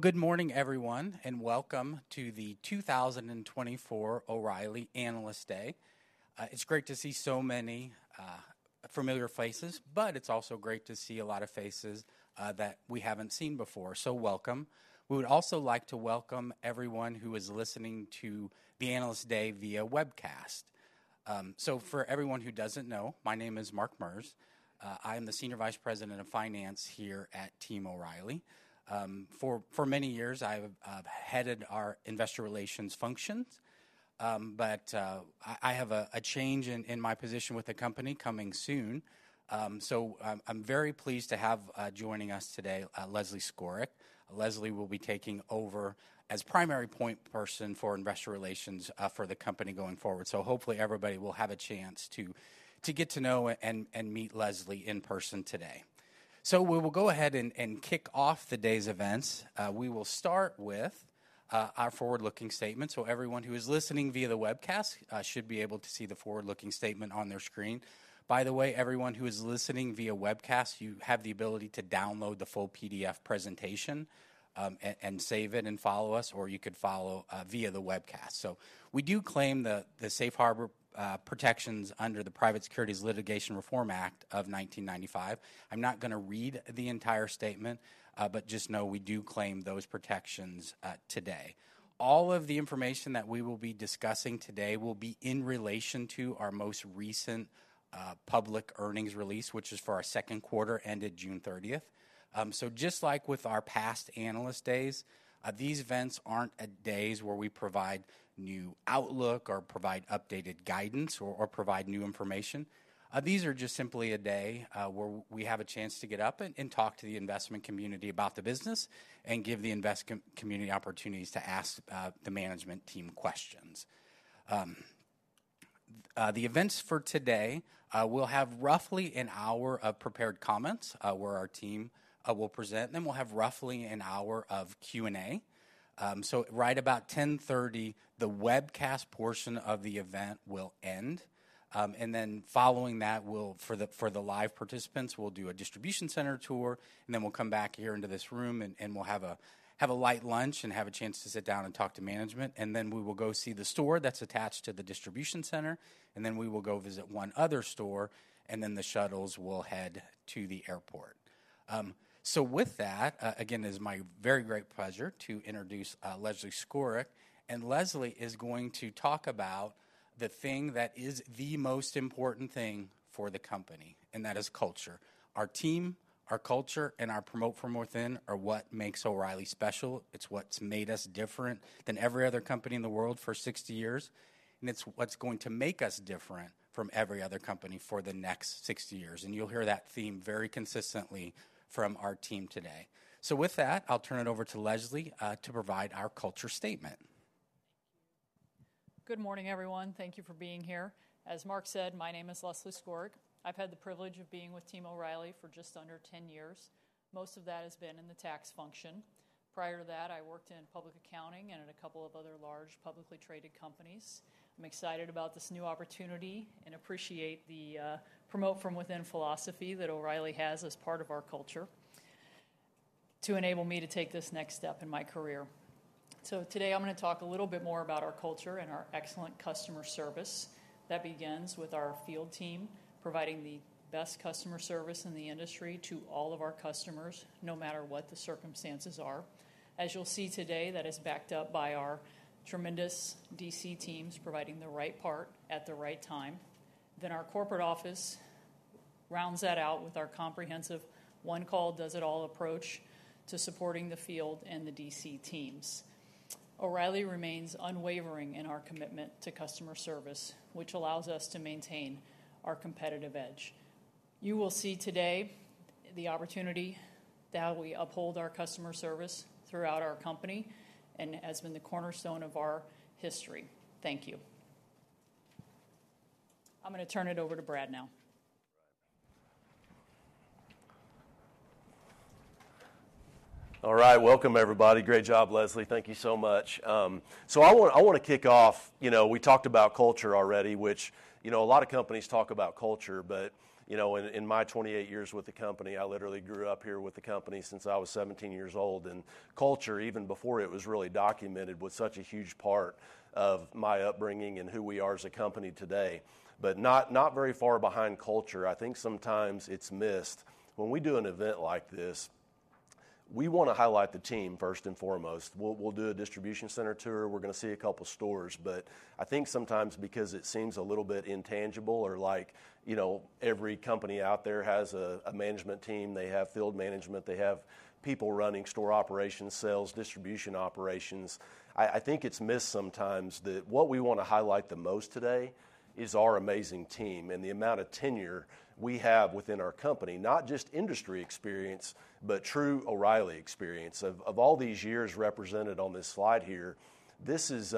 Good morning, everyone, and welcome to the two thousand and twenty-four O'Reilly Analyst Day. It's great to see so many familiar faces, but it's also great to see a lot of faces that we haven't seen before. So welcome. We would also like to welcome everyone who is listening to the Analyst Day via webcast. So for everyone who doesn't know, my name is Mark Merz. I am the Senior Vice President of Finance here at Team O'Reilly. For many years, I've headed our investor relations functions, but I have a change in my position with the company coming soon. So I'm very pleased to have joining us today Leslie Skorick. Leslie will be taking over as primary point person for investor relations for the company going forward. Hopefully everybody will have a chance to get to know and meet Leslie in person today. We will go ahead and kick off the day's events. We will start with our forward-looking statement. Everyone who is listening via the webcast should be able to see the forward-looking statement on their screen. By the way, everyone who is listening via webcast, you have the ability to download the full PDF presentation and save it and follow us, or you could follow via the webcast. We do claim the safe harbor protections under the Private Securities Litigation Reform Act of nineteen ninety-five. I'm not gonna read the entire statement, but just know we do claim those protections today. All of the information that we will be discussing today will be in relation to our most recent public earnings release, which is for our second quarter, ended June thirtieth. So just like with our past Analyst Days, these events aren't days where we provide new outlook or provide updated guidance or provide new information. These are just simply a day where we have a chance to get up and talk to the investment community about the business and give the investment community opportunities to ask the management team questions. The events for today, we'll have roughly an hour of prepared comments where our team will present, then we'll have roughly an hour of Q&A. So right about 10:30 A.M., the webcast portion of the event will end. Then following that, for the live participants, we'll do a distribution center tour, and then we'll come back here into this room and we'll have a light lunch and have a chance to sit down and talk to management. Then we will go see the store that's attached to the distribution center, and then we will go visit one other store, and then the shuttles will head to the airport. So with that, again, it's my very great pleasure to introduce Leslie Skorick, and Leslie is going to talk about the thing that is the most important thing for the company, and that is culture. Our team, our culture, and our promote from within are what makes O'Reilly special. It's what's made us different than every other company in the world for sixty years, and it's what's going to make us different from every other company for the next sixty years, and you'll hear that theme very consistently from our team today. So with that, I'll turn it over to Leslie to provide our culture statement. Thank you. Good morning, everyone. Thank you for being here. As Mark said, my name is Leslie Skorick. I've had the privilege of being with Team O'Reilly for just under 10 years. Most of that has been in the tax function. Prior to that, I worked in public accounting and at a couple of other large, publicly traded companies. I'm excited about this new opportunity and appreciate the promote from within philosophy that O'Reilly has as part of our culture to enable me to take this next step in my career. So today I'm gonna talk a little bit more about our culture and our excellent customer service. That begins with our field team, providing the best customer service in the industry to all of our customers, no matter what the circumstances are. As you'll see today, that is backed up by our tremendous DC teams, providing the right part at the right time. Then our corporate office rounds that out with our comprehensive one-call-does-it-all approach to supporting the field and the DC teams. O'Reilly remains unwavering in our commitment to customer service, which allows us to maintain our competitive edge. You will see today the opportunity that we uphold our customer service throughout our company and has been the cornerstone of our history. Thank you. I'm gonna turn it over to Brad now. All right. All right, welcome, everybody. Great job, Leslie. Thank you so much. So I want to kick off, you know, we talked about culture already, which, you know, a lot of companies talk about culture, but, you know, in my twenty-eight years with the company, I literally grew up here with the company since I was seventeen years old, and culture, even before it was really documented, was such a huge part of my upbringing and who we are as a company today. But not very far behind culture, I think sometimes it's missed. When we do an event like this, we wanna highlight the team first and foremost. We'll do a distribution center tour. We're gonna see a couple stores, but I think sometimes because it seems a little bit intangible or like, you know, every company out there has a management team, they have field management, they have people running store operations, sales, distribution operations, I think it's missed sometimes that what we want to highlight the most today is our amazing team and the amount of tenure we have within our company, not just industry experience, but true O'Reilly experience. Of all these years represented on this slide here, this is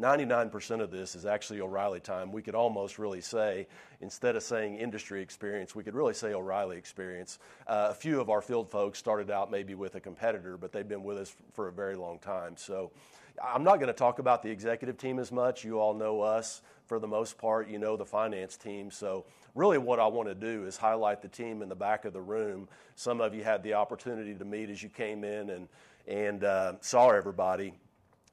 99% of this is actually O'Reilly time. We could almost really say, instead of saying industry experience, we could really say O'Reilly experience. A few of our field folks started out maybe with a competitor, but they've been with us for a very long time. So I'm not gonna talk about the executive team as much. You all know us. For the most part, you know the finance team. So really, what I want to do is highlight the team in the back of the room. Some of you had the opportunity to meet as you came in and saw everybody.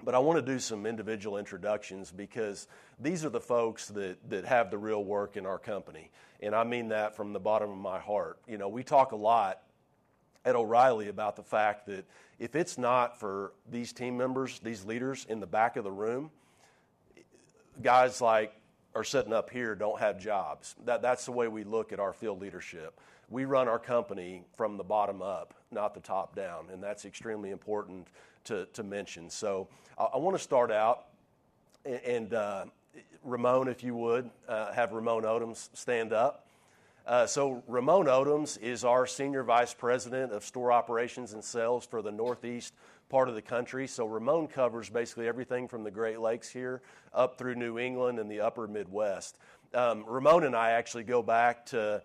But I wanna do some individual introductions because these are the folks that have the real work in our company, and I mean that from the bottom of my heart. You know, we talk a lot at O'Reilly about the fact that if it's not for these team members, these leaders in the back of the room, guys like us are sitting up here don't have jobs. That's the way we look at our field leadership. We run our company from the bottom up, not the top down, and that's extremely important to mention. So I wanna start out and Ramon, if you would, have Ramon Odums stand up. So Ramon Odums is our Senior Vice President of Store Operations and Sales for the Northeast part of the country. So Ramon covers basically everything from the Great Lakes here up through New England and the upper Midwest. Ramon and I actually go back to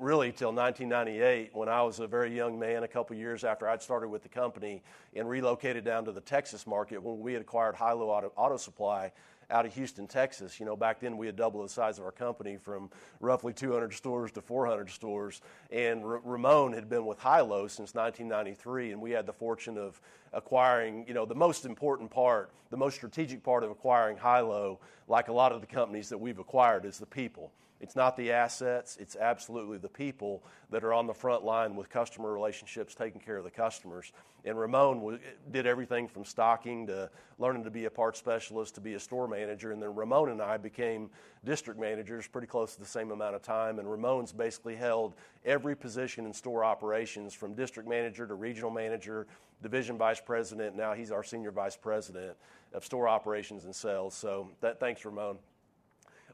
really till 1998, when I was a very young man, a couple of years after I'd started with the company, and relocated down to the Texas market when we acquired Hi-LO Auto, Auto Supply out of Houston, Texas. You know, back then, we had doubled the size of our company from roughly two hundred stores to four hundred stores, and Ramon had been with Hi-LO since 1993, and we had the fortune of acquiring, you know, the most important part, the most strategic part of acquiring Hi-LO, like a lot of the companies that we've acquired, is the people. It's not the assets, it's absolutely the people that are on the front line with customer relationships, taking care of the customers. And Ramon did everything from stocking to learning to be a parts specialist, to be a store manager, and then Ramon and I became district managers pretty close to the same amount of time, and Ramon's basically held every position in store operations, from district manager to regional manager, division vice president. Now he's our Senior Vice President of Store Operations and Sales. So thanks, Ramon.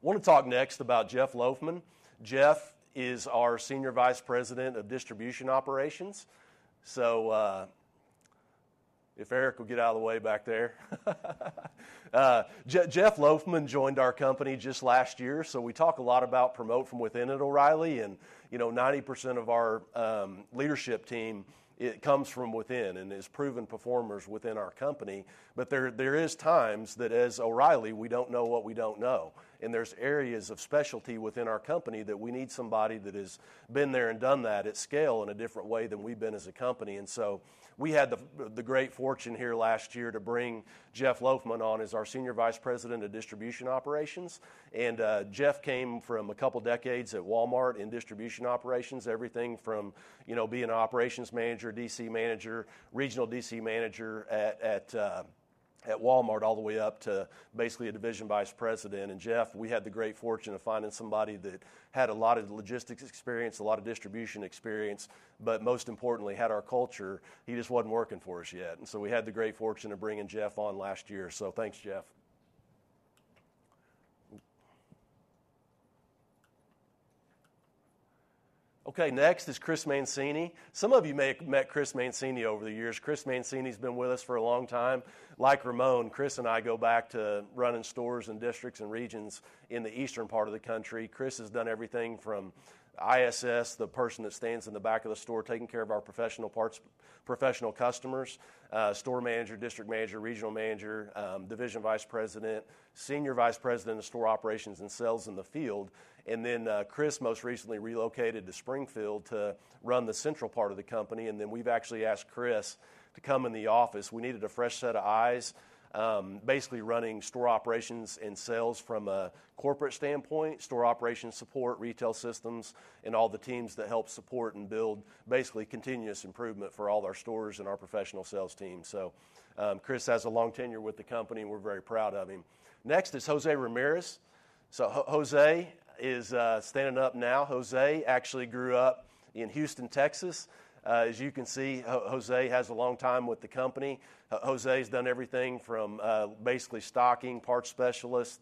I wanna talk next about Jeff Lofman. Jeff is our Senior Vice President of Distribution Operations. So, if Eric would get out of the way back there. Jeff Lofman joined our company just last year, so we talk a lot about promote from within at O'Reilly, and, you know, 90% of our leadership team, it comes from within and is proven performers within our company. But there is times that as O'Reilly, we don't know what we don't know, and there's areas of specialty within our company that we need somebody that has been there and done that at scale in a different way than we've been as a company. And so we had the great fortune here last year to bring Jeff Lofman on as our Senior Vice President of Distribution Operations. And, Jeff came from a couple of decades at Walmart in distribution operations, everything from, you know, being an operations manager, DC manager, regional DC manager at Walmart, all the way up to basically a division vice president. And Jeff, we had the great fortune of finding somebody that had a lot of logistics experience, a lot of distribution experience, but most importantly, had our culture. He just wasn't working for us yet. And so we had the great fortune of bringing Jeff on last year. So thanks, Jeff. Okay, next is Chris Mancini. Some of you may have met Chris Mancini over the years. Chris Mancini's been with us for a long time. Like Ramon, Chris and I go back to running stores and districts and regions in the eastern part of the country. Chris has done everything from ISS, the person that stands in the back of the store, taking care of our professional customers, store manager, district manager, regional manager, Division Vice President, Senior Vice President of store operations and sales in the field. And then, Chris most recently relocated to Springfield to run the central part of the company, and then we've actually asked Chris to come in the office. We needed a fresh set of eyes, basically running store operations and sales from a corporate standpoint, store operations support, retail systems, and all the teams that help support and build basically continuous improvement for all our stores and our professional sales team. Chris has a long tenure with the company, and we're very proud of him. Next is Jose Ramirez. Jose is standing up now. Jose actually grew up in Houston, Texas. As you can see, Jose has a long time with the company. Jose has done everything from basically stocking, parts specialist,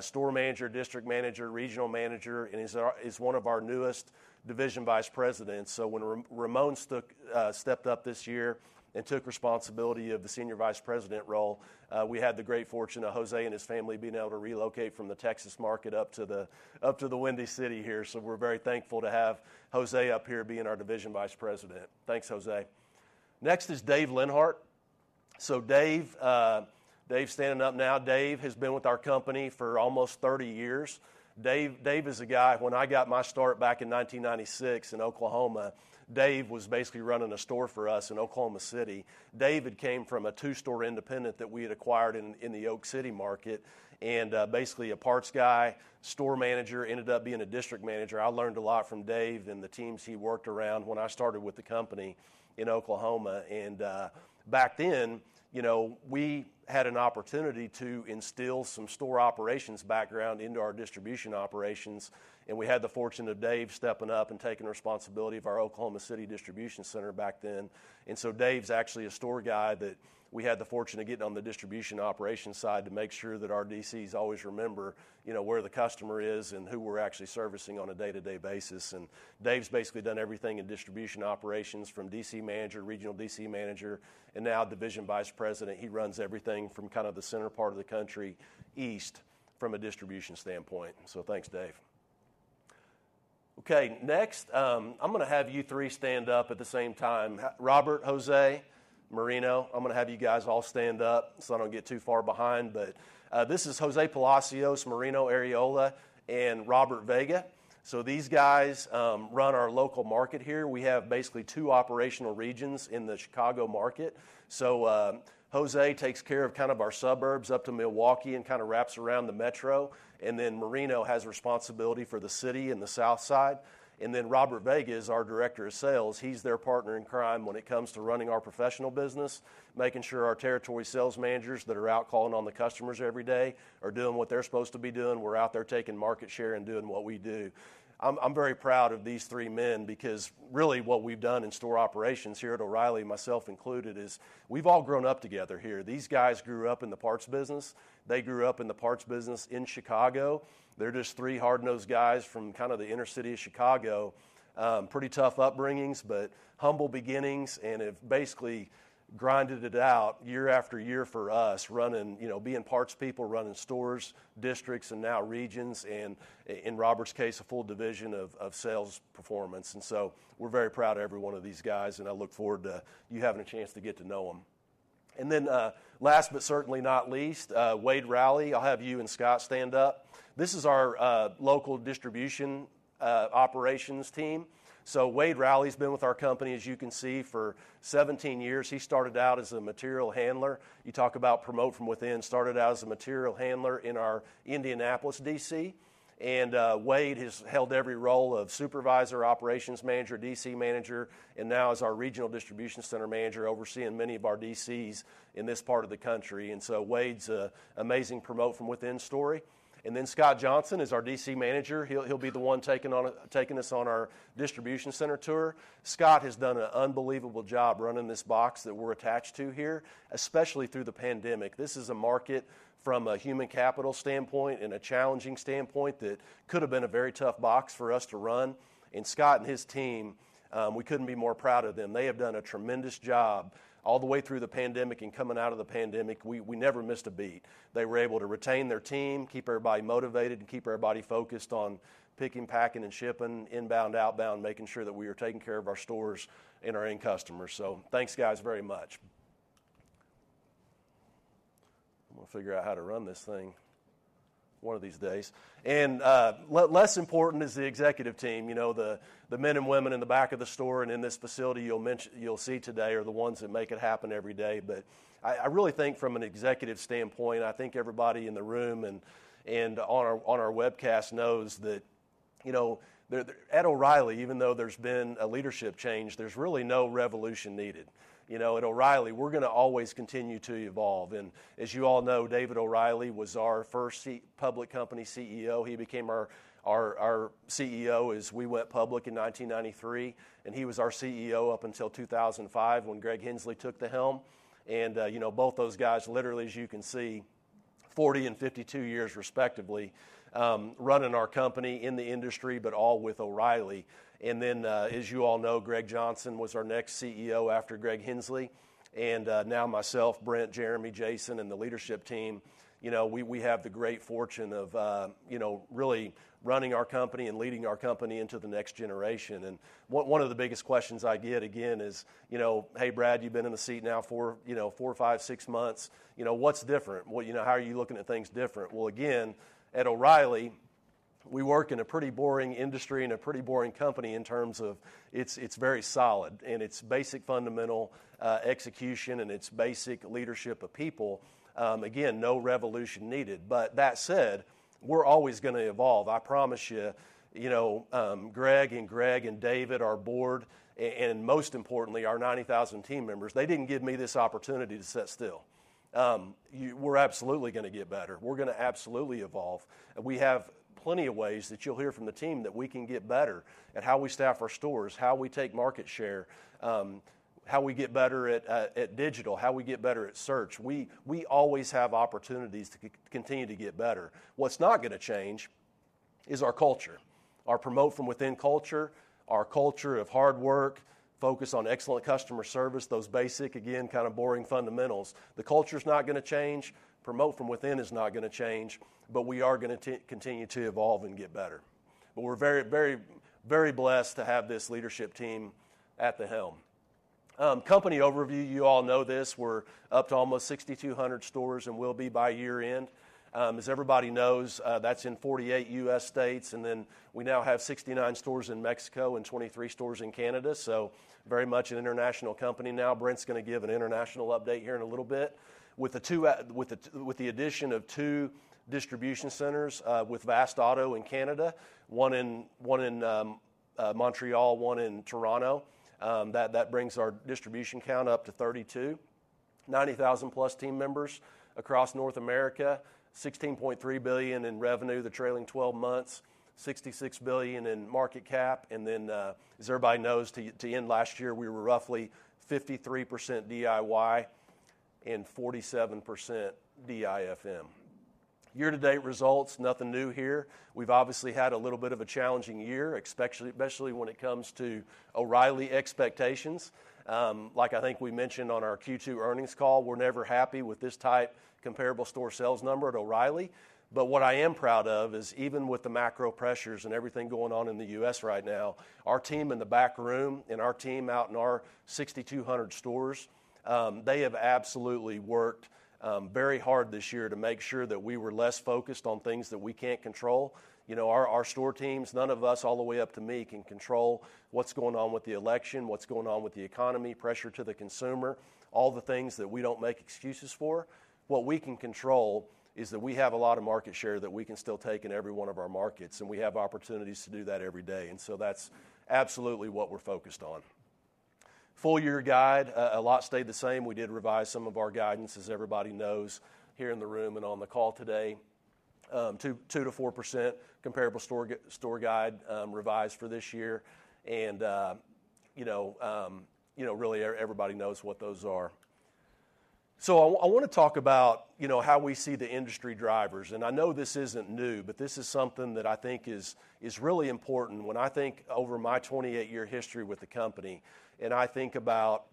store manager, district manager, regional manager, and is one of our newest division vice presidents. So when Ramon stepped up this year and took responsibility of the senior vice president role, we had the great fortune of Jose and his family being able to relocate from the Texas market up to the Windy City here. So we're very thankful to have Jose up here being our division vice president. Thanks, Jose. Next is Dave Linhardt. So Dave, Dave's standing up now. Dave has been with our company for almost thirty years. Dave, Dave is a guy, when I got my start back in 1996 in Oklahoma, Dave was basically running a store for us in Oklahoma City. Dave had came from a two-store independent that we had acquired in the Oklahoma City market, and basically a parts guy, store manager, ended up being a district manager. I learned a lot from Dave and the teams he worked around when I started with the company in Oklahoma. And back then, you know, we had an opportunity to instill some store operations background into our distribution operations, and we had the fortune of Dave stepping up and taking responsibility of our Oklahoma City distribution center back then. And so Dave's actually a store guy that we had the fortune of getting on the distribution operations side to make sure that our DCs always remember, you know, where the customer is and who we're actually servicing on a day-to-day basis. And Dave's basically done everything in distribution operations from DC manager, regional DC manager, and now division vice president. He runs everything from kind of the center part of the country, east, from a distribution standpoint. So thanks, Dave. Okay, next, I'm gonna have you three stand up at the same time. Robert, Jose, Marino, I'm gonna have you guys all stand up, so I don't get too far behind. But this is Jose Palacios, Marino Arreola, and Robert Vega. So these guys run our local market here. We have basically two operational regions in the Chicago market. So, Jose takes care of kind of our suburbs up to Milwaukee and kinda wraps around the metro, and then Marino has responsibility for the city and the South Side, and then Robert Vega is our director of sales. He's their partner in crime when it comes to running our professional business, making sure our territory sales managers that are out calling on the customers every day are doing what they're supposed to be doing. We're out there taking market share and doing what we do. I'm very proud of these three men because really what we've done in store operations here at O'Reilly, myself included, is we've all grown up together here. These guys grew up in the parts business. They grew up in the parts business in Chicago. They're just three hard-nosed guys from kinda the inner city of Chicago. Pretty tough upbringings, but humble beginnings, and have basically grinded it out year after year for us, running, you know, being parts people, running stores, districts, and now regions, and in Robert's case, a full division of sales performance. We're very proud of every one of these guys, and I look forward to you having a chance to get to know them. Last but certainly not least, Wade Rowley, I'll have you and Scott stand up. This is our local distribution operations team. Wade Rowley's been with our company, as you can see, for 17 years. He started out as a material handler. You talk about promote from within, started out as a material handler in our Indianapolis DC, and Wade has held every role of supervisor, operations manager, DC manager, and now is our regional distribution center manager, overseeing many of our DCs in this part of the country. And so Wade's an amazing promote from within story. And then Scott Johnson is our DC manager. He'll be the one taking us on our distribution center tour. Scott has done an unbelievable job running this box that we're attached to here, especially through the pandemic. This is a market from a human capital standpoint and a challenging standpoint that could have been a very tough box for us to run. And Scott and his team, we couldn't be more proud of them. They have done a tremendous job all the way through the pandemic and coming out of the pandemic. We never missed a beat. They were able to retain their team, keep everybody motivated, and keep everybody focused on picking, packing, and shipping, inbound, outbound, making sure that we are taking care of our stores and our end customers. So thanks, guys, very much. I'm gonna figure out how to run this thing one of these days. And less important is the executive team. You know, the men and women in the back of the store and in this facility you'll see today are the ones that make it happen every day. But I really think from an executive standpoint, I think everybody in the room and on our webcast knows that, you know, there... At O'Reilly, even though there's been a leadership change, there's really no revolution needed. You know, at O'Reilly, we're gonna always continue to evolve. As you all know, David O'Reilly was our first CEO public company CEO. He became our CEO as we went public in nineteen ninety-three, and he was our CEO up until two thousand and five, when Greg Henslee took the helm. You know, both those guys, literally, as you can see, forty and fifty-two years respectively, running our company in the industry, but all with O'Reilly. As you all know, Greg Johnson was our next CEO after Greg Henslee, and now myself, Brent, Jeremy, Jason, and the leadership team, you know, we have the great fortune of you know, really running our company and leading our company into the next generation. One of the biggest questions I get, again, is, you know, "Hey, Brad, you've been in the seat now for, you know, four, five, six months. You know, what's different? Well, you know, how are you looking at things different?" Again, at O'Reilly, we work in a pretty boring industry and a pretty boring company in terms of it's very solid, and it's basic, fundamental execution, and it's basic leadership of people. Again, no revolution needed. But that said, we're always gonna evolve. I promise you, you know, Greg and Greg and David, our board, and most importantly, our 90,000 team members, they didn't give me this opportunity to sit still. We're absolutely gonna get better. We're gonna absolutely evolve. We have plenty of ways that you'll hear from the team that we can get better at how we staff our stores, how we take market share, how we get better at, at digital, how we get better at search. We always have opportunities to continue to get better. What's not gonna change is our culture, our promote from within culture, our culture of hard work, focus on excellent customer service, those basic, again, kind of boring fundamentals. The culture's not gonna change, promote from within is not gonna change, but we are gonna continue to evolve and get better. But we're very, very, very blessed to have this leadership team at the helm. Company overview, you all know this. We're up to almost 6,200 stores and will be by year-end. As everybody knows, that's in 48 U.S. states, and then we now have 69 stores in Mexico and 23 stores in Canada, so very much an international company now. Brent's gonna give an international update here in a little bit. With the addition of two distribution centers with Vast-Auto in Canada, one in Montreal, one in Toronto, that brings our distribution count up to 32. 90,000-plus team members across North America, $16.3 billion in revenue, the trailing twelve months, $66 billion in market cap, and then, as everybody knows, to end last year, we were roughly 53% DIY and 47% DIFM. Year-to-date results, nothing new here. We've obviously had a little bit of a challenging year, especially when it comes to O'Reilly expectations. Like I think we mentioned on our Q2 earnings call, we're never happy with this tight comparable store sales number at O'Reilly. But what I am proud of is even with the macro pressures and everything going on in the U.S. right now, our team in the back room and our team out in our 6,200 stores, they have absolutely worked very hard this year to make sure that we were less focused on things that we can't control. You know, our store teams, none of us, all the way up to me, can control what's going on with the election, what's going on with the economy, pressure to the consumer, all the things that we don't make excuses for. What we can control is that we have a lot of market share that we can still take in every one of our markets, and we have opportunities to do that every day. And so that's absolutely what we're focused on. Full-year guide, a lot stayed the same. We did revise some of our guidance, as everybody knows, here in the room and on the call today. Two to 4% comparable store guide, revised for this year. And, you know, you know, really, everybody knows what those are. So I wanna talk about, you know, how we see the industry drivers, and I know this isn't new, but this is something that I think is, is really important. When I think over my twenty-eight-year history with the company, and I think about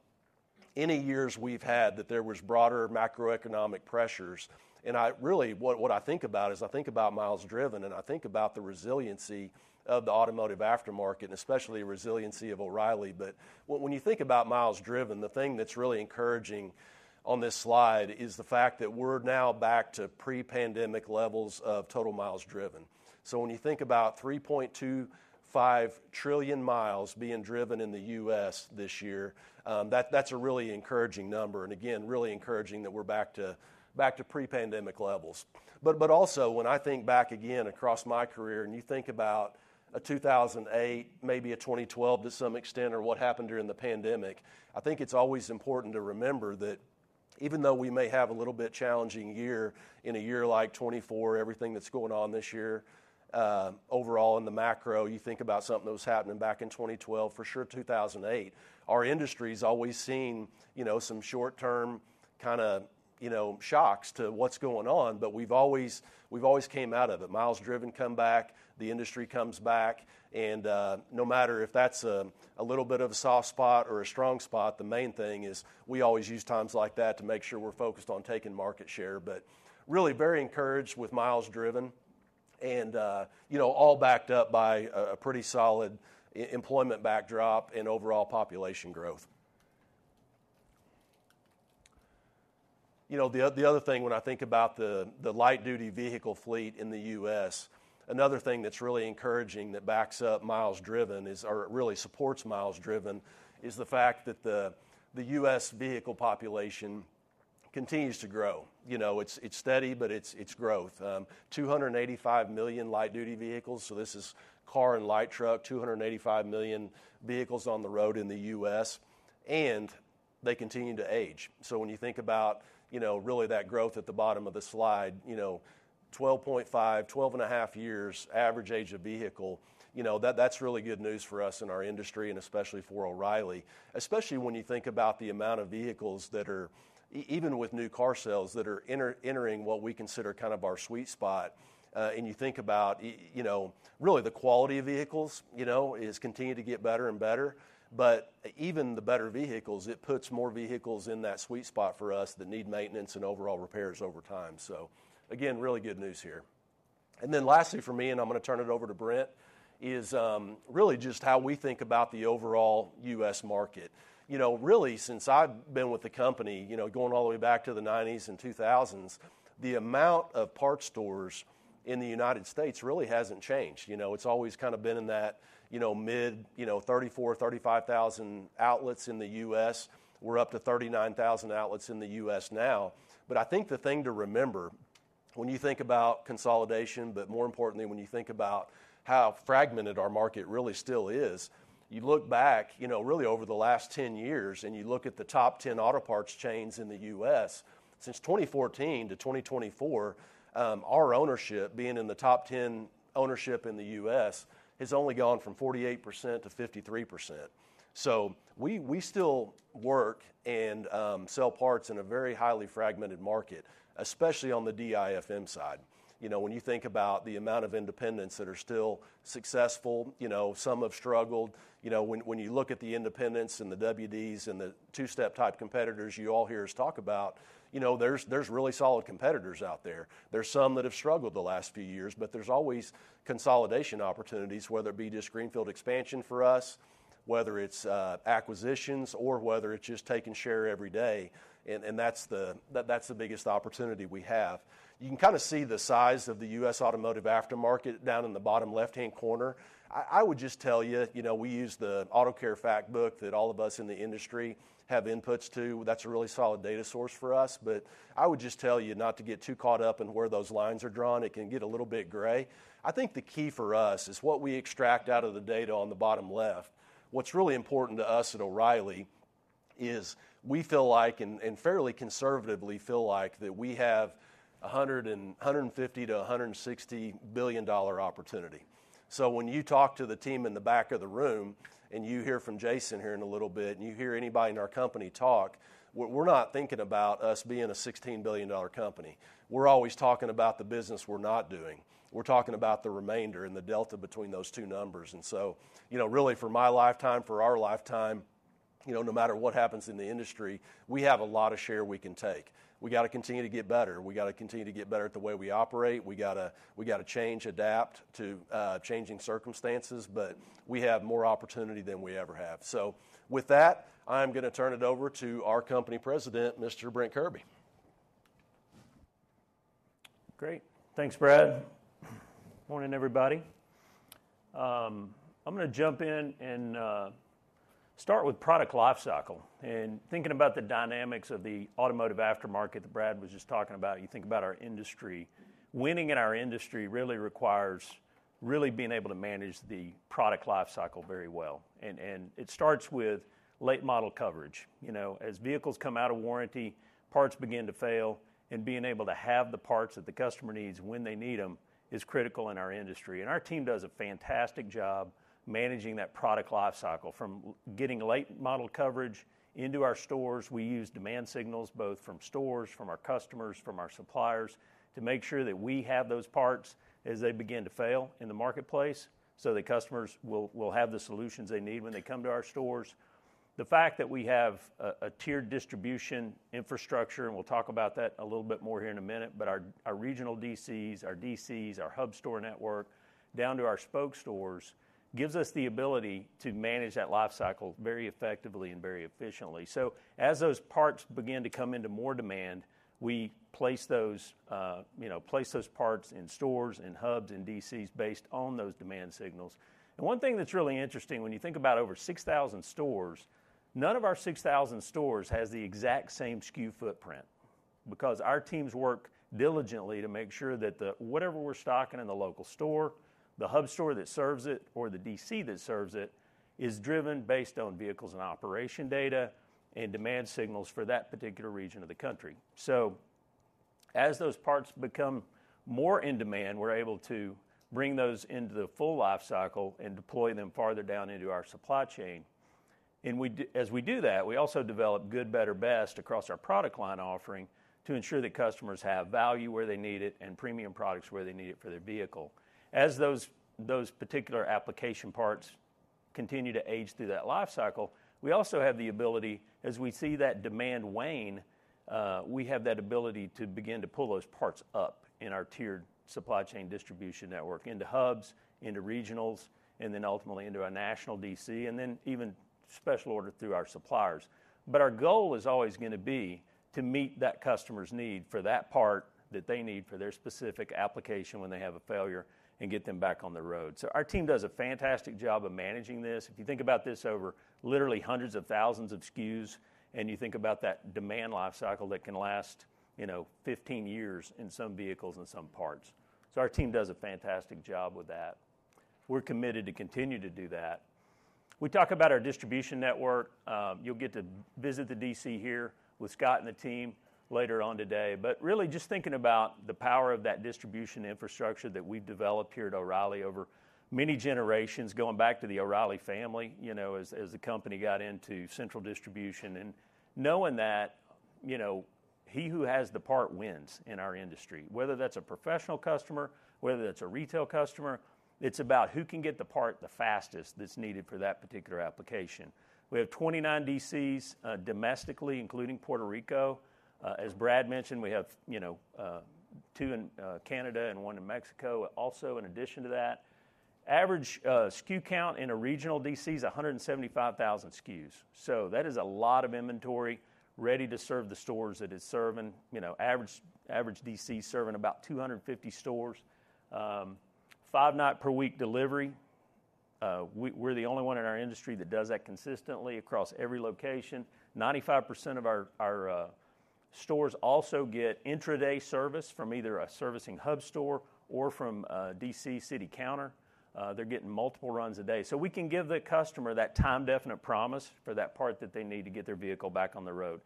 any years we've had that there was broader macroeconomic pressures, and I really, what I think about is I think about miles driven, and I think about the resiliency of the automotive aftermarket, and especially resiliency of O'Reilly. But when you think about miles driven, the thing that's really encouraging on this slide is the fact that we're now back to pre-pandemic levels of total miles driven. So when you think about three point two five trillion miles being driven in the U.S. this year, that's a really encouraging number, and again, really encouraging that we're back to pre-pandemic levels. But also, when I think back again across my career, and you think about two thousand and eight, maybe twenty twelve to some extent, or what happened during the pandemic, I think it's always important to remember that even though we may have a little bit challenging year, in a year like twenty-four, everything that's going on this year, overall in the macro, you think about something that was happening back in twenty twelve, for sure two thousand and eight, our industry's always seen, you know, some short-term kinda, you know, shocks to what's going on, but we've always came out of it. Miles driven come back, the industry comes back, and, no matter if that's, a little bit of a soft spot or a strong spot, the main thing is we always use times like that to make sure we're focused on taking market share. But really very encouraged with miles driven and, you know, all backed up by a, a pretty solid employment backdrop and overall population growth. You know, the other thing when I think about the light-duty vehicle fleet in the U.S., another thing that's really encouraging that backs up miles driven is, or it really supports miles driven, is the fact that the U.S. vehicle population continues to grow. You know, it's steady, but it's growth. 285 million light-duty vehicles, so this is car and light truck, 285 million vehicles on the road in the US, and they continue to age. So when you think about, you know, really that growth at the bottom of the slide, you know, 12.5, 12.5 years average age of vehicle, you know, that's really good news for us and our industry and especially for O'Reilly. Especially when you think about the amount of vehicles that are even with new car sales, that are entering what we consider kind of our sweet spot, and you think about you know, really, the quality of vehicles, you know, is continuing to get better and better. Even the better vehicles, it puts more vehicles in that sweet spot for us that need maintenance and overall repairs over time. Again, really good news here. Lastly for me, and I'm gonna turn it over to Brent, is really just how we think about the overall U.S. market. You know, really, since I've been with the company, you know, going all the way back to the 1990s and 2000s, the amount of parts stores in the United States really hasn't changed. You know, it's always kinda been in that, you know, mid, you know, 34, 35 thousand outlets in the U.S. We're up to 39 thousand outlets in the U.S. now. But I think the thing to remember when you think about consolidation, but more importantly, when you think about how fragmented our market really still is, you look back, you know, really over the last ten years, and you look at the top ten auto parts chains in the U.S., since 2014 to 2024, our ownership, being in the top ten ownership in the U.S., has only gone from 48% to 53%. So we still work and sell parts in a very highly fragmented market, especially on the DIFM side. You know, when you think about the amount of independents that are still successful, you know, some have struggled. You know, when you look at the independents and the WDs and the two-step type competitors you all hear us talk about, you know, there's really solid competitors out there. There's some that have struggled the last few years, but there's always consolidation opportunities, whether it be just greenfield expansion for us, whether it's acquisitions, or whether it's just taking share every day, and that's the biggest opportunity we have. You can kinda see the size of the U.S. automotive aftermarket down in the bottom left-hand corner. I would just tell you, you know, we use the Auto Care Fact Book that all of us in the industry have inputs to. That's a really solid data source for us, but I would just tell you not to get too caught up in where those lines are drawn. It can get a little bit gray. I think the key for us is what we extract out of the data on the bottom left. What's really important to us at O'Reilly is we feel like, and, and fairly conservatively feel like, that we have a $150-$160 billion opportunity. So when you talk to the team in the back of the room, and you hear from Jason here in a little bit, and you hear anybody in our company talk, we're, we're not thinking about us being a $16 billion company. We're always talking about the business we're not doing. We're talking about the remainder and the delta between those two numbers. And so, you know, really, for my lifetime, for our lifetime, you know, no matter what happens in the industry, we have a lot of share we can take. We gotta continue to get better. We gotta continue to get better at the way we operate. We gotta change, adapt to, changing circumstances, but we have more opportunity than we ever have. So with that, I'm gonna turn it over to our Company President, Mr. Brent Kirby. Great. Thanks, Brad. Morning, everybody. I'm gonna jump in and start with product lifecycle and thinking about the dynamics of the automotive aftermarket that Brad was just talking about, you think about our industry. Winning in our industry really requires really being able to manage the product lifecycle very well, and it starts with late model coverage. You know, as vehicles come out of warranty, parts begin to fail, and being able to have the parts that the customer needs when they need them is critical in our industry. Our team does a fantastic job managing that product lifecycle. From getting late model coverage into our stores, we use demand signals, both from stores, from our customers, from our suppliers, to make sure that we have those parts as they begin to fail in the marketplace, so the customers will have the solutions they need when they come to our stores. The fact that we have a tiered distribution infrastructure, and we'll talk about that a little bit more here in a minute, but our regional DCs, our DCs, our hub store network, down to our spoke stores, gives us the ability to manage that lifecycle very effectively and very efficiently. So as those parts begin to come into more demand, we place those parts in stores, in hubs, in DCs, based on those demand signals. One thing that's really interesting, when you think about over 6,000 stores, none of our 6,000 stores has the exact same SKU footprint because our teams work diligently to make sure that the... whatever we're stocking in the local store, the hub store that serves it or the DC that serves it, is driven based on vehicles and operation data and demand signals for that particular region of the country. So as those parts become more in demand, we're able to bring those into the full lifecycle and deploy them farther down into our supply chain. And as we do that, we also develop good, better, best across our product line offering to ensure that customers have value where they need it and premium products where they need it for their vehicle. As those particular application parts continue to age through that lifecycle, we also have the ability, as we see that demand wane, we have that ability to begin to pull those parts up in our tiered supply chain distribution network, into hubs, into regionals, and then ultimately into a national DC, and then even special order through our suppliers. But our goal is always gonna be to meet that customer's need for that part that they need for their specific application when they have a failure and get them back on the road. So our team does a fantastic job of managing this. If you think about this over literally hundreds of thousands of SKUs, and you think about that demand lifecycle that can last, you know, fifteen years in some vehicles and some parts. So our team does a fantastic job with that. We're committed to continue to do that. We talk about our distribution network. You'll get to visit the DC here with Scott and the team later on today, but really just thinking about the power of that distribution infrastructure that we've developed here at O'Reilly over many generations, going back to the O'Reilly family, you know, as the company got into central distribution and knowing that, you know, he who has the part wins in our industry. Whether that's a professional customer, whether that's a retail customer, it's about who can get the part the fastest that's needed for that particular application. We have 29 DCs domestically, including Puerto Rico. As Brad mentioned, we have, you know, two in Canada and one in Mexico also in addition to that. Average SKU count in a regional DC is 175,000 SKUs, so that is a lot of inventory ready to serve the stores that it's serving. You know, average DC is serving about 250 stores. Five-night-per-week delivery, we're the only one in our industry that does that consistently across every location. 95% of our stores also get intra-day service from either a servicing hub store or from a DC city counter. They're getting multiple runs a day. So we can give the customer that time-definite promise for that part that they need to get their vehicle back on the road.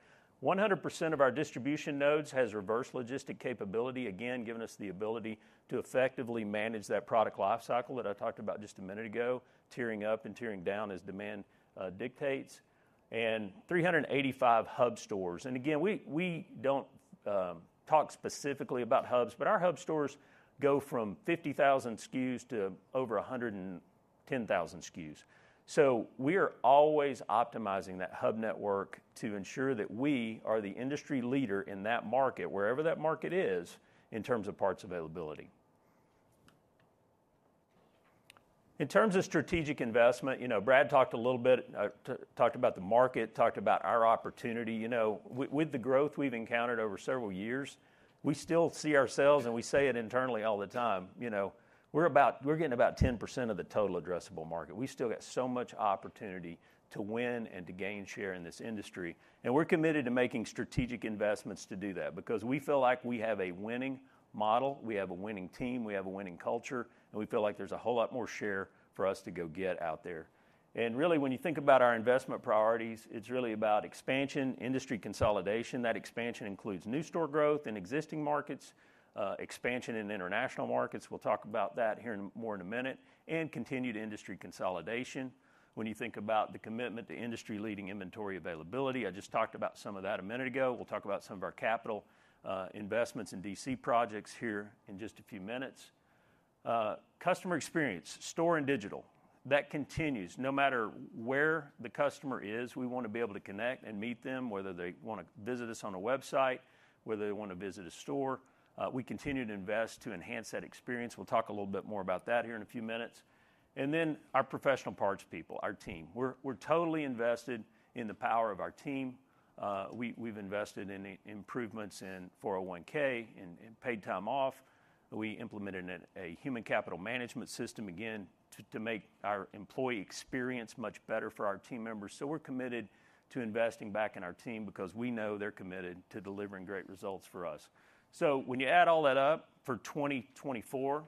100% of our distribution nodes has reverse logistics capability, again, giving us the ability to effectively manage that product lifecycle that I talked about just a minute ago, tiering up and tiering down as demand dictates. And 385 hub stores, and again, we, we don't talk specifically about hubs, but our hub stores go from 50,000 SKUs to over 110,000 SKUs. So we are always optimizing that hub network to ensure that we are the industry leader in that market, wherever that market is, in terms of parts availability. In terms of strategic investment, you know, Brad talked a little bit, talked about the market, talked about our opportunity. You know, with the growth we've encountered over several years, we still see ourselves, and we say it internally all the time, you know, we're getting about 10% of the total addressable market. We've still got so much opportunity to win and to gain share in this industry, and we're committed to making strategic investments to do that because we feel like we have a winning model, we have a winning team, we have a winning culture, and we feel like there's a whole lot more share for us to go get out there. Really, when you think about our investment priorities, it's really about expansion, industry consolidation. That expansion includes new store growth in existing markets, expansion in international markets, we'll talk about that here in more in a minute, and continued industry consolidation. When you think about the commitment to industry-leading inventory availability, I just talked about some of that a minute ago. We'll talk about some of our capital investments in DC projects here in just a few minutes. Customer experience, store and digital. That continues. No matter where the customer is, we wanna be able to connect and meet them, whether they wanna visit us on a website, whether they wanna visit a store. We continue to invest to enhance that experience. We'll talk a little bit more about that here in a few minutes. And then our Professional Parts People, our team. We're totally invested in the power of our team. We've invested in improvements in 401(k) and paid time off. We implemented a human capital management system, again, to make our employee experience much better for our team members. So we're committed to investing back in our team because we know they're committed to delivering great results for us. So when you add all that up, for 2024,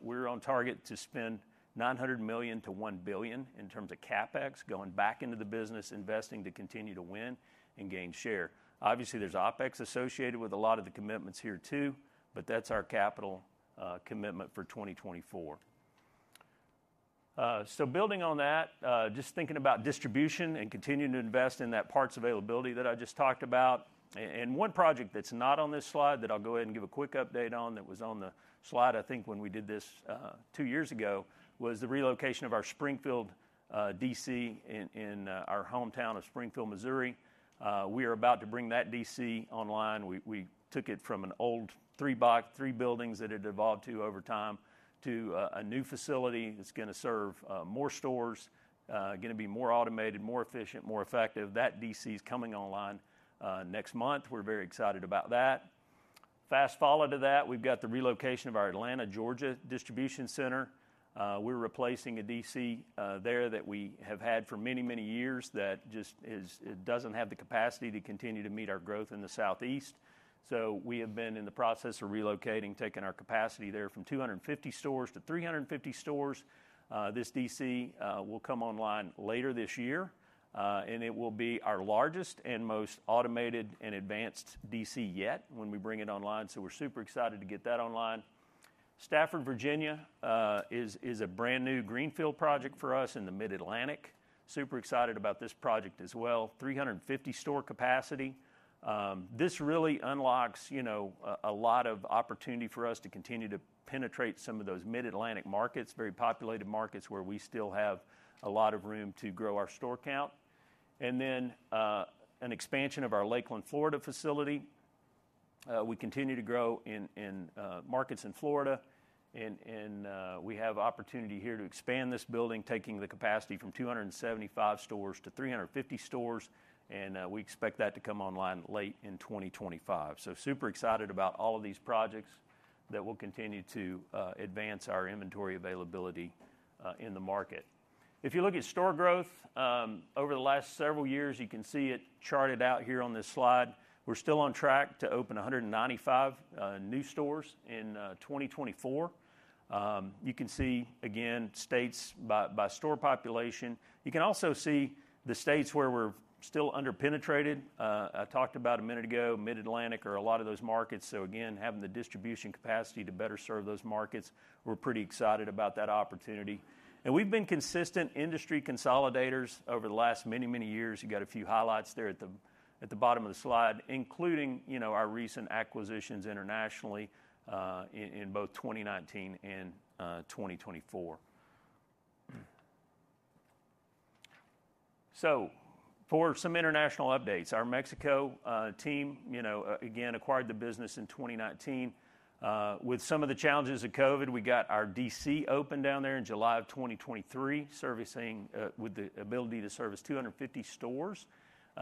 we're on target to spend $900 million-$1 billion in terms of CapEx, going back into the business, investing to continue to win and gain share. Obviously, there's OpEx associated with a lot of the commitments here too, but that's our capital commitment for 2024. So building on that, just thinking about distribution and continuing to invest in that parts availability that I just talked about. And one project that's not on this slide that I'll go ahead and give a quick update on, that was on the slide, I think, when we did this, two years ago, was the relocation of our Springfield, DC in our hometown of Springfield, Missouri. We are about to bring that DC online. We took it from an old three buildings that it evolved to over time, to a new facility that's gonna serve more stores, gonna be more automated, more efficient, more effective. That DC's coming online next month. We're very excited about that. Fast follow to that, we've got the relocation of our Atlanta, Georgia, distribution center. We're replacing a DC there that we have had for many, many years that just doesn't have the capacity to continue to meet our growth in the Southeast. So we have been in the process of relocating, taking our capacity there from 250 stores to 350 stores. This DC will come online later this year, and it will be our largest and most automated and advanced DC yet when we bring it online, so we're super excited to get that online. Stafford, Virginia, is a brand-new greenfield project for us in the Mid-Atlantic. Super excited about this project as well, 350 store capacity. This really unlocks, you know, a lot of opportunity for us to continue to penetrate some of those Mid-Atlantic markets, very populated markets where we still have a lot of room to grow our store count. And then, an expansion of our Lakeland, Florida, facility. We continue to grow in markets in Florida, and we have opportunity here to expand this building, taking the capacity from 275 stores to 350 stores, and we expect that to come online late in 2025. We are super excited about all of these projects that will continue to advance our inventory availability in the market. If you look at store growth over the last several years, you can see it charted out here on this slide. We're still on track to open 195 new stores in 2024. You can see, again, states by store population. You can also see the states where we're still under-penetrated. I talked about a minute ago, Mid-Atlantic are a lot of those markets, so again, having the distribution capacity to better serve those markets, we're pretty excited about that opportunity. We've been consistent industry consolidators over the last many, many years. You've got a few highlights there at the bottom of the slide, including, you know, our recent acquisitions internationally in both 2019 and 2024. So for some international updates, our Mexico team, you know, again, acquired the business in 2019. With some of the challenges of COVID, we got our DC open down there in July of 2023, servicing, with the ability to service 250 stores,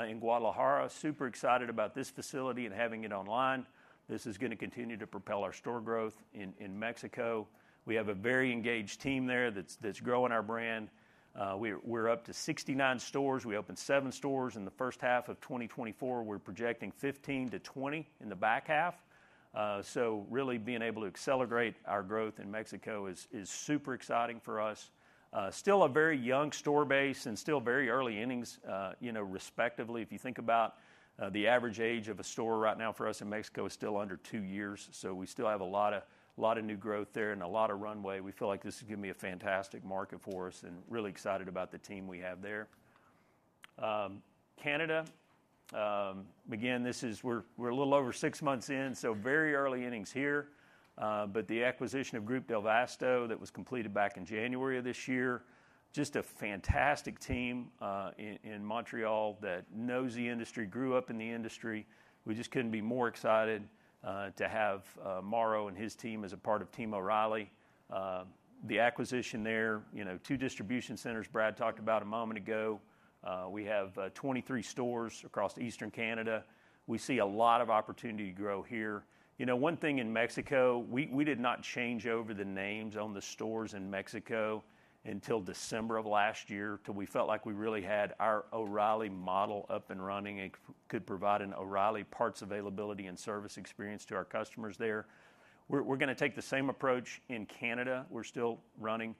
in Guadalajara. Super excited about this facility and having it online. This is gonna continue to propel our store growth in Mexico. We have a very engaged team there that's growing our brand. We're up to 69 stores. We opened seven stores in the first half of 2024. We're projecting 15-20 in the back half. So really being able to accelerate our growth in Mexico is super exciting for us. Still a very young store base and still very early innings, you know, respectively. If you think about the average age of a store right now for us in Mexico is still under two years, so we still have a lot of new growth there and a lot of runway. We feel like this is gonna be a fantastic market for us, and really excited about the team we have there. Canada, again, we're a little over six months in, so very early innings here. But the acquisition of Groupe Del vasto that was completed back in January of this year, just a fantastic team in Montreal that knows the industry, grew up in the industry. We just couldn't be more excited to have Mauro and his team as a part of Team O'Reilly. The acquisition there, you know, two distribution centers Brad talked about a moment ago. We have 23 stores across eastern Canada. We see a lot of opportunity to grow here. You know, one thing in Mexico, we did not change over the names on the stores in Mexico until December of last year, till we felt like we really had our O'Reilly model up and running and could provide an O'Reilly parts availability and service experience to our customers there. We're gonna take the same approach in Canada. We're still running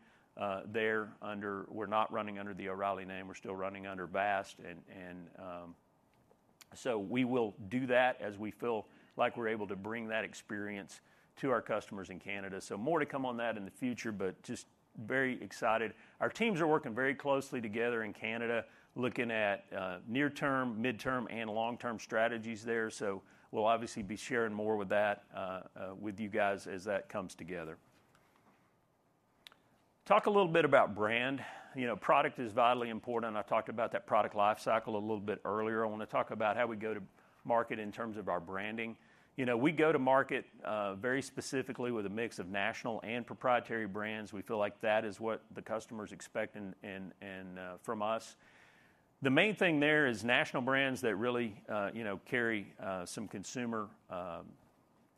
there. We're not running under the O'Reilly name. We're still running under Vast-Auto, and so we will do that as we feel like we're able to bring that experience to our customers in Canada. So more to come on that in the future, but just very excited. Our teams are working very closely together in Canada, looking at near-term, mid-term, and long-term strategies there. So we'll obviously be sharing more with that with you guys as that comes together.... Talk a little bit about brand. You know, product is vitally important. I talked about that product life cycle a little bit earlier. I wanna talk about how we go to market in terms of our branding. You know, we go to market very specifically with a mix of national and proprietary brands. We feel like that is what the customers expect and from us. The main thing there is national brands that really you know carry some consumer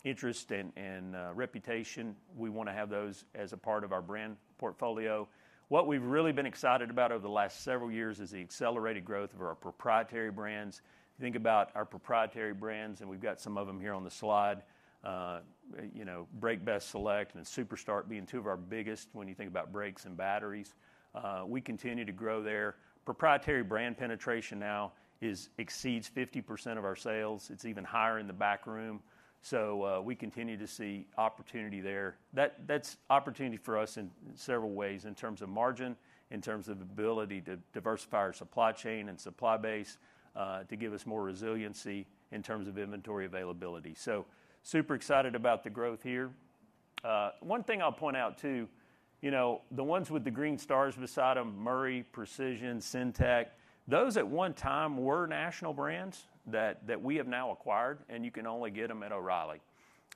interest and reputation. We wanna have those as a part of our brand portfolio. What we've really been excited about over the last several years is the accelerated growth of our proprietary brands. You think about our proprietary brands, and we've got some of them here on the slide. You know, BrakeBest Select and SuperStart being two of our biggest when you think about brakes and batteries. We continue to grow there. Proprietary brand penetration now is exceeds 50% of our sales. It's even higher in the backroom, so we continue to see opportunity there. That's opportunity for us in several ways, in terms of margin, in terms of ability to diversify our supply chain and supply base, to give us more resiliency in terms of inventory availability. So super excited about the growth here. One thing I'll point out, too, you know, the ones with the green stars beside them, Murray, Precision, Syntec, those at one time were national brands that we have now acquired, and you can only get them at O'Reilly.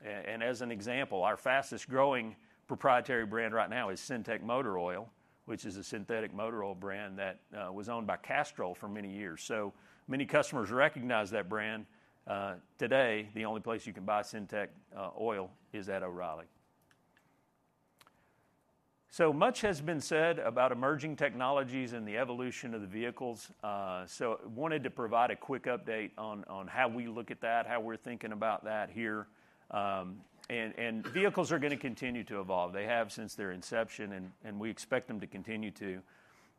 And as an example, our fastest-growing proprietary brand right now is Syntec Motor Oil, which is a synthetic motor oil brand that was owned by Castrol for many years. So many customers recognize that brand. Today, the only place you can buy Syntec oil is at O'Reilly. So much has been said about emerging technologies and the evolution of the vehicles. So wanted to provide a quick update on how we look at that, how we're thinking about that here. And vehicles are gonna continue to evolve. They have since their inception, and we expect them to continue to.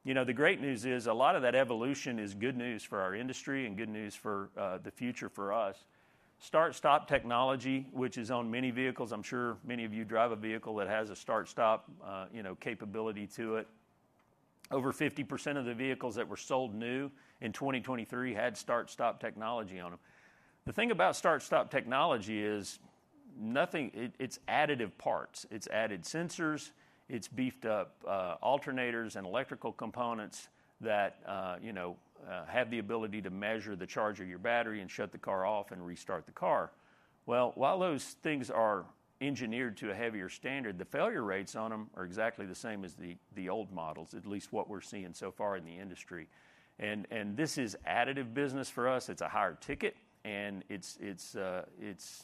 You know, the great news is a lot of that evolution is good news for our industry and good news for the future for us. Start-stop technology, which is on many vehicles, I'm sure many of you drive a vehicle that has a start-stop, you know, capability to it. Over 50% of the vehicles that were sold new in 2023 had start-stop technology on them. The thing about start-stop technology is it's additive parts. It's added sensors, it's beefed up alternators and electrical components that you know have the ability to measure the charge of your battery and shut the car off and restart the car. While those things are engineered to a heavier standard, the failure rates on them are exactly the same as the old models, at least what we're seeing so far in the industry. This is additive business for us. It's a higher ticket, and it's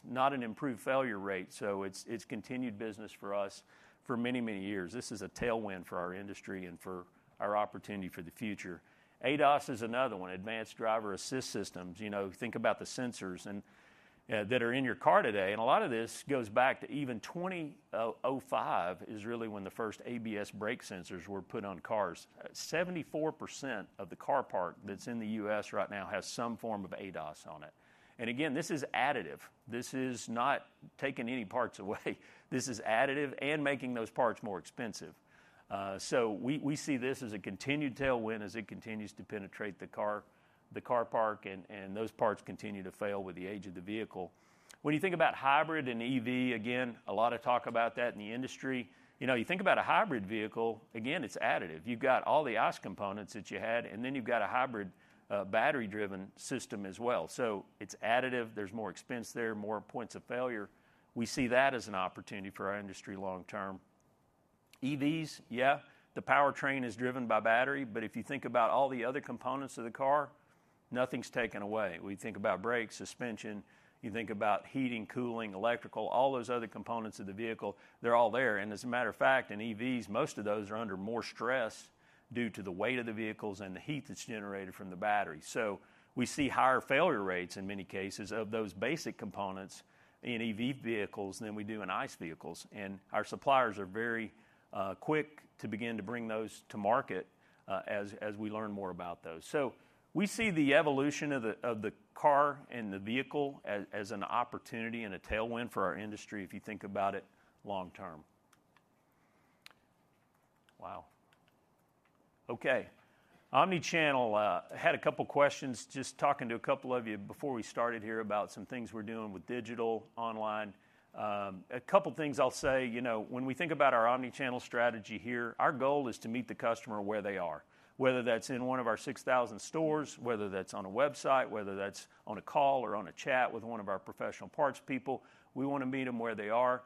not an improved failure rate, so it's continued business for us for many, many years. This is a tailwind for our industry and for our opportunity for the future. ADAS is another one, Advanced Driver Assist Systems. You know, think about the sensors and that are in your car today, and a lot of this goes back to even 2005 is really when the first ABS brake sensors were put on cars. 74% of the car parc that's in the U.S. right now has some form of ADAS on it. And again, this is additive. This is not taking any parts away. This is additive and making those parts more expensive. So we see this as a continued tailwind as it continues to penetrate the car parc, and those parts continue to fail with the age of the vehicle. When you think about hybrid and EV, again, a lot of talk about that in the industry. You know, you think about a hybrid vehicle, again, it's additive. You've got all the ICE components that you had, and then you've got a hybrid battery-driven system as well, so it's additive. There's more expense there, more points of failure. We see that as an opportunity for our industry long term. EVs, yeah, the powertrain is driven by battery, but if you think about all the other components of the car, nothing's taken away. We think about brakes, suspension. You think about heating, cooling, electrical, all those other components of the vehicle, they're all there, and as a matter of fact, in EVs, most of those are under more stress due to the weight of the vehicles and the heat that's generated from the battery. So we see higher failure rates in many cases of those basic components in EV vehicles than we do in ICE vehicles, and our suppliers are very quick to begin to bring those to market, as we learn more about those. So we see the evolution of the car and the vehicle as an opportunity and a tailwind for our industry, if you think about it long term. Wow! Okay, omnichannel. I had a couple questions, just talking to a couple of you before we started here, about some things we're doing with digital, online. A couple things I'll say, you know, when we think about our omnichannel strategy here, our goal is to meet the customer where they are, whether that's in one of our 6,000 stores, whether that's on a website, whether that's on a call or on a chat with one of our professional parts people. We wanna meet them where they are.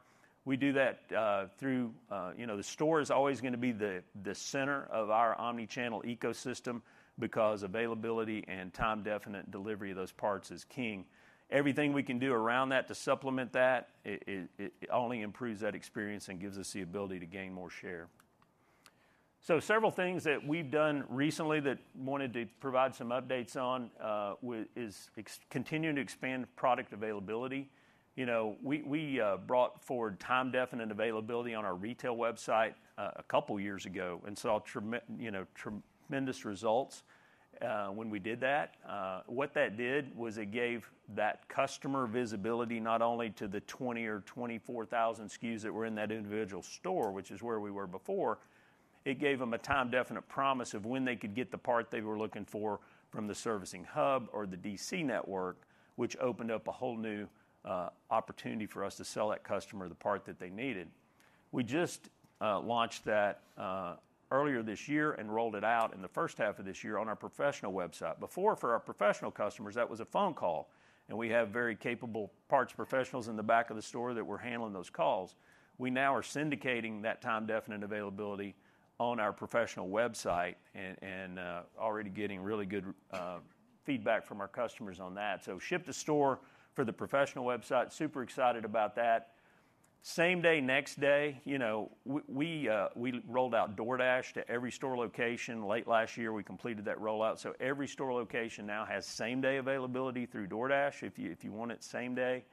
We do that through. You know, the store is always gonna be the center of our omnichannel ecosystem because availability and time-definite delivery of those parts is king. Everything we can do around that to supplement that, it only improves that experience and gives us the ability to gain more share. So several things that we've done recently that we wanted to provide some updates on, continuing to expand product availability. You know, we brought forward time-definite availability on our retail website a couple years ago, and saw tremendous results when we did that. What that did was it gave that customer visibility not only to the twenty or twenty-four thousand SKUs that were in that individual store, which is where we were before, it gave them a time-definite promise of when they could get the part they were looking for from the servicing hub or the DC network, which opened up a whole new opportunity for us to sell that customer the part that they needed. We just launched that earlier this year and rolled it out in the first half of this year on our professional website. Before, for our professional customers, that was a phone call, and we have very capable parts professionals in the back of the store that were handling those calls. We now are syndicating that time-definite availability on our professional website, and already getting really good feedback from our customers on that. So ship to store for the professional website, super excited about that. Same day, next day, you know, we rolled out DoorDash to every store location. Late last year, we completed that rollout, so every store location now has same-day availability through DoorDash if you want it same day.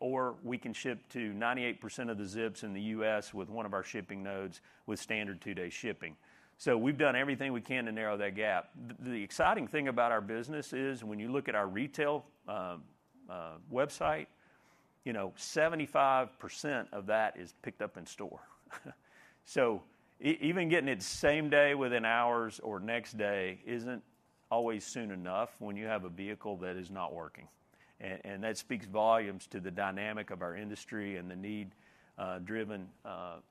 Or we can ship to 98% of the zips in the U.S. with one of our shipping nodes with standard two-day shipping. So we've done everything we can to narrow that gap. The exciting thing about our business is when you look at our retail website, you know, 75% of that is picked up in store. So even getting it same day within hours or next day isn't always soon enough when you have a vehicle that is not working. And that speaks volumes to the dynamic of our industry and the need-driven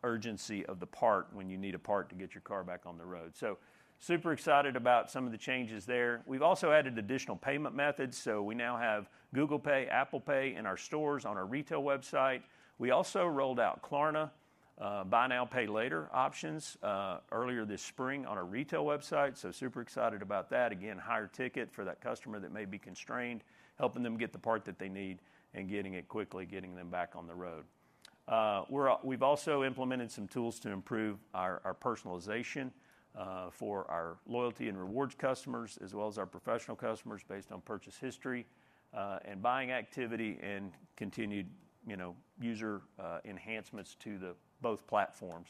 urgency of the part when you need a part to get your car back on the road. So super excited about some of the changes there. We've also added additional payment methods, so we now have Google Pay, Apple Pay in our stores on our retail website. We also rolled out Klarna buy now, pay later options earlier this spring on our retail website, so super excited about that. Again, higher ticket for that customer that may be constrained, helping them get the part that they need and getting it quickly, getting them back on the road. We're also implemented some tools to improve our personalization for our loyalty and rewards customers, as well as our professional customers, based on purchase history and buying activity, and continued, you know, user enhancements to both platforms.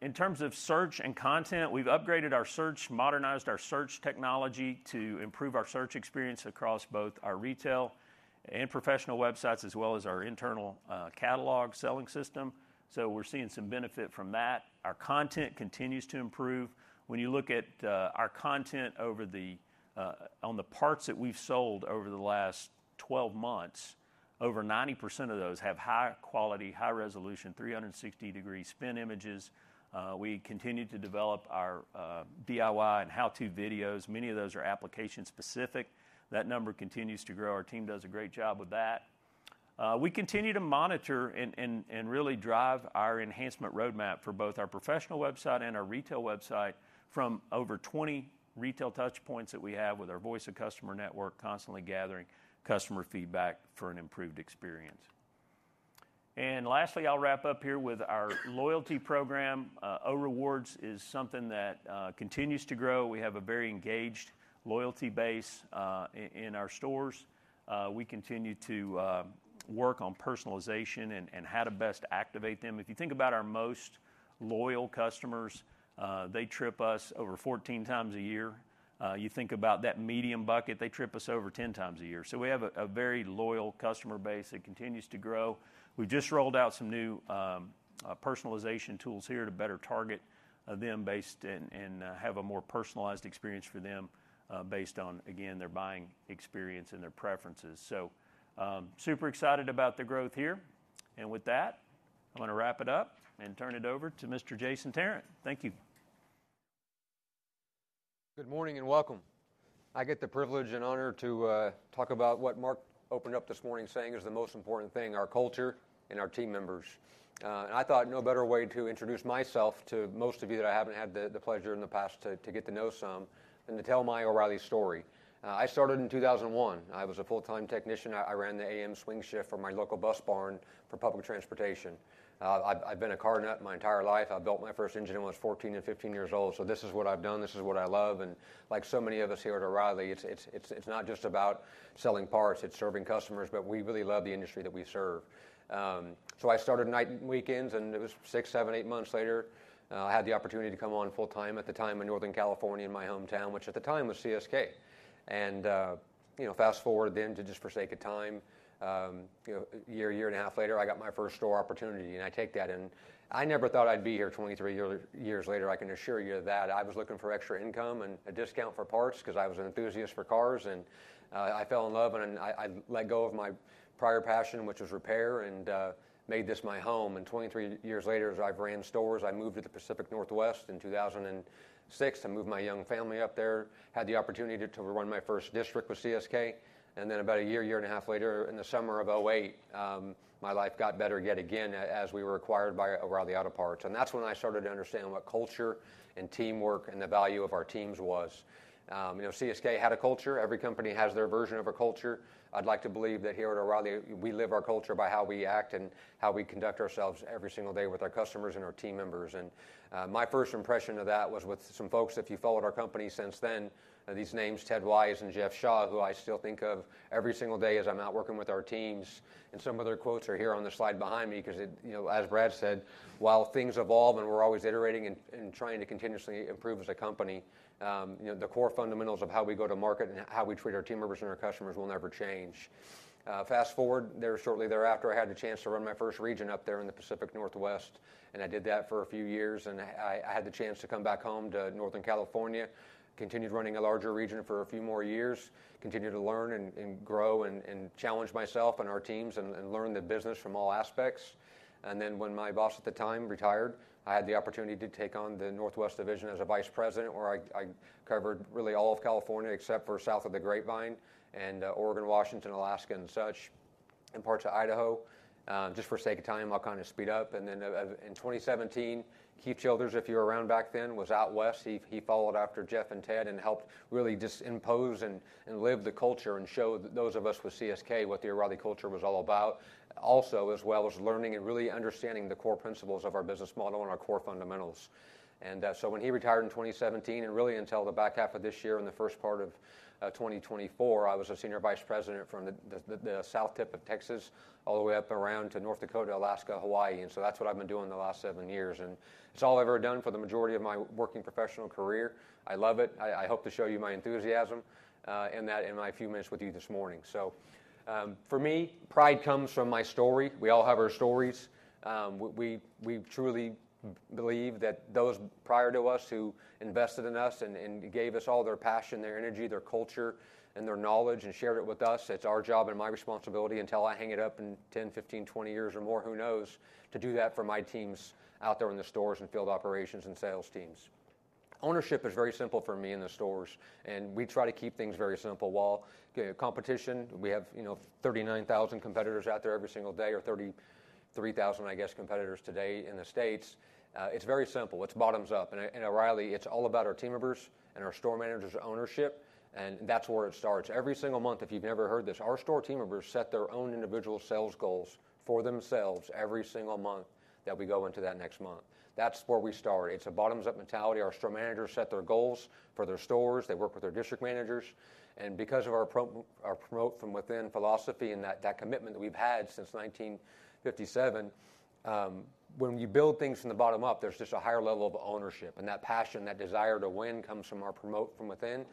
In terms of search and content, we've upgraded our search, modernized our search technology to improve our search experience across both our retail and professional websites, as well as our internal catalog selling system. So we're seeing some benefit from that. Our content continues to improve. When you look at our content over the on the parts that we've sold over the last 12 months, over 90% of those have high quality, high resolution, 360-degree spin images. We continue to develop our DIY and how-to videos. Many of those are application specific. That number continues to grow. Our team does a great job with that. We continue to monitor and really drive our enhancement roadmap for both our professional website and our retail website from over 20 retail touch points that we have with our Voice of Customer network, constantly gathering customer feedback for an improved experience. And lastly, I'll wrap up here with our loyalty program. O'Rewards is something that continues to grow. We have a very engaged loyalty base in our stores. We continue to work on personalization and how to best activate them. If you think about our most loyal customers, they trip us over 14 times a year. You think about that medium bucket, they trip us over 10 times a year. So we have a very loyal customer base that continues to grow. We just rolled out some new personalization tools here to better target them based and have a more personalized experience for them, based on, again, their buying experience and their preferences. So, super excited about the growth here. And with that, I'm gonna wrap it up and turn it over to Mr. Jason Tarrant. Thank you. Good morning, and welcome. I get the privilege and honor to talk about what Mark opened up this morning, saying is the most important thing, our culture and our team members, and I thought no better way to introduce myself to most of you that I haven't had the pleasure in the past to get to know some, than to tell my O'Reilly story. I started in two thousand and one. I was a full-time technician. I ran the AM swing shift for my local bus barn for public transportation. I've been a car nut my entire life. I built my first engine when I was fourteen and fifteen years old. So this is what I've done. This is what I love, and like so many of us here at O'Reilly, it's not just about selling parts, it's serving customers, but we really love the industry that we serve. So I started night and weekends, and it was six, seven, eight months later, I had the opportunity to come on full time, at the time in Northern California, in my hometown, which at the time was CSK. And you know, fast-forward then to just for sake of time, you know, a year, a year and a half later, I got my first store opportunity, and I take that, and I never thought I'd be here twenty-three years later, I can assure you of that. I was looking for extra income and a discount for parts 'cause I was an enthusiast for cars, and I fell in love, and I let go of my prior passion, which was repair, and made this my home, and twenty-three years later, as I've ran stores, I moved to the Pacific Northwest in two thousand and six. I moved my young family up there, had the opportunity to run my first district with CSK, and then about a year, year and a half later, in the summer of 2008, my life got better yet again as we were acquired by O'Reilly Auto Parts, and that's when I started to understand what culture and teamwork and the value of our teams was. You know, CSK had a culture. Every company has their version of a culture. I'd like to believe that here at O'Reilly, we live our culture by how we act and how we conduct ourselves every single day with our customers and our team members, and my first impression of that was with some folks, if you followed our company since then, these names, Ted Wise and Jeff Shaw, who I still think of every single day as I'm out working with our teams, and some of their quotes are here on the slide behind me, 'cause it... You know, as Brad said, while things evolve and we're always iterating and trying to continuously improve as a company, you know, the core fundamentals of how we go to market and how we treat our team members and our customers will never change. Fast forward there, shortly thereafter, I had the chance to run my first region up there in the Pacific Northwest, and I did that for a few years, and I had the chance to come back home to Northern California. Continued running a larger region for a few more years, continued to learn and grow and challenge myself and our teams and learn the business from all aspects. Then, when my boss at the time retired, I had the opportunity to take on the Northwest division as a vice president, where I covered really all of California, except for south of the Grapevine, and Oregon, Washington, Alaska, and such... in parts of Idaho. Just for sake of time, I'll kind of speed up. Then in 2017, Keith Childers, if you were around back then, was out west. He followed after Jeff and Ted and helped really just impose and live the culture and show those of us with CSK what the O'Reilly culture was all about. Also, as well as learning and really understanding the core principles of our business model and our core fundamentals. So when he retired in 2017, and really until the back half of this year and the first part of 2024, I was a senior vice president from the south tip of Texas, all the way up around to North Dakota, Alaska, Hawaii, and so that's what I've been doing the last seven years, and it's all I've ever done for the majority of my working professional career. I love it. I hope to show you my enthusiasm in my few minutes with you this morning. For me, pride comes from my story. We all have our stories. We truly believe that those prior to us, who invested in us and gave us all their passion, their energy, their culture, and their knowledge and shared it with us, it's our job and my responsibility until I hang it up in ten, fifteen, twenty years or more, who knows, to do that for my teams out there in the stores and field operations and sales teams. Ownership is very simple for me in the stores, and we try to keep things very simple. While competition, we have, you know, thirty-nine thousand competitors out there every single day, or thirty-three thousand, I guess, competitors today in the States. It's very simple. It's bottoms up, and at O'Reilly, it's all about our team members and our store managers' ownership, and that's where it starts. Every single month, if you've never heard this, our store team members set their own individual sales goals for themselves every single month that we go into that next month. That's where we start. It's a bottoms-up mentality. Our store managers set their goals for their stores. They work with their district managers, and because of our promote from within philosophy and that commitment that we've had since nineteen fifty-seven, when you build things from the bottom up, there's just a higher level of ownership, and that passion, that desire to win, comes from our promote from within.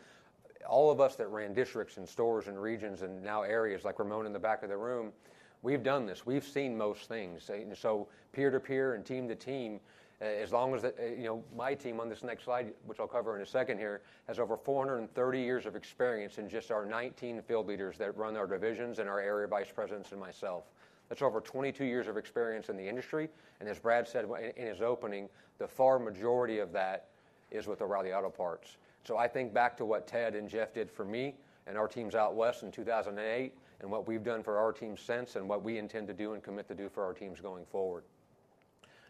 All of us that ran districts and stores and regions and now areas, like Ramon in the back of the room, we've done this. We've seen most things. So peer to peer and team to team, as long as the, you know, my team on this next slide, which I'll cover in a second here, has over 430 years of experience in just our 19 field leaders that run our divisions and our area vice presidents and myself. That's over 22 years of experience in the industry, and as Brad said in his opening, the far majority of that is with O'Reilly Auto Parts. So I think back to what Ted and Jeff did for me and our teams out west in 2008, and what we've done for our teams since, and what we intend to do and commit to do for our teams going forward.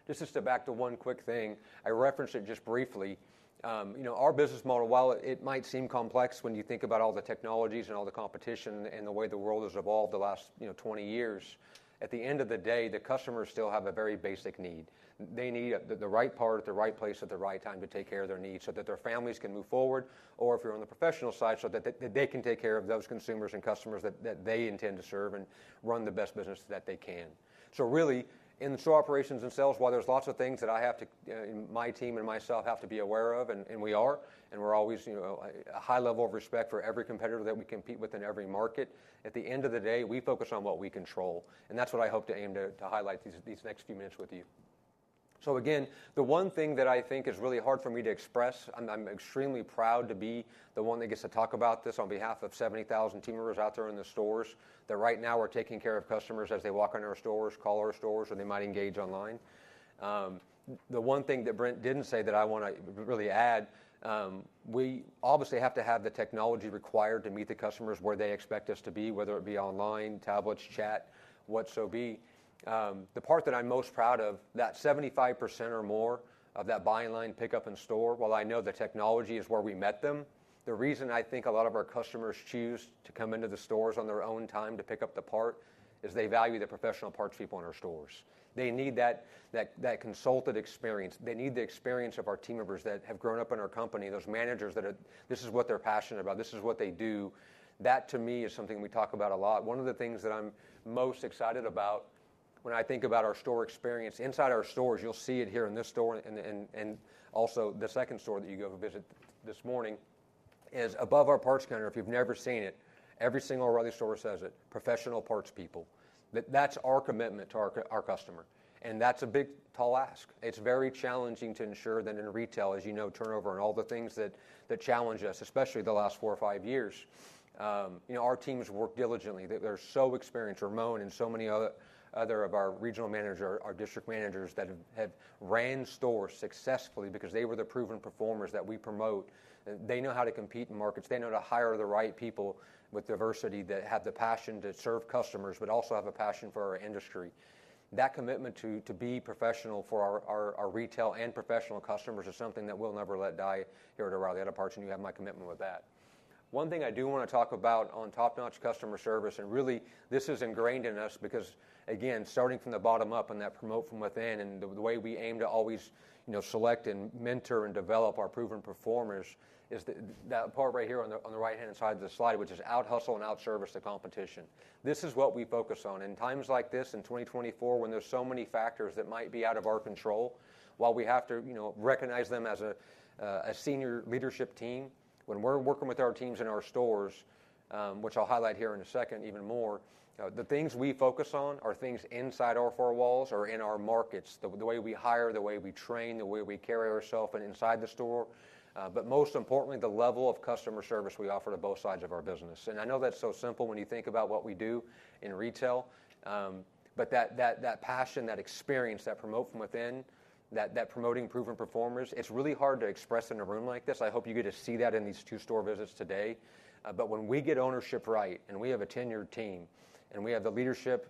Just to back to one quick thing. I referenced it just briefly. You know, our business model, while it might seem complex when you think about all the technologies and all the competition and the way the world has evolved the last, you know, twenty years, at the end of the day, the customers still have a very basic need. They need the right part at the right place, at the right time to take care of their needs so that their families can move forward, or if you're on the professional side, so that they can take care of those consumers and customers that they intend to serve and run the best business that they can. So really, in the store operations themselves, while there's lots of things that I have to, my team and myself have to be aware of, and, and we are, and we're always, you know, a high level of respect for every competitor that we compete with in every market, at the end of the day, we focus on what we control, and that's what I hope to aim to, to highlight these, these next few minutes with you. So again, the one thing that I think is really hard for me to express, and I'm extremely proud to be the one that gets to talk about this on behalf of seventy thousand team members out there in the stores, that right now are taking care of customers as they walk into our stores, call our stores, or they might engage online. The one thing that Brent didn't say, that I wanna really add, we obviously have to have the technology required to meet the customers where they expect us to be, whether it be online, tablets, chat, whatsoever. The part that I'm most proud of, that 75% or more of that buy online, pickup in store, while I know the technology is where we met them, the reason I think a lot of our customers choose to come into the stores on their own time to pick up the part, is they value the Professional Parts People in our stores. They need that consulted experience. They need the experience of our team members that have grown up in our company, those managers that are this is what they're passionate about. This is what they do. That, to me, is something we talk about a lot. One of the things that I'm most excited about when I think about our store experience, inside our stores, you'll see it here in this store and also the second store that you go visit this morning, is above our parts counter. If you've never seen it, every single O'Reilly store says it, "Professional Parts People." That's our commitment to our customer, and that's a big, tall ask. It's very challenging to ensure that in retail, as you know, turnover and all the things that challenge us, especially the last four or five years. You know, our teams work diligently. They're so experienced. Ramon and so many other of our regional managers, our district managers that have ran stores successfully because they were the proven performers that we promote. They know how to compete in markets. They know to hire the right people with diversity, that have the passion to serve customers, but also have a passion for our industry. That commitment to be professional for our retail and professional customers is something that we'll never let die here at O'Reilly Auto Parts, and you have my commitment with that. One thing I do wanna talk about on top-notch customer service, and really, this is ingrained in us because, again, starting from the bottom up and that promote from within, and the way we aim to always, you know, select and mentor and develop our proven performers, is that part right here on the right-hand side of the slide, which is out-hustle and out-service the competition. This is what we focus on. In times like this, in twenty twenty-four, when there's so many factors that might be out of our control, while we have to, you know, recognize them as a, a senior leadership team, when we're working with our teams in our stores, which I'll highlight here in a second even more, the things we focus on are things inside our four walls or in our markets. The way we hire, the way we train, the way we carry ourself and inside the store, but most importantly, the level of customer service we offer to both sides of our business. I know that's so simple when you think about what we do in retail, but that passion, that experience, that promote from within, that promoting proven performers, it's really hard to express in a room like this. I hope you get to see that in these two store visits today, but when we get ownership right, and we have a tenured team, and we have the leadership,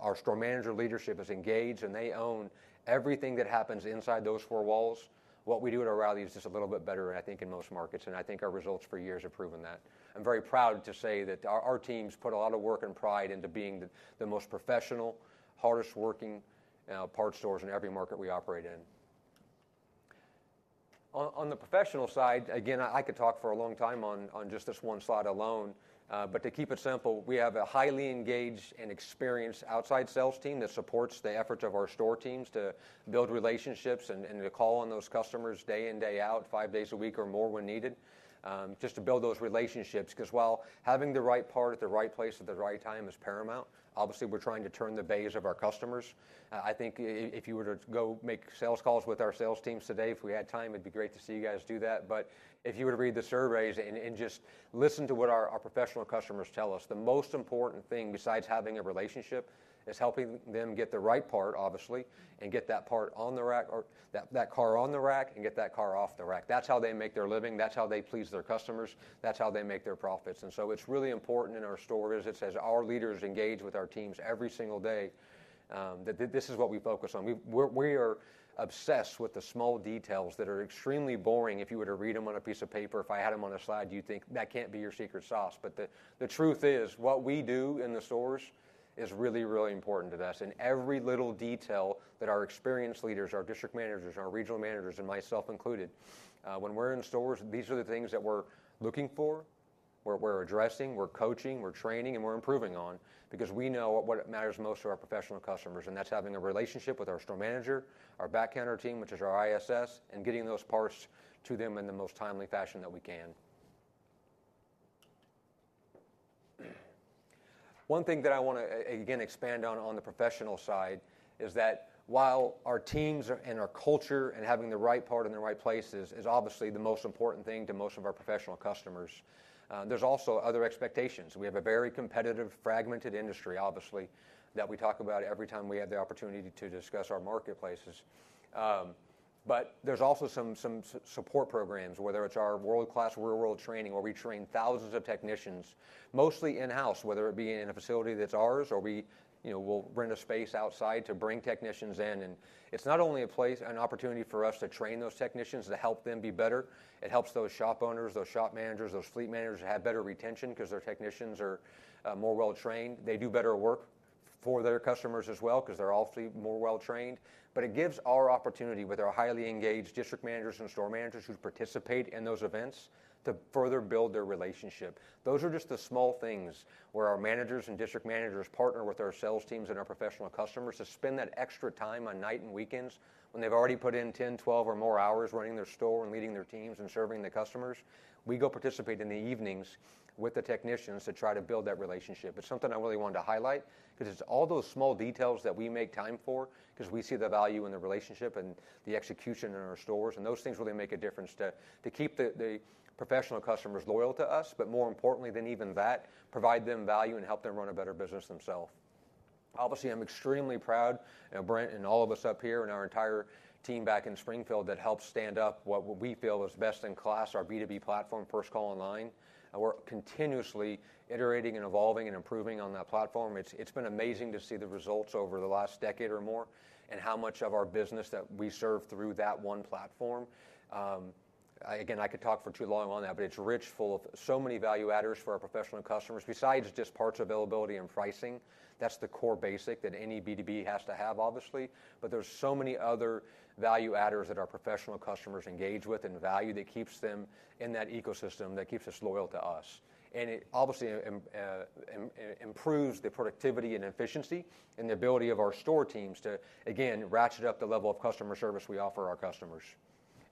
our store manager leadership is engaged, and they own everything that happens inside those four walls, what we do at O'Reilly is just a little bit better, I think, in most markets, and I think our results for years have proven that. I'm very proud to say that our teams put a lot of work and pride into being the most professional, hardest working parts stores in every market we operate in. On the professional side, again, I could talk for a long time on just this one slide alone. But to keep it simple, we have a highly engaged and experienced outside sales team that supports the efforts of our store teams to build relationships and to call on those customers day in, day out, five days a week or more when needed, just to build those relationships. 'Cause while having the right part at the right place at the right time is paramount, obviously, we're trying to turn the bays of our customers. I think if you were to go make sales calls with our sales teams today, if we had time, it'd be great to see you guys do that. But if you were to read the surveys and just listen to what our professional customers tell us, the most important thing, besides having a relationship, is helping them get the right part, obviously, and get that part on the rack or that car on the rack and get that car off the rack. That's how they make their living, that's how they please their customers, that's how they make their profits. And so it's really important in our store visits, as our leaders engage with our teams every single day, that this is what we focus on. We are obsessed with the small details that are extremely boring if you were to read them on a piece of paper. If I had them on a slide, you'd think, "That can't be your secret sauce." But the truth is, what we do in the stores is really, really important to us. And every little detail that our experienced leaders, our district managers, our regional managers, and myself included, when we're in stores, these are the things that we're looking for, we're addressing, we're coaching, we're training, and we're improving on. Because we know what matters most to our professional customers, and that's having a relationship with our store manager, our back counter team, which is our ISS, and getting those parts to them in the most timely fashion that we can. One thing that I wanna again, expand on, on the professional side, is that while our teams and our culture and having the right part in the right places is obviously the most important thing to most of our professional customers, there's also other expectations. We have a very competitive, fragmented industry, obviously, that we talk about every time we have the opportunity to discuss our marketplaces. But there's also some support programs, whether it's our world-class real-world training, where we train thousands of technicians, mostly in-house, whether it be in a facility that's ours, or we, you know, we'll rent a space outside to bring technicians in. And it's not only a place, an opportunity for us to train those technicians, to help them be better. It helps those shop owners, those shop managers, those fleet managers to have better retention 'cause their technicians are more well-trained. They do better work for their customers as well, 'cause they're obviously more well-trained. But it gives our opportunity, with our highly engaged district managers and store managers who participate in those events, to further build their relationship. Those are just the small things, where our managers and district managers partner with our sales teams and our professional customers to spend that extra time on night and weekends when they've already put in 10, 12 or more hours running their store and leading their teams and serving the customers. We go participate in the evenings with the technicians to try to build that relationship. It's something I really wanted to highlight, 'cause it's all those small details that we make time for, 'cause we see the value in the relationship and the execution in our stores, and those things really make a difference to, to keep the, the professional customers loyal to us, but more importantly than even that, provide them value and help them run a better business themselves. Obviously, I'm extremely proud, Brent and all of us up here and our entire team back in Springfield that helped stand up what we feel is best-in-class, our B2B platform, First Call Online, and we're continuously iterating and evolving and improving on that platform. It's, it's been amazing to see the results over the last decade or more, and how much of our business that we serve through that one platform. Again, I could talk for too long on that, but it's rich full of so many value adders for our professional customers, besides just parts availability and pricing. That's the core basic that any B2B has to have, obviously. But there's so many other value adders that our professional customers engage with and value, that keeps them in that ecosystem, that keeps us loyal to us, and it obviously improves the productivity and efficiency and the ability of our store teams to, again, ratchet up the level of customer service we offer our customers.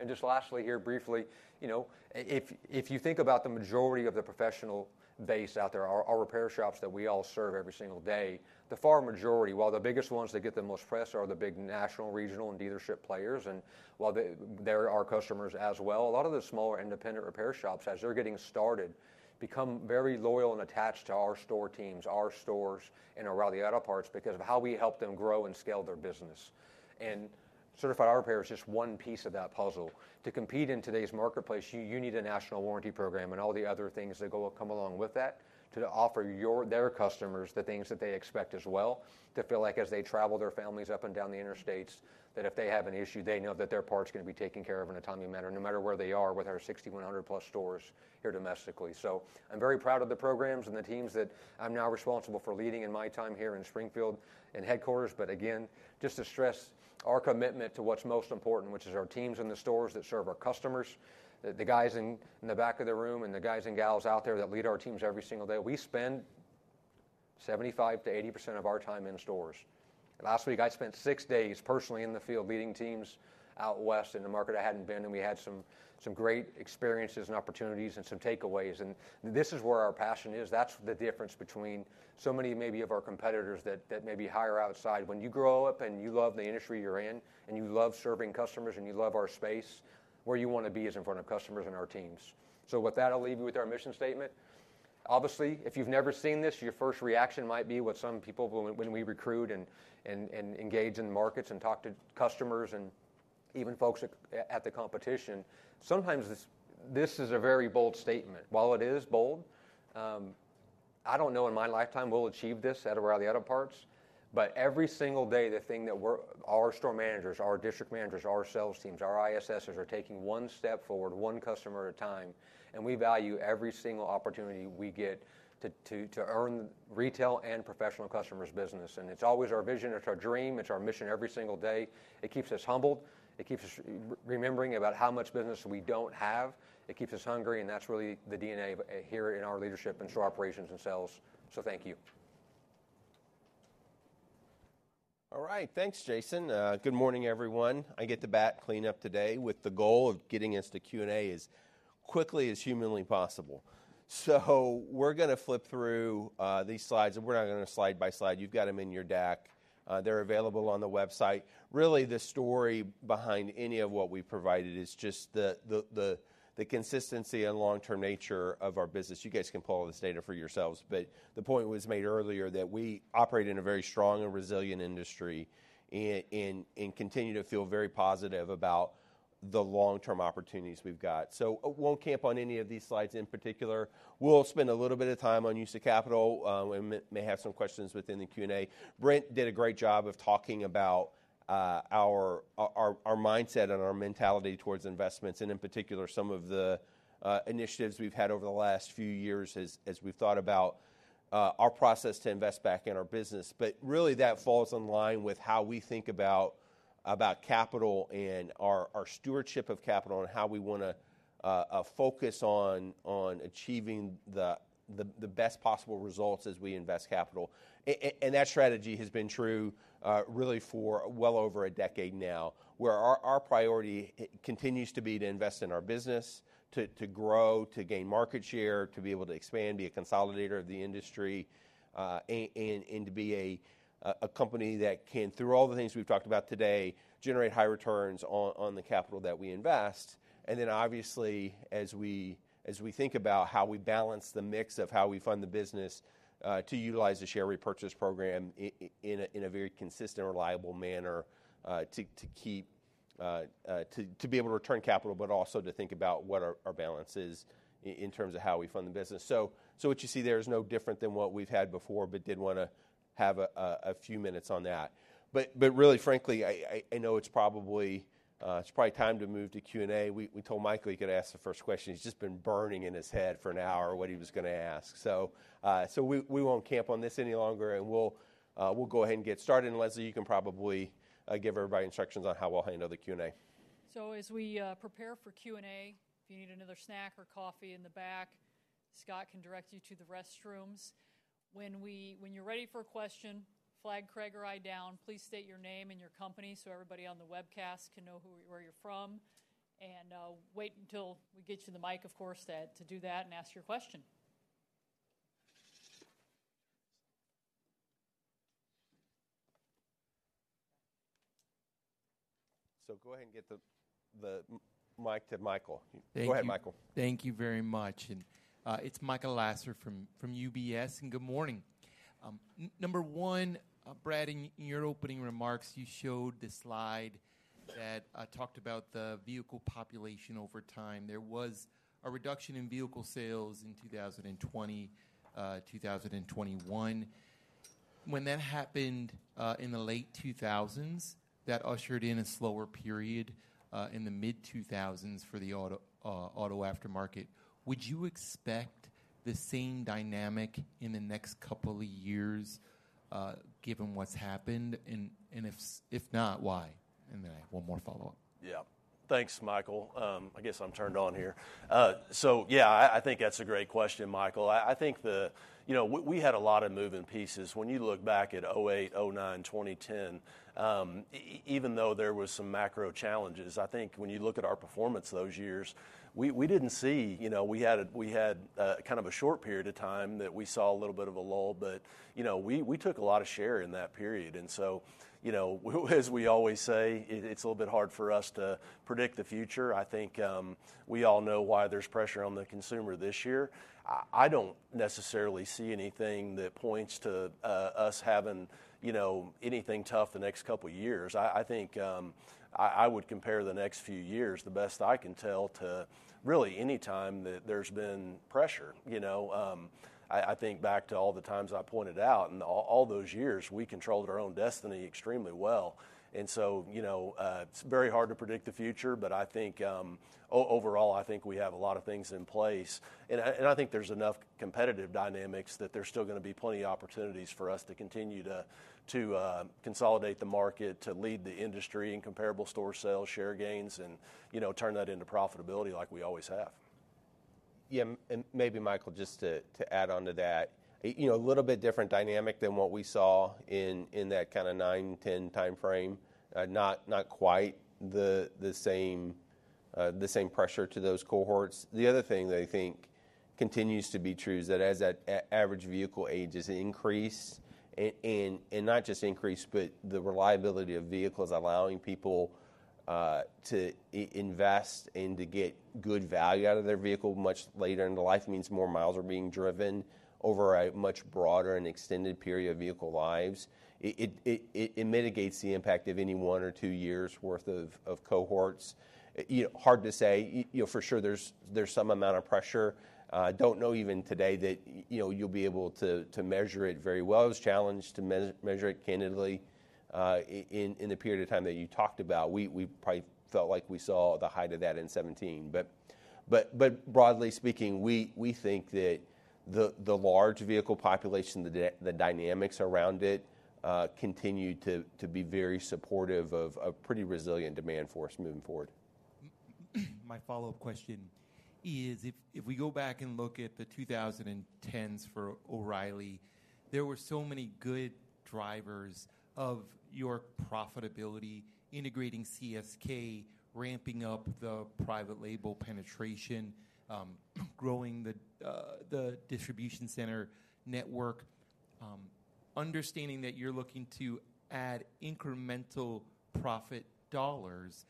Just lastly here, briefly, you know, if you think about the majority of the professional base out there, our repair shops that we all serve every single day, the far majority, while the biggest ones that get the most press are the big national, regional, and dealership players, and while they... they're our customers as well, a lot of the smaller, independent repair shops, as they're getting started, become very loyal and attached to our store teams, our stores, and O'Reilly Auto Parts because of how we help them grow and scale their business. Certified Auto Repair is just one piece of that puzzle. To compete in today's marketplace, you need a national warranty program and all the other things that come along with that, to offer their customers the things that they expect as well. To feel like as they travel their families up and down the interstates, that if they have an issue, they know that their part's gonna be taken care of in a timely manner, no matter where they are, with our 6,100-plus stores here domestically. So I'm very proud of the programs and the teams that I'm now responsible for leading in my time here in Springfield and headquarters. But again, just to stress our commitment to what's most important, which is our teams in the stores that serve our customers, the guys in the back of the room, and the guys and gals out there that lead our teams every single day. We spend 75%-80% of our time in stores. Last week, I spent six days personally in the field, leading teams out west in the market I hadn't been, and we had some great experiences and opportunities and some takeaways, and this is where our passion is. That's the difference between so many maybe of our competitors that maybe hire outside. When you grow up and you love the industry you're in, and you love serving customers, and you love our space, where you wanna be is in front of customers and our teams. So with that, I'll leave you with our mission statement. Obviously, if you've never seen this, your first reaction might be what some people when we recruit and engage in the markets and talk to customers and-... even folks at the competition, sometimes this is a very bold statement. While it is bold, I don't know in my lifetime we'll achieve this at O'Reilly Auto Parts, but every single day, the thing that we're, our store managers, our district managers, our sales teams, our ISSs are taking one step forward, one customer at a time, and we value every single opportunity we get to earn retail and professional customers' business. It's always our vision, it's our dream, it's our mission every single day. It keeps us humbled, it keeps us remembering about how much business we don't have. It keeps us hungry, and that's really the DNA of here in our leadership and store operations and sales. So thank you. All right. Thanks, Jason. Good morning, everyone. I get the bat cleanup today with the goal of getting us to Q&A as quickly as humanly possible. So we're gonna flip through these slides, and we're not gonna slide by slide. You've got them in your deck. They're available on the website. Really, the story behind any of what we've provided is just the consistency and long-term nature of our business. You guys can pull all this data for yourselves, but the point was made earlier that we operate in a very strong and resilient industry, and continue to feel very positive about the long-term opportunities we've got. So I won't camp on any of these slides in particular. We'll spend a little bit of time on use of capital, and may have some questions within the Q&A. Brent did a great job of talking about our mindset and our mentality towards investments, and in particular, some of the initiatives we've had over the last few years as we've thought about our process to invest back in our business. But really, that falls in line with how we think about capital and our stewardship of capital and how we wanna focus on achieving the best possible results as we invest capital. And that strategy has been true, really for well over a decade now, where our priority continues to be to invest in our business, to grow, to gain market share, to be able to expand, be a consolidator of the industry, and to be a company that can, through all the things we've talked about today, generate high returns on the capital that we invest. And then obviously, as we think about how we balance the mix of how we fund the business, to utilize the share repurchase program in a very consistent and reliable manner, to be able to return capital, but also to think about what our balance is in terms of how we fund the business. So what you see there is no different than what we've had before, but did wanna have a few minutes on that. But really, frankly, I know it's probably time to move to Q&A. We told Michael he could ask the first question. It's just been burning in his head for an hour what he was gonna ask. So we won't camp on this any longer, and we'll go ahead and get started. And, Leslie, you can probably give everybody instructions on how we'll handle the Q&A. As we prepare for Q&A, if you need another snack or coffee in the back, Scott can direct you to the restrooms. When you're ready for a question, flag Craig or I down. Please state your name and your company so everybody on the webcast can know who, where you're from. And wait until we get you the mic, of course, to do that and ask your question. Go ahead and get the mic to Michael. Thank you. Go ahead, Michael. Thank you very much. It's Michael Lasser from UBS, and good morning. Number one, Brad, in your opening remarks, you showed the slide that talked about the vehicle population over time. There was a reduction in vehicle sales in 2020, 2021. When that happened in the late 2000s, that ushered in a slower period in the mid-2000s for the auto aftermarket. Would you expect the same dynamic in the next couple of years, given what's happened? And if not, why? And then I have one more follow-up. Yeah. Thanks, Michael. I guess I'm turned on here. So yeah, I think that's a great question, Michael. I think the... You know, we had a lot of moving pieces. When you look back at 2008, 2009, 2010, even though there was some macro challenges, I think when you look at our performance those years, we didn't see, you know, we had a short period of time that we saw a little bit of a lull, but, you know, we took a lot of share in that period. And so, you know, as we always say, it's a little bit hard for us to predict the future. I think, we all know why there's pressure on the consumer this year. I don't necessarily see anything that points to us having, you know, anything tough the next couple years. I think I would compare the next few years, the best I can tell, to really any time that there's been pressure, you know? I think back to all the times I pointed out, and all those years, we controlled our own destiny extremely well. And so, you know, it's very hard to predict the future, but I think overall, I think we have a lot of things in place. And I think there's enough competitive dynamics that there's still gonna be plenty of opportunities for us to continue to consolidate the market, to lead the industry in comparable store sales, share gains, and, you know, turn that into profitability like we always have. Yeah, and maybe, Michael, just to add on to that, you know, a little bit different dynamic than what we saw in that kind of 2009, 2010 timeframe. Not quite the same pressure to those cohorts. The other thing that I think continues to be true is that as that average vehicle ages increase, and not just increase, but the reliability of vehicles allowing people to invest and to get good value out of their vehicle much later in the life, means more miles are being driven over a much broader and extended period of vehicle lives. It mitigates the impact of any one or two years' worth of cohorts. You know, hard to say. You know, for sure, there's some amount of pressure. Don't know even today that, you know, you'll be able to measure it very well. It was a challenge to measure it, candidly, in the period of time that you talked about. We probably felt like we saw the height of that in 2017. But broadly speaking, we think that the large vehicle population, the dynamics around it, continue to be very supportive of a pretty resilient demand for us moving forward. My follow-up question is, if we go back and look at the 2010s for O'Reilly, there were so many good drivers of your profitability: integrating CSK, ramping up the private label penetration, growing the distribution center network. Understanding that you're looking to add incremental profit dollars,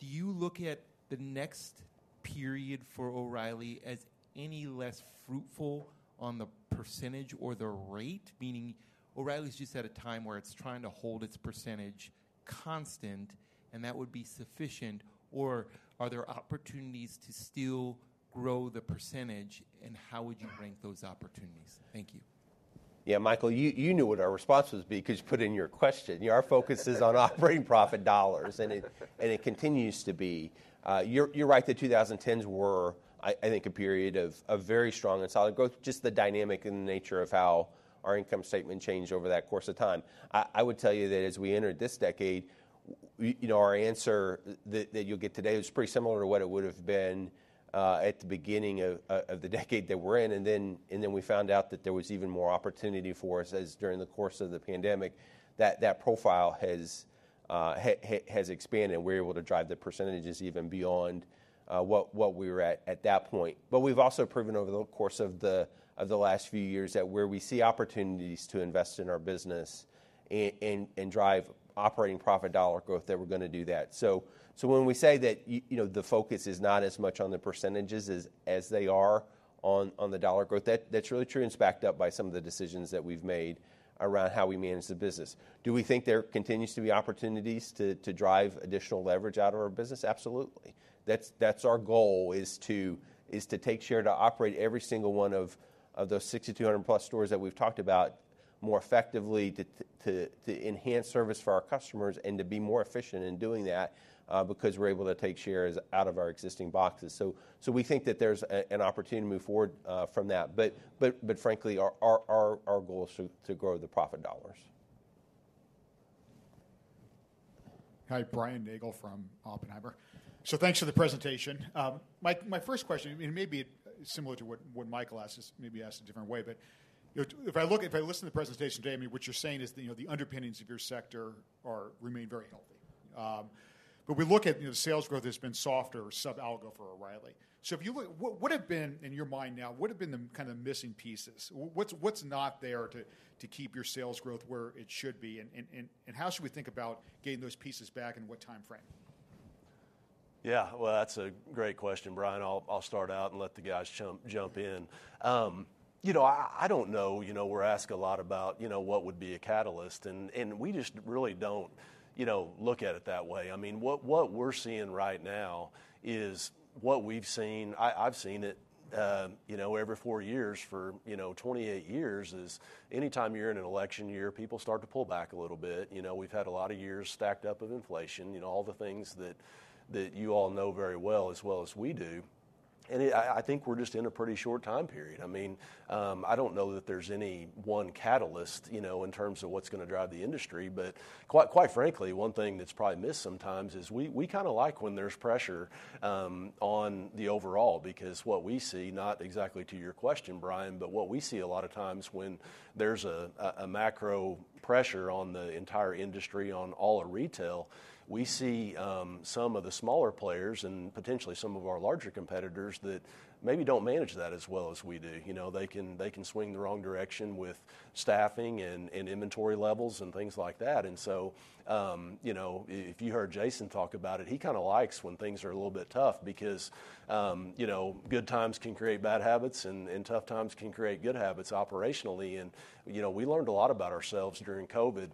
do you look at the next period for O'Reilly as any less fruitful on the percentage or the rate? Meaning, O'Reilly's just at a time where it's trying to hold its percentage constant, and that would be sufficient, or are there opportunities to still grow the percentage, and how would you rank those opportunities? Thank you. Yeah, Michael, you knew what our response was gonna be because you put it in your question. Yeah, our focus is on operating profit dollars, and it continues to be. You're right, the 2010s were, I think, a period of very strong and solid growth, just the dynamic and the nature of how our income statement changed over that course of time. I would tell you that as we entered this decade, you know, our answer that you'll get today was pretty similar to what it would've been at the beginning of the decade that we're in, and then we found out that there was even more opportunity for us, as during the course of the pandemic, that profile has expanded, and we're able to drive the percentages even beyond what we were at that point. But we've also proven over the course of the last few years, that where we see opportunities to invest in our business and drive operating profit dollar growth, that we're gonna do that. So when we say that you know, the focus is not as much on the percentages as they are on the dollar growth, that's really true, and it's backed up by some of the decisions that we've made around how we manage the business. Do we think there continues to be opportunities to drive additional leverage out of our business? Absolutely. That's our goal is to take share, to operate every single one of those 6,200-plus stores that we've talked about more effectively, to enhance service for our customers and to be more efficient in doing that, because we're able to take shares out of our existing boxes. So we think that there's an opportunity to move forward from that. But frankly, our goal is to grow the profit dollars. Hi, Brian Nagel from Oppenheimer. Thanks for the presentation. My first question, it may be similar to what Michael asked, just maybe asked a different way, but if I listen to the presentation today, I mean, what you're saying is that, you know, the underpinnings of your sector are remain very healthy. But we look at, you know, the sales growth that's been softer or sub-algo for O'Reilly. So if you look, what have been, in your mind now, what have been the kind of missing pieces? What's not there to keep your sales growth where it should be, and how should we think about getting those pieces back, and what timeframe? Yeah, well, that's a great question, Brian. I'll start out and let the guys jump in. You know, I don't know. You know, we're asked a lot about, you know, what would be a catalyst, and we just really don't, you know, look at it that way. I mean, what we're seeing right now is what we've seen... I've seen it, you know, every four years for, you know, twenty-eight years, is anytime you're in an election year, people start to pull back a little bit. You know, we've had a lot of years stacked up of inflation, you know, all the things that you all know very well, as well as we do, and I think we're just in a pretty short time period. I mean, I don't know that there's any one catalyst, you know, in terms of what's gonna drive the industry. But quite, quite frankly, one thing that's probably missed sometimes is we kind of like when there's pressure on the overall, because what we see, not exactly to your question, Brian, but what we see a lot of times when there's a macro pressure on the entire industry, on all of retail, we see some of the smaller players and potentially some of our larger competitors that maybe don't manage that as well as we do. You know, they can swing the wrong direction with staffing and inventory levels and things like that. And so, you know, if you heard Jason talk about it, he kind of likes when things are a little bit tough because, you know, good times can create bad habits, and tough times can create good habits operationally. And, you know, we learned a lot about ourselves during COVID,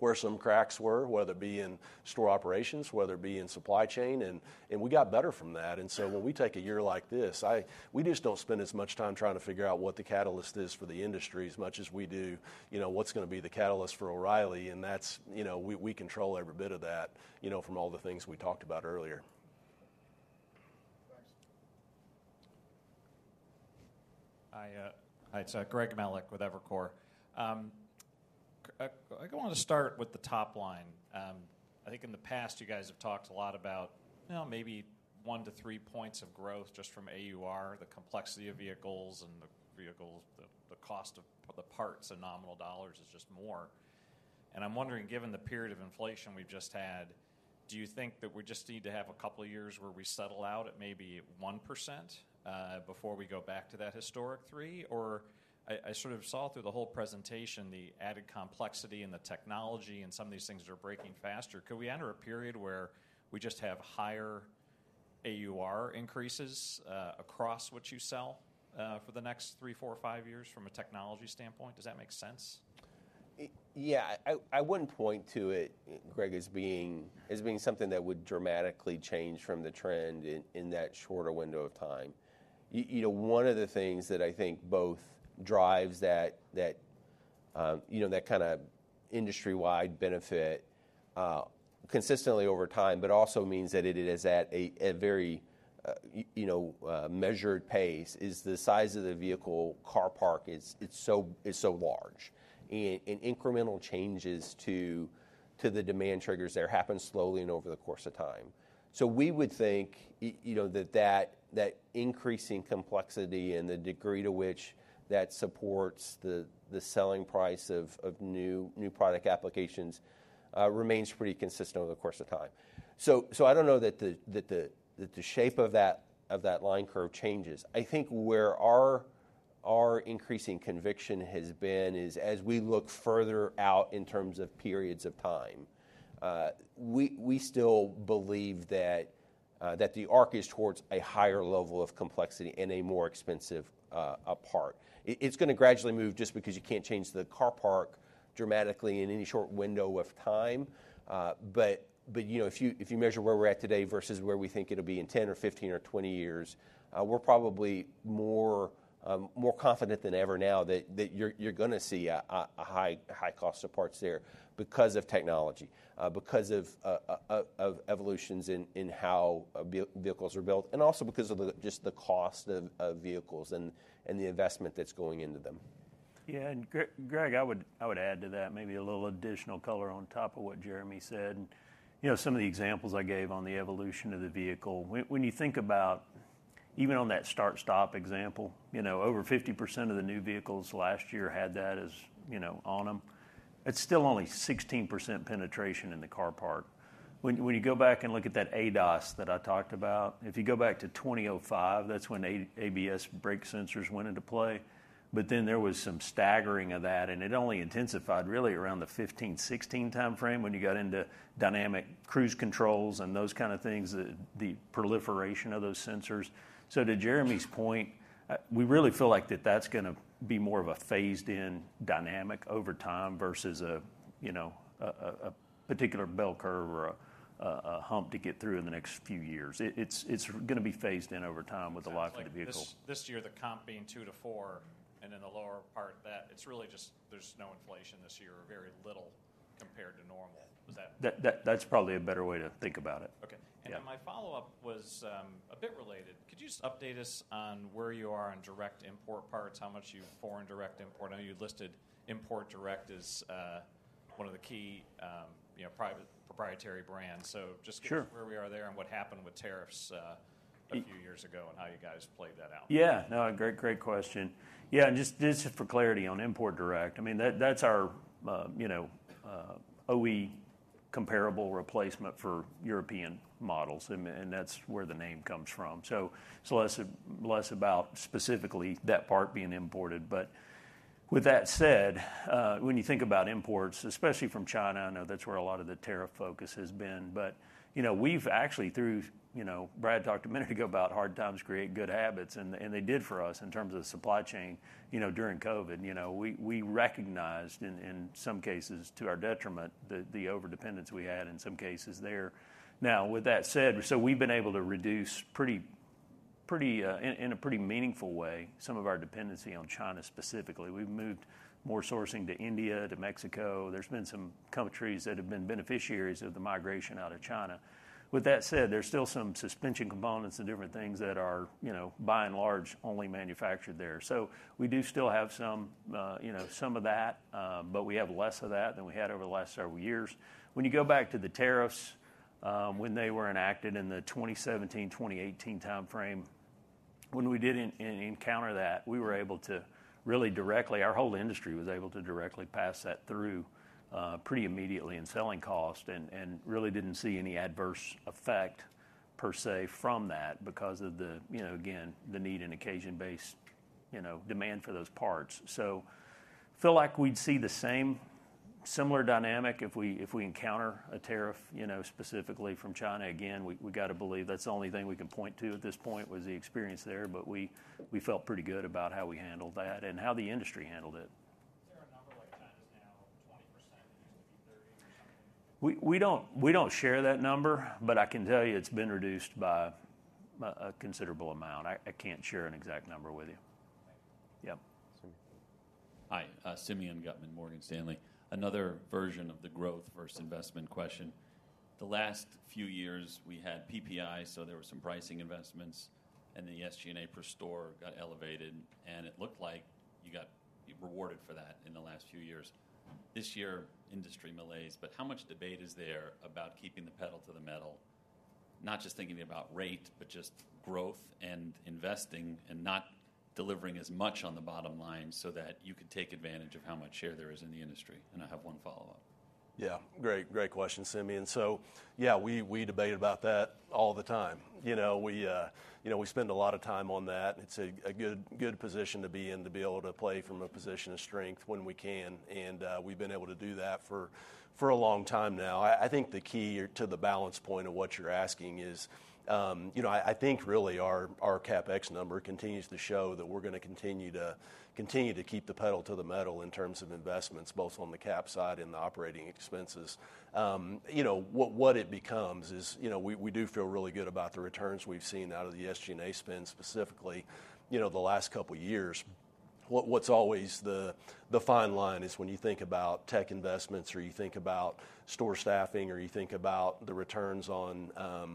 where some cracks were, whether it be in store operations, whether it be in supply chain, and we got better from that. And so, when we take a year like this, we just don't spend as much time trying to figure out what the catalyst is for the industry, as much as we do, you know, what's gonna be the catalyst for O'Reilly, and that's, you know, we control every bit of that, you know, from all the things we talked about earlier. Thanks. Hi, it's Greg Melich with Evercore. I want to start with the top line. I think in the past, you guys have talked a lot about, you know, maybe one to three points of growth just from AUR, the complexity of vehicles and the cost of the parts and nominal dollars is just more. And I'm wondering, given the period of inflation we've just had, do you think that we just need to have a couple of years where we settle out at maybe 1% before we go back to that historic 3%? Or I sort of saw through the whole presentation, the added complexity and the technology, and some of these things are breaking faster. Could we enter a period where we just have higher-... AUR increases across what you sell for the next three, four, or five years from a technology standpoint? Does that make sense? I wouldn't point to it, Greg, as being something that would dramatically change from the trend in that shorter window of time. You know, one of the things that I think both drives that kind of industry-wide benefit consistently over time, but also means that it is at a very you know measured pace, is the size of the vehicle parc. It's so large, and incremental changes to the demand triggers there happen slowly and over the course of time, so we would think, you know, that increasing complexity and the degree to which that supports the selling price of new product applications remains pretty consistent over the course of time. I don't know that the shape of that line curve changes. I think where our increasing conviction has been is, as we look further out in terms of periods of time, we still believe that the arc is towards a higher level of complexity and a more expensive part. It, it's gonna gradually move just because you can't change the car parc dramatically in any short window of time, but, but, you know, if you, if you measure where we're at today versus where we think it'll be in 10 or 15 or 20 years, we're probably more confident than ever now that you're gonna see a high cost of parts there because of technology, because of evolutions in how vehicles are built, and also because of just the cost of vehicles and the investment that's going into them. Yeah, and Greg, I would add to that maybe a little additional color on top of what Jeremy said. You know, some of the examples I gave on the evolution of the vehicle, when you think about even on that start/stop example, you know, over 50% of the new vehicles last year had that as, you know, on them. It's still only 16% penetration in the car parc. When you go back and look at that ADAS that I talked about, if you go back to 2005, that's when ABS brake sensors went into play, but then there was some staggering of that, and it only intensified really around the 2015, 2016 timeframe when you got into dynamic cruise controls and those kind of things, the proliferation of those sensors. So to Jeremy's point, we really feel like that's gonna be more of a phased-in dynamic over time versus a, you know, a particular bell curve or a hump to get through in the next few years. It's gonna be phased in over time with the life of the vehicle. Sounds like this, this year, the comp being two to four, and in the lower part of that, it's really just there's no inflation this year or very little compared to normal. Was that- That's probably a better way to think about it. Okay. Yeah. My follow-up was a bit related. Could you just update us on where you are on direct import parts? How much you foreign direct import? I know you listed Import Direct as one of the key, you know, private proprietary brands. Sure. So just give us where we are there and what happened with tariffs? E- a few years ago, and how you guys played that out. Yeah. No, great, great question. Yeah, and just, just for clarity on Import Direct, I mean, that, that's our, you know, OE comparable replacement for European models, and, and that's where the name comes from, so it's less, less about specifically that part being imported. But with that said, when you think about imports, especially from China, I know that's where a lot of the tariff focus has been, but, you know, we've actually, through... You know, Brad talked a minute ago about hard times create good habits, and, and they did for us in terms of the supply chain, you know, during COVID. You know, we, we recognized, in, in some cases to our detriment, the, the overdependence we had in some cases there. Now, with that said, so we've been able to reduce in a pretty meaningful way some of our dependency on China specifically. We've moved more sourcing to India, to Mexico. There's been some countries that have been beneficiaries of the migration out of China. With that said, there's still some suspension components and different things that are, you know, by and large, only manufactured there. So we do still have some, you know, some of that, but we have less of that than we had over the last several years. When you go back to the tariffs, when they were enacted in the 2017, 2018 timeframe, when we did encounter that, we were able to really directly, our whole industry was able to directly pass that through pretty immediately in selling cost and really didn't see any adverse effect per se from that because of the, you know, again, the need and occasion-based, you know, demand for those parts, so feel like we'd see the same similar dynamic if we encounter a tariff, you know, specifically from China. Again, we've got to believe that's the only thing we can point to at this point, was the experience there, but we felt pretty good about how we handled that and how the industry handled it. Is there a number, like China's now 20%, it used to be 30% or something? We don't share that number, but I can tell you it's been reduced by a considerable amount. I can't share an exact number with you. Thank you. Yep. Simeon. Hi, Simeon Gutman, Morgan Stanley. Another version of the growth versus investment question. The last few years, we had PPI, so there were some pricing investments, and the SG&A per store got elevated, and it looked like you got rewarded for that in the last few years. This year, industry malaise, but how much debate is there about keeping the pedal to the metal? Not just thinking about rate, but just growth and investing and not delivering as much on the bottom line so that you could take advantage of how much share there is in the industry? And I have one follow-up.... Yeah, great, great question, Simeon. So yeah, we debate about that all the time. You know, we, you know, we spend a lot of time on that. It's a good position to be in, to be able to play from a position of strength when we can, and we've been able to do that for a long time now. I think the key here to the balance point of what you're asking is, you know, I think really our CapEx number continues to show that we're gonna continue to keep the pedal to the metal in terms of investments, both on the cap side and the operating expenses. You know, what it becomes is, you know, we do feel really good about the returns we've seen out of the SG&A spend specifically, you know, the last couple years. What's always the fine line is when you think about tech investments, or you think about store staffing, or you think about the returns on, you know,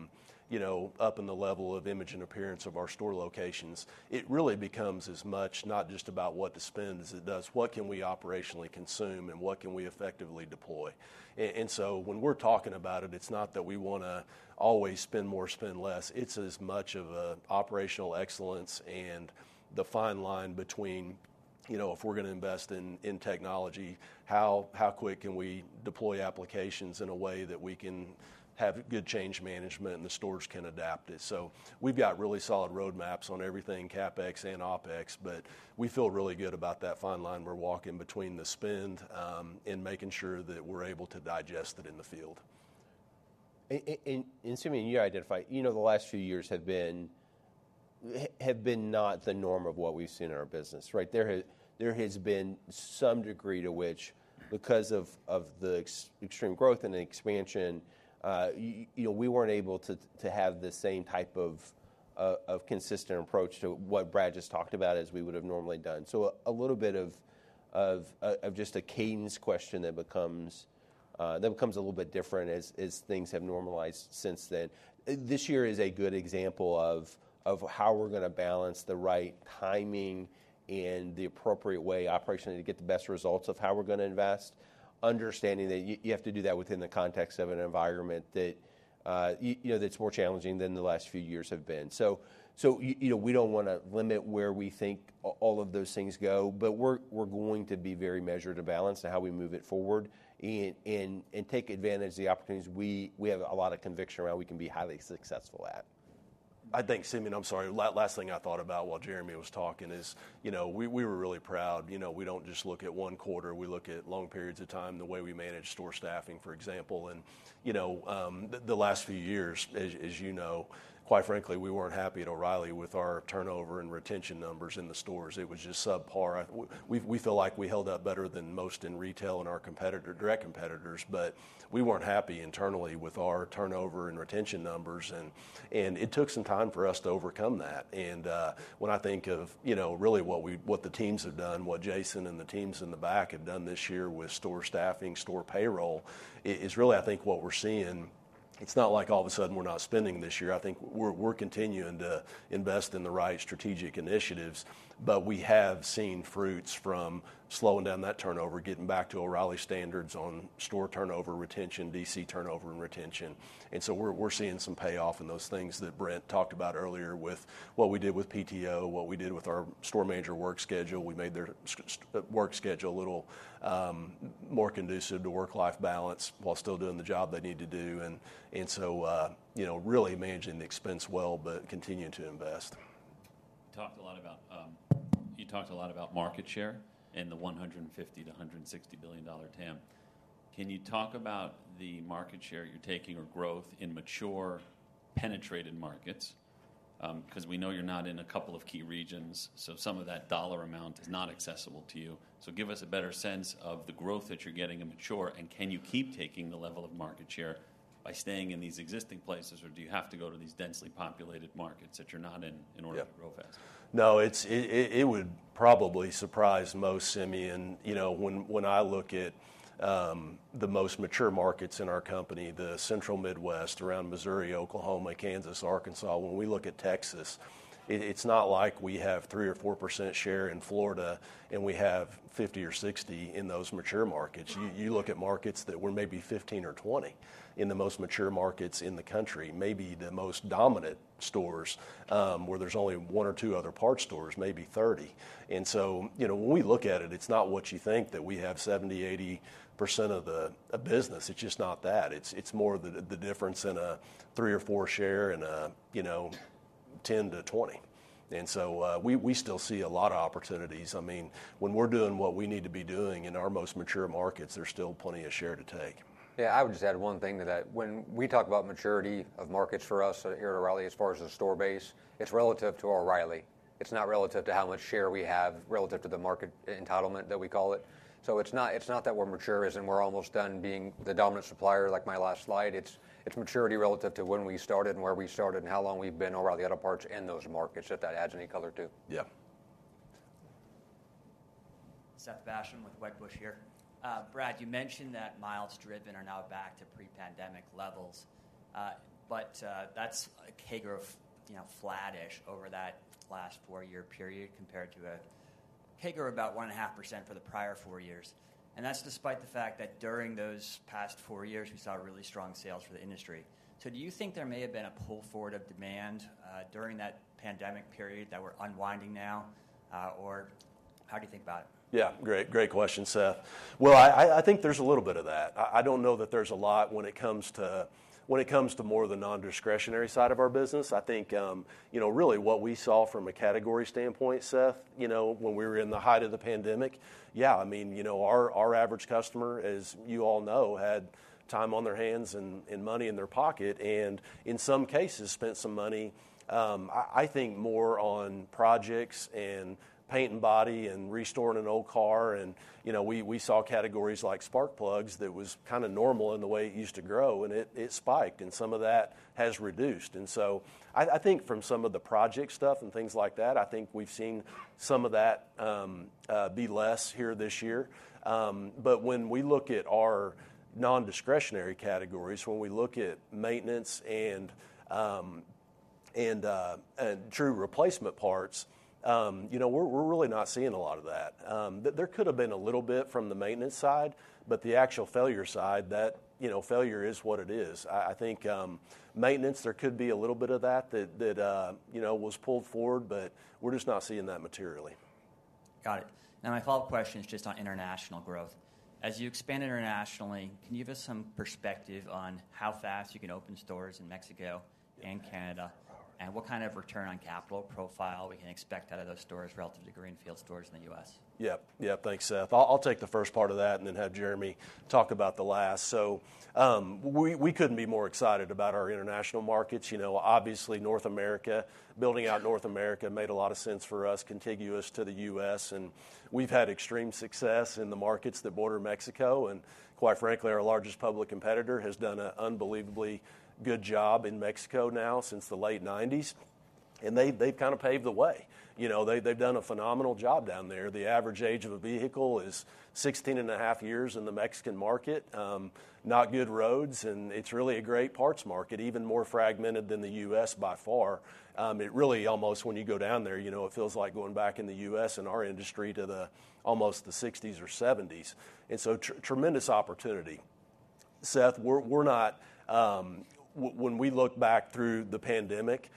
upping the level of image and appearance of our store locations, it really becomes as much not just about what the spend is it does, what can we operationally consume, and what can we effectively deploy? And so when we're talking about it, it's not that we wanna always spend more, spend less. It's as much of a operational excellence and the fine line between, you know, if we're gonna invest in technology, how quick can we deploy applications in a way that we can have good change management and the stores can adapt it. So we've got really solid roadmaps on everything, CapEx and OpEx, but we feel really good about that fine line we're walking between the spend and making sure that we're able to digest it in the field. Simeon, you identified, you know, the last few years have been not the norm of what we've seen in our business, right? There has been some degree to which, because of the extreme growth and the expansion, you know, we weren't able to have the same type of consistent approach to what Brad just talked about as we would've normally done. So a little bit of just a cadence question that becomes a little bit different as things have normalized since then. This year is a good example of how we're gonna balance the right timing and the appropriate way operationally to get the best results of how we're gonna invest, understanding that you have to do that within the context of an environment that you know that's more challenging than the last few years have been. So, you know, we don't wanna limit where we think all of those things go, but we're going to be very measured and balanced in how we move it forward, and take advantage of the opportunities we have a lot of conviction around. We can be highly successful at. I think, Simeon, I'm sorry, last thing I thought about while Jeremy was talking is, you know, we, we were really proud. You know, we don't just look at one quarter, we look at long periods of time, the way we manage store staffing, for example. And, you know, the last few years, as, as you know, quite frankly, we weren't happy at O'Reilly with our turnover and retention numbers in the stores. It was just subpar. I... We, we feel like we held up better than most in retail and our competitor, direct competitors, but we weren't happy internally with our turnover and retention numbers, and, and it took some time for us to overcome that. And when I think of, you know, really what we, what the teams have done, what Jason and the teams in the back have done this year with store staffing, store payroll, it is really, I think, what we're seeing. It's not like all of a sudden we're not spending this year. I think we're continuing to invest in the right strategic initiatives, but we have seen fruits from slowing down that turnover, getting back to O'Reilly standards on store turnover, retention, DC turnover and retention. And so we're seeing some payoff in those things that Brent talked about earlier with what we did with PTO, what we did with our store manager work schedule. We made their work schedule a little more conducive to work-life balance while still doing the job they need to do. So, you know, really managing the expense well, but continuing to invest. You talked a lot about market share and the $150-$160 billion TAM. Can you talk about the market share you're taking, or growth, in mature, penetrated markets? Because we know you're not in a couple of key regions, so some of that dollar amount is not accessible to you. So give us a better sense of the growth that you're getting in mature, and can you keep taking the level of market share by staying in these existing places, or do you have to go to these densely populated markets that you're not in, in order- Yeah... to grow faster? No, it would probably surprise most, Simeon, you know, when I look at the most mature markets in our company, the Central Midwest, around Missouri, Oklahoma, Kansas, Arkansas, when we look at Texas, it's not like we have 3% or 4% share in Florida, and we have 50 or 60 in those mature markets. Right. You look at markets that we're maybe 15 or 20 in the most mature markets in the country. Maybe the most dominant stores, where there's only one or two other parts stores, maybe 30. And so, you know, when we look at it, it's not what you think, that we have 70-80% of the business. It's just not that. It's more the difference in a three or four share and a, you know, 10 to 20. And so, we still see a lot of opportunities. I mean, when we're doing what we need to be doing in our most mature markets, there's still plenty of share to take. Yeah, I would just add one thing to that. When we talk about maturity of markets for us here at O'Reilly, as far as the store base, it's relative to O'Reilly. It's not relative to how much share we have relative to the market entitlement, that we call it. So it's not, it's not that we're mature as in we're almost done being the dominant supplier, like my last slide. It's, it's maturity relative to when we started, and where we started, and how long we've been O'Reilly Auto Parts in those markets, if that adds any color, too. Yeah. Seth Basham with Wedbush here. Brad, you mentioned that miles driven are now back to pre-pandemic levels. But, that's a CAGR of-... you know, flattish over that last four-year period, compared to a TIGR of about 1.5% for the prior four years. And that's despite the fact that during those past four years, we saw really strong sales for the industry. So do you think there may have been a pull forward of demand during that pandemic period that we're unwinding now? Or how do you think about it? Yeah, great. Great question, Seth. Well, I think there's a little bit of that. I don't know that there's a lot when it comes to more of the non-discretionary side of our business. I think, you know, really what we saw from a category standpoint, Seth, you know, when we were in the height of the pandemic, yeah, I mean, you know, our average customer, as you all know, had time on their hands and money in their pocket, and in some cases, spent some money. I think more on projects and paint and body and restoring an old car, and, you know, we saw categories like spark plugs that was kinda normal in the way it used to grow, and it spiked, and some of that has reduced. And so I think from some of the project stuff and things like that, I think we've seen some of that be less here this year. But when we look at our non-discretionary categories, when we look at maintenance and true replacement parts, you know, we're really not seeing a lot of that. There could have been a little bit from the maintenance side, but the actual failure side, that, you know, failure is what it is. I think maintenance there could be a little bit of that that you know was pulled forward, but we're just not seeing that materially. Got it. Now, my follow-up question is just on international growth. As you expand internationally, can you give us some perspective on how fast you can open stores in Mexico and Canada, and what kind of return on capital profile we can expect out of those stores relative to greenfield stores in the U.S.? Yep, yep. Thanks, Seth. I'll take the first part of that and then have Jeremy talk about the last. So, we couldn't be more excited about our international markets. You know, obviously, North America, building out North America made a lot of sense for us, contiguous to the U.S., and we've had extreme success in the markets that border Mexico, and quite frankly, our largest public competitor has done an unbelievably good job in Mexico now since the late 1990s, and they, they've kinda paved the way. You know, they, they've done a phenomenal job down there. The average age of a vehicle is sixteen and a half years in the Mexican market. Not good roads, and it's really a great parts market, even more fragmented than the U.S. by far. It really almost, when you go down there, you know, it feels like going back in the U.S. in our industry to the almost the sixties or seventies, and so tremendous opportunity. Seth, we're not... when we look back through the pandemic,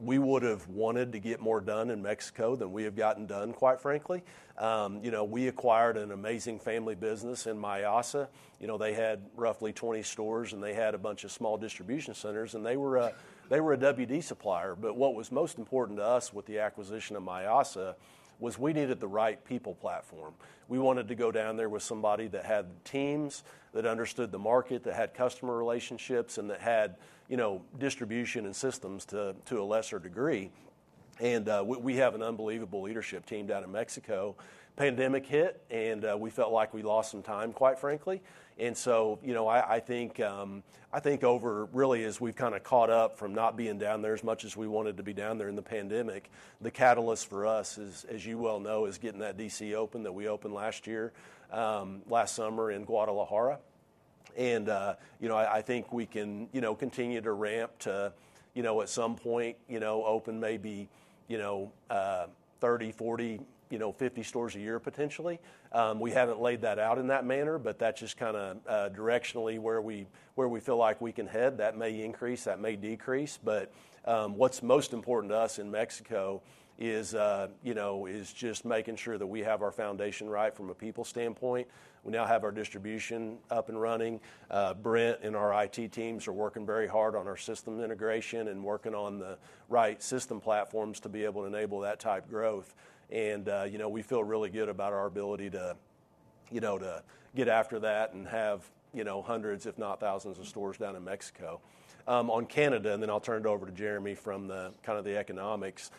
we would've wanted to get more done in Mexico than we have gotten done, quite frankly. You know, we acquired an amazing family business in Mayasa. You know, they had roughly 20 stores, and they had a bunch of small distribution centers, and they were a WD supplier, but what was most important to us with the acquisition of Mayasa was we needed the right people platform. We wanted to go down there with somebody that had teams, that understood the market, that had customer relationships, and that had, you know, distribution and systems to a lesser degree, and we have an unbelievable leadership team down in Mexico. The pandemic hit, and we felt like we lost some time, quite frankly. So, you know, I think O'Reilly as we've kinda caught up from not being down there as much as we wanted to be down there in the pandemic, the catalyst for us is, as you well know, getting that DC open, that we opened last year, last summer in Guadalajara. You know, I think we can continue to ramp to, at some point, open maybe 30, 40, 50 stores a year potentially. We haven't laid that out in that manner, but that's just kinda directionally where we feel like we can head. That may increase, that may decrease, but what's most important to us in Mexico is just making sure that we have our foundation right from a people standpoint. We now have our distribution up and running. Brent and our IT teams are working very hard on our systems integration and working on the right system platforms to be able to enable that type of growth. You know, we feel really good about our ability to, you know, to get after that and have, you know, hundreds, if not thousands, of stores down in Mexico. On Canada, and then I'll turn it over to Jeremy from the kind of economics.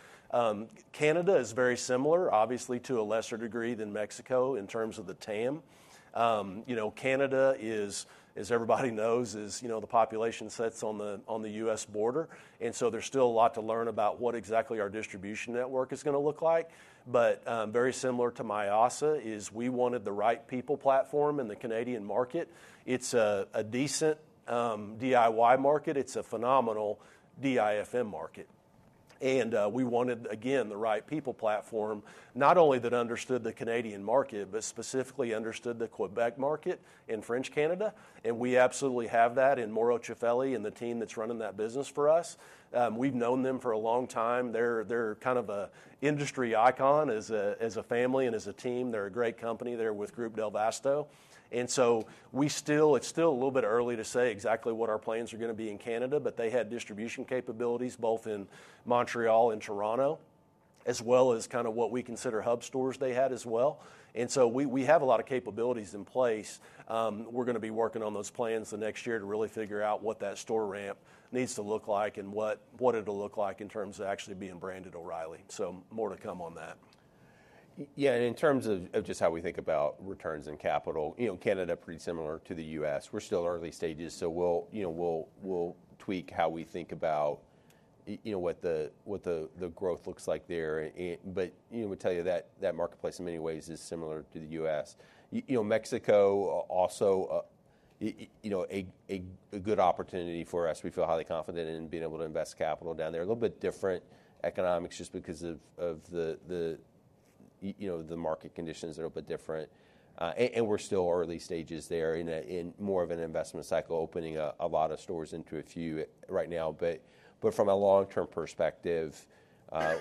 Canada is very similar, obviously to a lesser degree than Mexico, in terms of the TAM. You know, Canada is, as everybody knows, you know, the population sits on the U.S. border, and so there's still a lot to learn about what exactly our distribution network is gonna look like. But, very similar to Mayasa, is we wanted the right people platform in the Canadian market. It's a decent DIY market. It's a phenomenal DIFM market. And we wanted, again, the right people platform, not only that understood the Canadian market, but specifically understood the Quebec market in French Canada, and we absolutely have that in Mauro Ciafelli and the team that's running that business for us. We've known them for a long time. They're kind of a industry icon as a family and as a team. They're a great company. They're with Groupe Del vasto. And so we still. It's still a little bit early to say exactly what our plans are gonna be in Canada, but they had distribution capabilities both in Montreal and Toronto, as well as kinda what we consider hub stores they had as well. And so we have a lot of capabilities in place. We're gonna be working on those plans the next year to really figure out what that store ramp needs to look like and what it'll look like in terms of actually being branded O'Reilly. So more to come on that. Yeah, and in terms of just how we think about returns and capital, you know, Canada, pretty similar to the U.S. We're still early stages, so we'll, you know, we'll tweak how we think about, you know, what the growth looks like there, and, but, you know, we'll tell you that that marketplace, in many ways, is similar to the U.S. You know, Mexico also.... you know, a good opportunity for us. We feel highly confident in being able to invest capital down there. A little bit different economics just because of the, you know, the market conditions are a little bit different. And we're still early stages there in more of an investment cycle, opening a lot of stores into a few right now. But from a long-term perspective,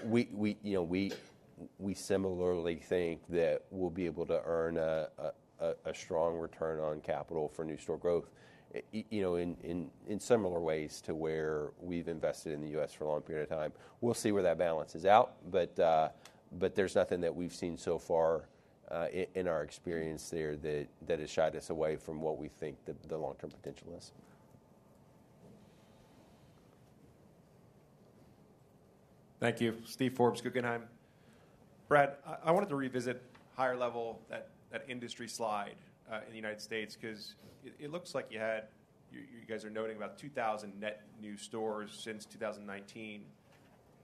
we, you know, we similarly think that we'll be able to earn a strong return on capital for new store growth, you know, in similar ways to where we've invested in the US for a long period of time. We'll see where that balances out, but there's nothing that we've seen so far, in our experience there that has shied us away from what we think the long-term potential is. Thank you. Steve Forbes, Guggenheim. Brad, I wanted to revisit higher level, that industry slide, in the United States, 'cause it looks like you had... You guys are noting about 2,000 net new stores since 2019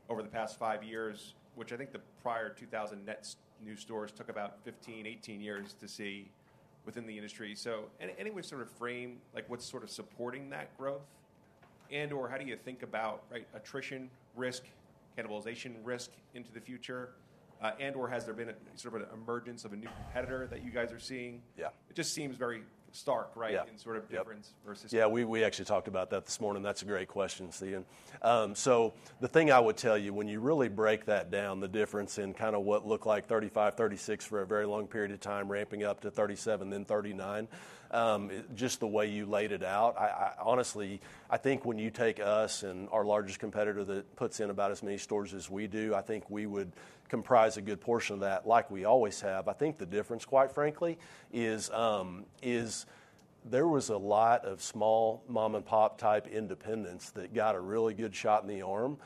over the past five years, which I think the prior 2,000 net new stores took about 15-18 years to see within the industry. So any way to sort of frame, like, what's sort of supporting that growth? And/or how do you think about, right, attrition risk, cannibalization risk into the future? And/or has there been a sort of emergence of a new competitor that you guys are seeing? Yeah. It just seems very stark, right? Yeah -in sort of difference versus- Yeah, we actually talked about that this morning. That's a great question, Steven. So the thing I would tell you, when you really break that down, the difference in kinda what looked like thirty-five, thirty-six for a very long period of time, ramping up to thirty-seven, then thirty-nine, just the way you laid it out, I... Honestly, I think when you take us and our largest competitor that puts in about as many stores as we do, I think we would comprise a good portion of that, like we always have. I think the difference, quite frankly, is there was a lot of small mom-and-pop type independents that got a really good shot in the arm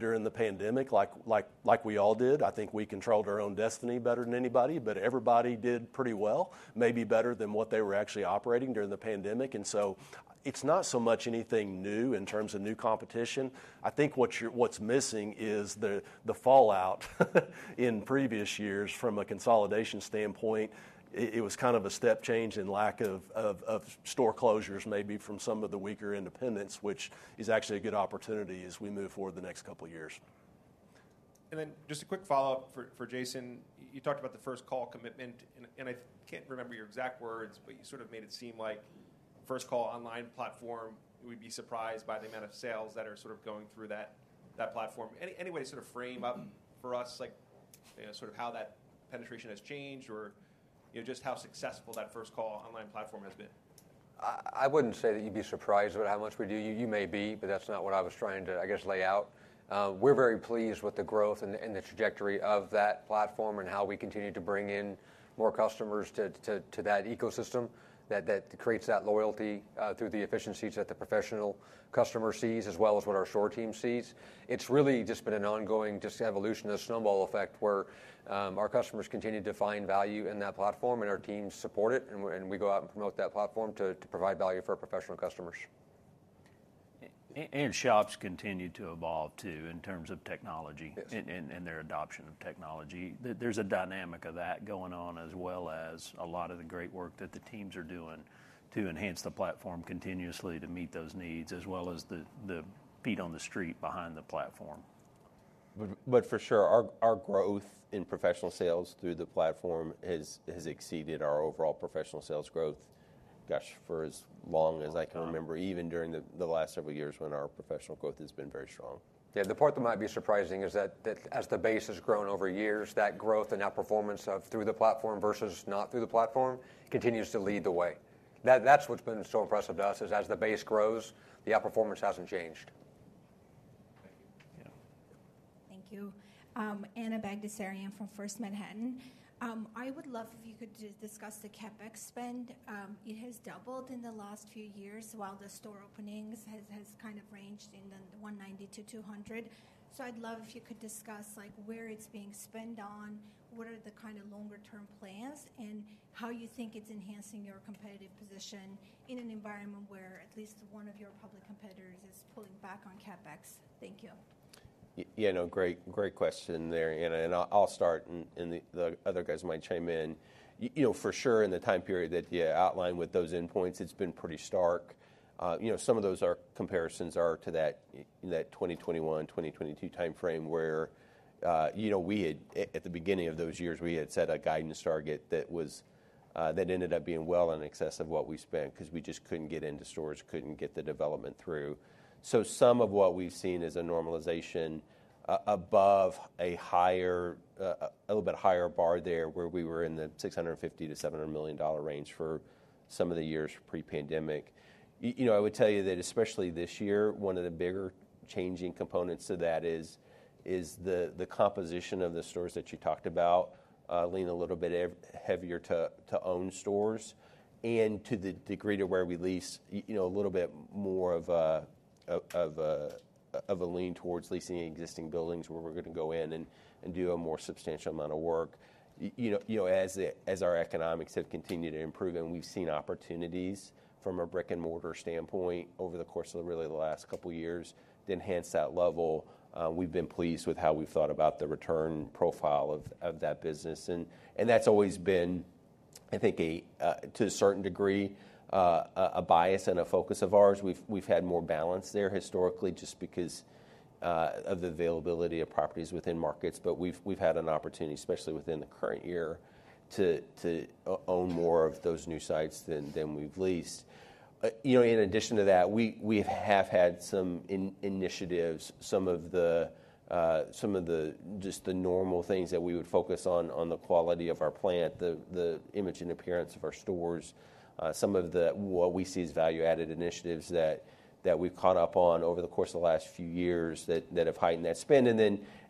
during the pandemic, like we all did. I think we controlled our own destiny better than anybody, but everybody did pretty well, maybe better than what they were actually operating during the pandemic. And so it's not so much anything new in terms of new competition. I think what's missing is the fallout in previous years from a consolidation standpoint. It was kind of a step change in lack of store closures, maybe from some of the weaker independents, which is actually a good opportunity as we move forward the next couple years. And then just a quick follow-up for Jason. You talked about the First Call commitment, and I can't remember your exact words, but you sort of made it seem like First Call Online platform, we'd be surprised by the amount of sales that are sort of going through that platform. Any way to sort of frame up for us, like, you know, sort of how that penetration has changed or, you know, just how successful that First Call Online platform has been? I wouldn't say that you'd be surprised about how much we do. You may be, but that's not what I was trying to, I guess, lay out. We're very pleased with the growth and the trajectory of that platform and how we continue to bring in more customers to that ecosystem that creates that loyalty through the efficiencies that the professional customer sees, as well as what our store team sees. It's really just been an ongoing just evolution, a snowball effect, where our customers continue to find value in that platform, and our teams support it, and we go out and promote that platform to provide value for our professional customers. And shops continue to evolve too, in terms of technology. Yes... and their adoption of technology. There's a dynamic of that going on, as well as a lot of the great work that the teams are doing to enhance the platform continuously to meet those needs, as well as the feet on the street behind the platform. But for sure, our growth in professional sales through the platform has exceeded our overall professional sales growth, gosh, for as long as I can remember- Long time... even during the last several years when our professional growth has been very strong. Yeah, the part that might be surprising is that as the base has grown over years, that growth and outperformance of through the platform versus not through the platform continues to lead the way. That's what's been so impressive to us, is as the base grows, the outperformance hasn't changed. Thank you. Yeah. Thank you. Anna Bagdasarian from First Manhattan. I would love if you could just discuss the CapEx spend. It has doubled in the last few years, while the store openings has, has kind of ranged in the 190 to 200. So I'd love if you could discuss, like, where it's being spent on, what are the kind of longer term plans, and how you think it's enhancing your competitive position in an environment where at least one of your public competitors is pulling back on CapEx. Thank you. Yeah, no, great, great question there, Anna, and I'll start, and the other guys might chime in. You know, for sure, in the time period that you outlined with those endpoints, it's been pretty stark. You know, some of those comparisons are to that 2021, 2022 timeframe, where, you know, we had, at the beginning of those years, we had set a guidance target that was, that ended up being well in excess of what we spent, 'cause we just couldn't get into stores, couldn't get the development through. So some of what we've seen is a normalization, above a higher, a little bit higher bar there, where we were in the $650 million-$700 million range for some of the years pre-pandemic. You know, I would tell you that, especially this year, one of the bigger changing components to that is the composition of the stores that you talked about, lean a little bit even heavier to own stores. And to the degree to where we lease, you know, a little bit more of a lean towards leasing existing buildings, where we're going to go in and do a more substantial amount of work. You know, as our economics have continued to improve, and we've seen opportunities from a brick-and-mortar standpoint over the course of really the last couple years to enhance that level, we've been pleased with how we've thought about the return profile of that business. And that's always been-... I think to a certain degree a bias and a focus of ours. We've had more balance there historically, just because of the availability of properties within markets. But we've had an opportunity, especially within the current year, to own more of those new sites than we've leased. You know, in addition to that, we have had some initiatives, some of the just the normal things that we would focus on the quality of our plant, the image and appearance of our stores, some of the what we see as value-added initiatives that we've caught up on over the course of the last few years that have heightened that spend.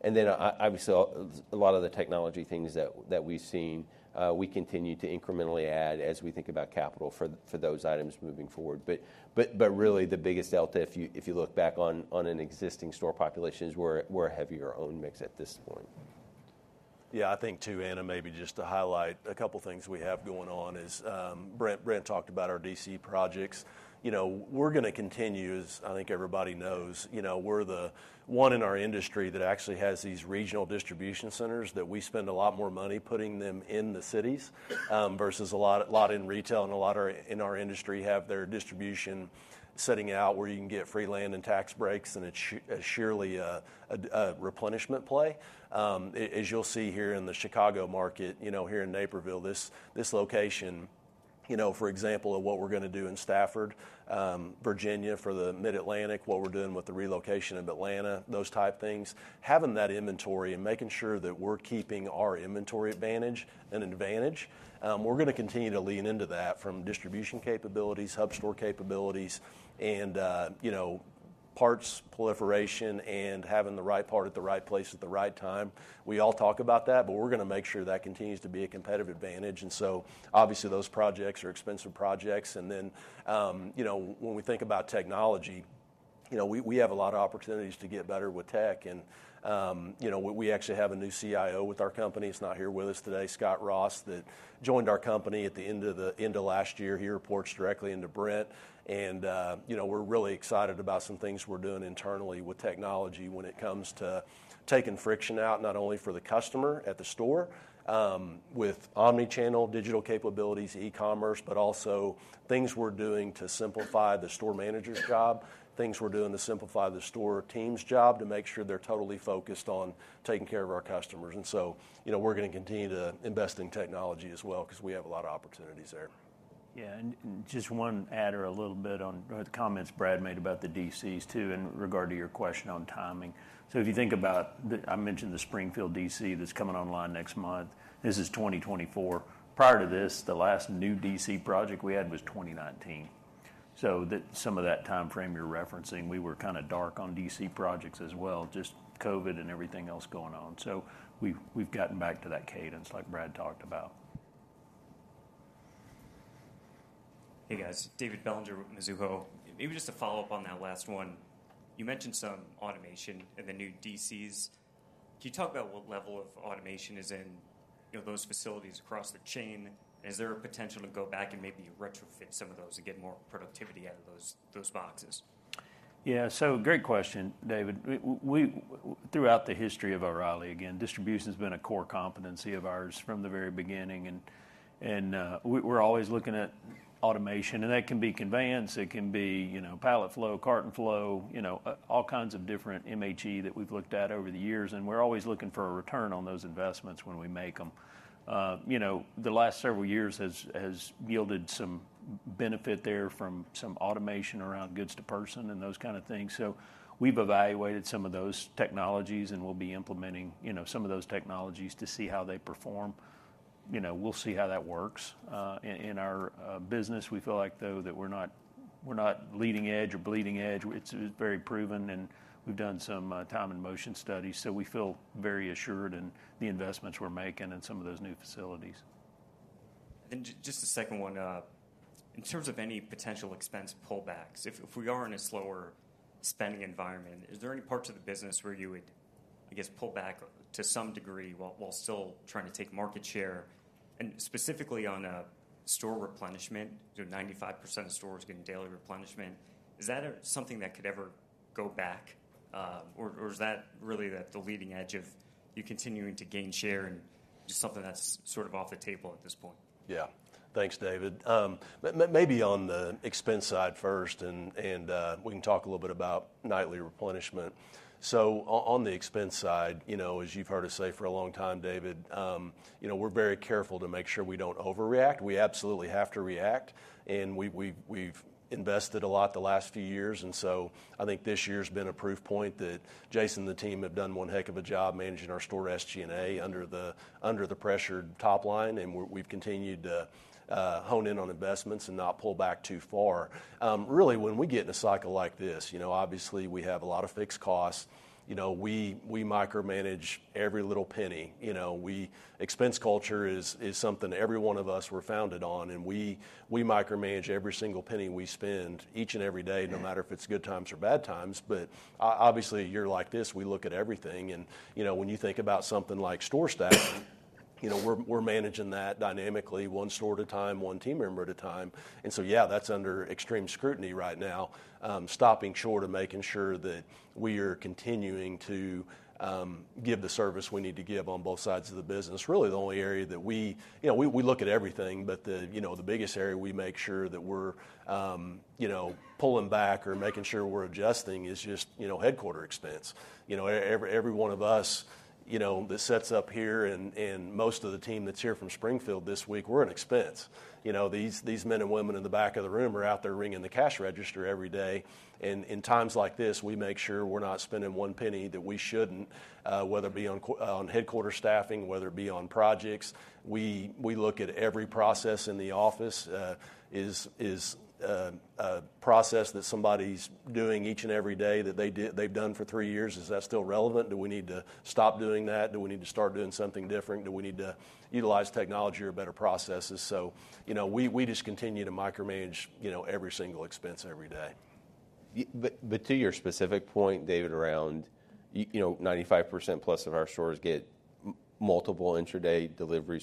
Obviously, a lot of the technology things that we've seen, we continue to incrementally add as we think about capital for those items moving forward. Really, the biggest delta, if you look back on an existing store population, is we're a heavier owned mix at this point. Yeah, I think, too, Anna, maybe just to highlight a couple of things we have going on is, Brent, Brent talked about our DC projects. You know, we're going to continue, as I think everybody knows, you know, we're the one in our industry that actually has these regional distribution centers that we spend a lot more money putting them in the cities, versus a lot in retail and a lot are in our industry have their distribution setting out where you can get free land and tax breaks, and it's surely a replenishment play. As you'll see here in the Chicago market, you know, here in Naperville, this location, you know, for example, of what we're going to do in Stafford, Virginia, for the Mid-Atlantic, what we're doing with the relocation in Atlanta, those type things, having that inventory and making sure that we're keeping our inventory advantage an advantage, we're going to continue to lean into that, from distribution capabilities, hub store capabilities, and, you know, parts proliferation and having the right part at the right place at the right time. We all talk about that, but we're going to make sure that continues to be a competitive advantage. And so obviously, those projects are expensive projects. And then, you know, when we think about technology, you know, we have a lot of opportunities to get better with tech. And, you know, we actually have a new CIO with our company. He's not here with us today, Scott Ross, that joined our company at the end of last year. He reports directly into Brent, and, you know, we're really excited about some things we're doing internally with technology when it comes to taking friction out, not only for the customer at the store, with Omnichannel digital capabilities, e-commerce, but also things we're doing to simplify the store manager's job, things we're doing to simplify the store team's job, to make sure they're totally focused on taking care of our customers. And so, you know, we're going to continue to invest in technology as well, because we have a lot of opportunities there. Yeah, and just one add or a little bit on the comments Brad made about the DCs, too, in regard to your question on timing. So if you think about the... I mentioned the Springfield DC that's coming online next month. This is 2024. Prior to this, the last new DC project we had was 2019. So some of that time frame you're referencing, we were kind of dark on DC projects as well, just COVID and everything else going on. So we've gotten back to that cadence, like Brad talked about. Hey, guys. David Bellinger with Mizuho. Maybe just to follow up on that last one, you mentioned some automation in the new DCs. Can you talk about what level of automation is in, you know, those facilities across the chain? Is there a potential to go back and maybe retrofit some of those to get more productivity out of those, those boxes? Yeah, so great question, David. We, throughout the history of O'Reilly, again, distribution's been a core competency of ours from the very beginning, and we're always looking at automation, and that can be conveyance, it can be, you know, pallet flow, carton flow, you know, all kinds of different MHE that we've looked at over the years, and we're always looking for a return on those investments when we make them. You know, the last several years has yielded some benefit there from some automation around goods to person and those kind of things. So we've evaluated some of those technologies, and we'll be implementing, you know, some of those technologies to see how they perform. You know, we'll see how that works. In our business, we feel like, though, that we're not leading edge or bleeding edge. It's very proven, and we've done some time and motion studies, so we feel very assured in the investments we're making in some of those new facilities. And just the second one, in terms of any potential expense pullbacks, if we are in a slower spending environment, is there any parts of the business where you would, I guess, pull back to some degree while still trying to take market share? And specifically, on store replenishment, you know, 95% of stores getting daily replenishment, is that something that could ever go back, or is that really the leading edge of you continuing to gain share and just something that's sort of off the table at this point? Yeah. Thanks, David. Maybe on the expense side first, and we can talk a little bit about nightly replenishment. So on the expense side, you know, as you've heard us say for a long time, David, you know, we're very careful to make sure we don't overreact. We absolutely have to react, and we've invested a lot the last few years, and so I think this year's been a proof point that Jason and the team have done one heck of a job managing our store SG&A under the pressured top line, and we've continued to hone in on investments and not pull back too far. Really, when we get in a cycle like this, you know, obviously, we have a lot of fixed costs. You know, we micromanage every little penny. You know, expense culture is something every one of us we're founded on, and we micromanage every single penny we spend each and every day, no matter if it's good times or bad times. But obviously, a year like this, we look at everything, and, you know, when you think about something like store staffing you know, we're managing that dynamically, one store at a time, one team member at a time. And so yeah, that's under extreme scrutiny right now, stopping short of making sure that we are continuing to give the service we need to give on both sides of the business. Really, the only area that we... You know, we look at everything, but you know, the biggest area we make sure that we're, you know, pulling back or making sure we're adjusting is just, you know, headquarters expense. You know, every one of us, you know, that sits up here and most of the team that's here from Springfield this week, we're an expense. You know, these men and women in the back of the room are out there ringing the cash register every day, and in times like this, we make sure we're not spending one penny that we shouldn't, whether it be on headquarters staffing, whether it be on projects. We look at every process in the office, is a process that somebody's doing each and every day that they've done for three years, is that still relevant? Do we need to stop doing that? Do we need to start doing something different? Do we need to utilize technology or better processes? So, you know, we just continue to micromanage, you know, every single expense every day. Yeah, but to your specific point, David, around you know 95%+ of our stores get multiple intraday deliveries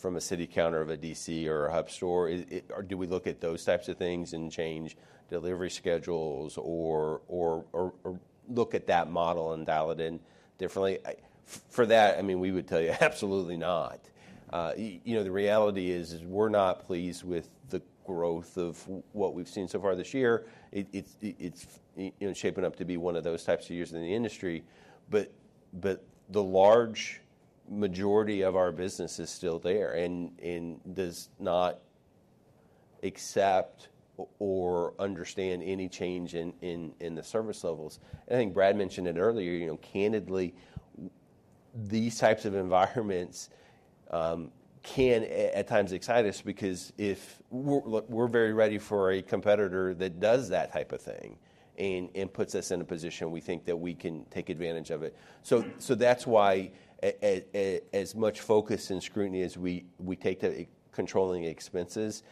from a city counter of a DC or a hub store. Or do we look at those types of things and change delivery schedules or look at that model and dial it in differently? For that, I mean, we would tell you absolutely not. You know, the reality is we're not pleased with the growth of what we've seen so far this year. It's you know shaping up to be one of those types of years in the industry, but the large majority of our business is still there and does not accept or understand any change in the service levels. I think Brad mentioned it earlier, you know, candidly, these types of environments can at times excite us because look, we're very ready for a competitor that does that type of thing and puts us in a position we think that we can take advantage of it, so that's why as much focus and scrutiny as we take to controlling expenses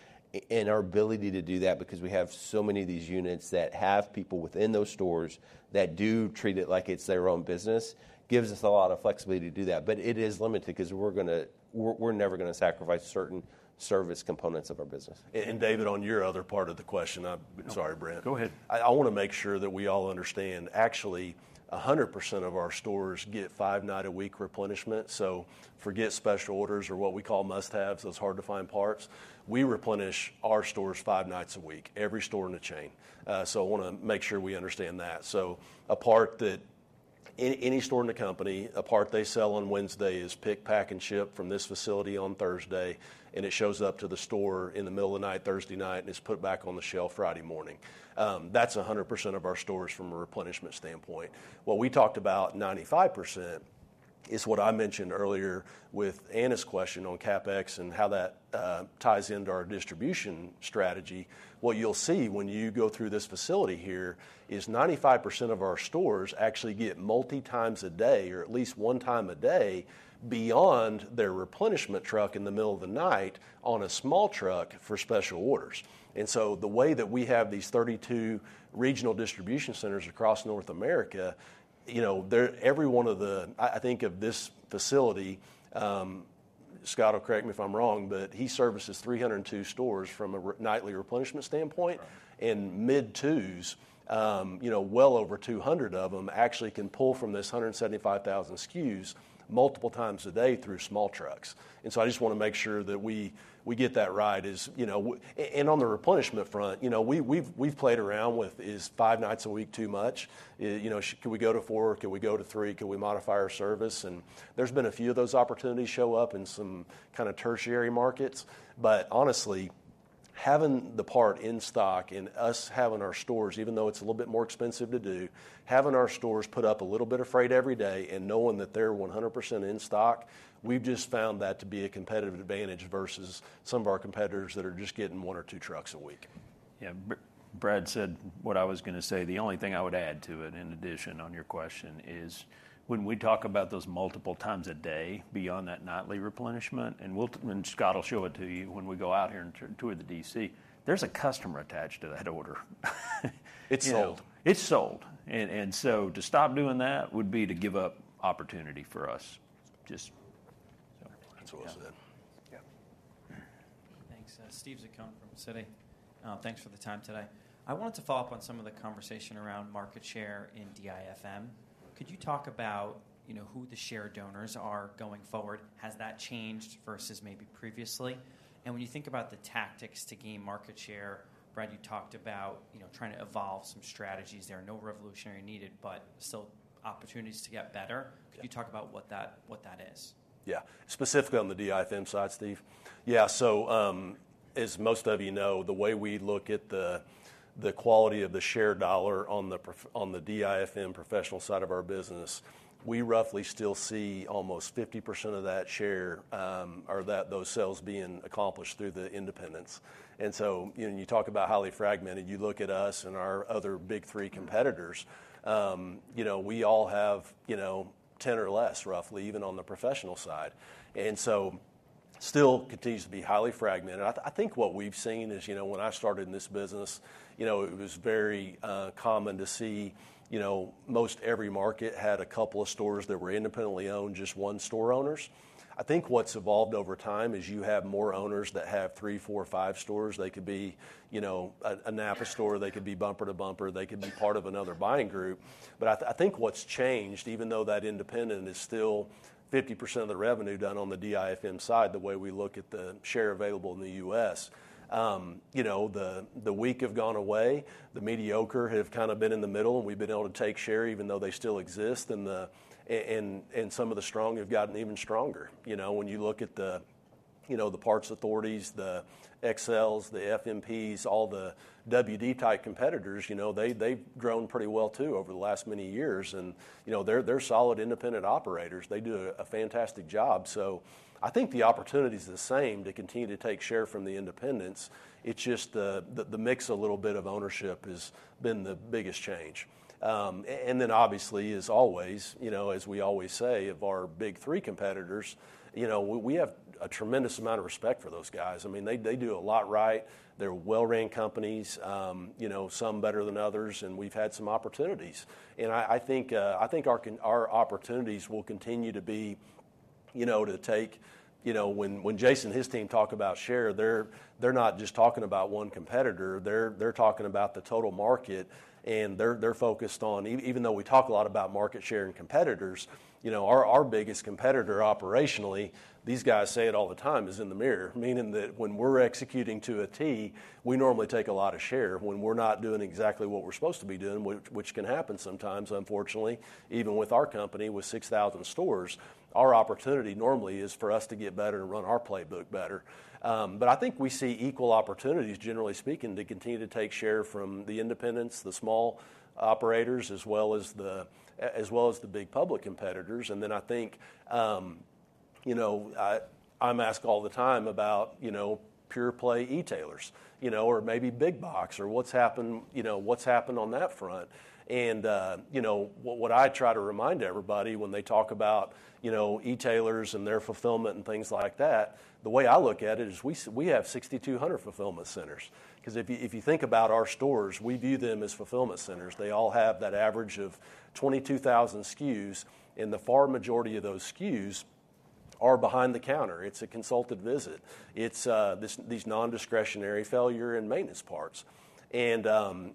and our ability to do that because we have so many of these units that have people within those stores that do treat it like it's their own business, gives us a lot of flexibility to do that, but it is limited, because we're never gonna sacrifice certain service components of our business. And David, on your other part of the question, I... Sorry, Brad. Go ahead. I wanna make sure that we all understand, actually, 100% of our stores get five-night-a-week replenishment. So forget special orders or what we call must-haves, those hard-to-find parts. We replenish our stores five nights a week, every store in the chain. So I wanna make sure we understand that. So a part that any store in the company, a part they sell on Wednesday is pick, pack, and ship from this facility on Thursday, and it shows up to the store in the middle of the night, Thursday night, and is put back on the shelf Friday morning. That's 100% of our stores from a replenishment standpoint. What we talked about, 95%, is what I mentioned earlier with Anna's question on CapEx and how that ties into our distribution strategy. What you'll see when you go through this facility here is 95% of our stores actually get multi-times a day, or at least one time a day, beyond their replenishment truck in the middle of the night on a small truck for special orders. So the way that we have these 32 regional distribution centers across North America, you know, they're... Every one of them, I think this facility, Scott will correct me if I'm wrong, but he services 302 stores from a nightly replenishment standpoint. Right. Mid-twos, you know, well over 200 of them actually can pull from this 175,000 SKUs multiple times a day through small trucks. So I just wanna make sure that we get that right, you know, and on the replenishment front, you know, we've played around with. Is five nights a week too much? You know, should we go to four? Could we go to three? Could we modify our service? And there's been a few of those opportunities show up in some kinda tertiary markets. But honestly, having the part in stock and us having our stores, even though it's a little bit more expensive to do, having our stores put up a little bit of freight every day and knowing that they're 100% in stock, we've just found that to be a competitive advantage versus some of our competitors that are just getting one or two trucks a week. Yeah, Brad said what I was gonna say. The only thing I would add to it in addition on your question is, when we talk about those multiple times a day beyond that nightly replenishment, and we'll, and Scott will show it to you when we go out here and tour the DC, there's a customer attached to that order. It's sold. It's sold, and so to stop doing that would be to give up opportunity for us. Just- That's what I said. Yeah. Thanks. Steve Zaccone from Citi. Thanks for the time today. I wanted to follow up on some of the conversation around market share in DIFM. Could you talk about, you know, who the share donors are going forward? Has that changed versus maybe previously? And when you think about the tactics to gain market share, Brad, you talked about, you know, trying to evolve some strategies there. No revolutionary needed, but still opportunities to get better. Yeah. Could you talk about what that is? Yeah. Specifically on the DIFM side, Steve? Yeah, so, as most of you know, the way we look at the quality of the share dollar on the DIFM professional side of our business, we roughly still see almost 50% of that share or those sales being accomplished through the independents. And so, you know, when you talk about highly fragmented, you look at us and our other big three competitors, you know, we all have 10 or less, roughly, even on the professional side. And so it still continues to be highly fragmented. I think what we've seen is, you know, when I started in this business, you know, it was very common to see, you know, most every market had a couple of stores that were independently owned, just one-store owners. I think what's evolved over time is you have more owners that have three, four, or five stores. They could be, you know, a NAPA store, they could be Bumper to Bumper, they could be part of another buying group. But I think what's changed, even though that independent is still 50% of the revenue done on the DIFM side, the way we look at the share available in the US, you know, the weak have gone away, the mediocre have kinda been in the middle, and we've been able to take share even though they still exist, and some of the strong have gotten even stronger. You know, when you look at the Parts Authority, the XLs, the FMPs, all the WD-type competitors, you know, they, they've grown pretty well too over the last many years. And, you know, they're solid, independent operators. They do a fantastic job. So I think the opportunity's the same, to continue to take share from the independents. It's just the mix a little bit of ownership has been the biggest change. And then obviously, as always, you know, as we always say, of our big three competitors, you know, we have a tremendous amount of respect for those guys. I mean, they do a lot right. They're well-run companies, you know, some better than others, and we've had some opportunities. And I think our opportunities will continue to be, you know, to take. You know, when Jason and his team talk about share, they're not just talking about one competitor. They're talking about the total market, and they're focused on, even though we talk a lot about market share and competitors, you know, our biggest competitor operationally, these guys say it all the time, is in the mirror, meaning that when we're executing to a T, we normally take a lot of share. When we're not doing exactly what we're supposed to be doing, which can happen sometimes, unfortunately, even with our company, with 6,000 stores, our opportunity normally is for us to get better and run our playbook better, but I think we see equal opportunities, generally speaking, to continue to take share from the independents, the small operators, as well as the big public competitors. And then I think, you know, I'm asked all the time about, you know, pure-play e-tailers, you know, or maybe big box, or what's happened, you know, what's happened on that front. You know, what I try to remind everybody when they talk about, you know, e-tailers and their fulfillment and things like that, the way I look at it is we have 6,200 fulfillment centers. 'Cause if you think about our stores, we view them as fulfillment centers. They all have that average of 22,000 SKUs, and the far majority of those SKUs are behind the counter. It's a consulted visit. It's these non-discretionary failure and maintenance parts.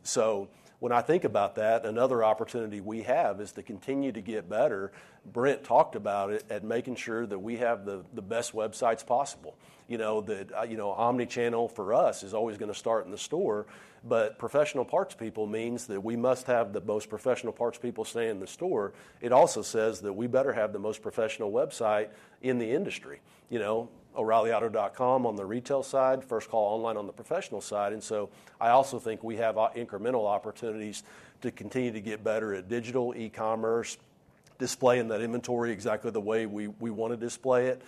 So when I think about that, another opportunity we have is to continue to get better. Brent talked about it at making sure that we have the best websites possible. You know, that you know, omnichannel for us is always gonna start in the store, but professional parts people means that we must have the most professional parts people staying in the store. It also says that we better have the most professional website in the industry. You know, O'ReillyAuto.com on the retail side, First Call Online on the professional side. And so I also think we have incremental opportunities to continue to get better at digital e-commerce, displaying that inventory exactly the way we wanna display it,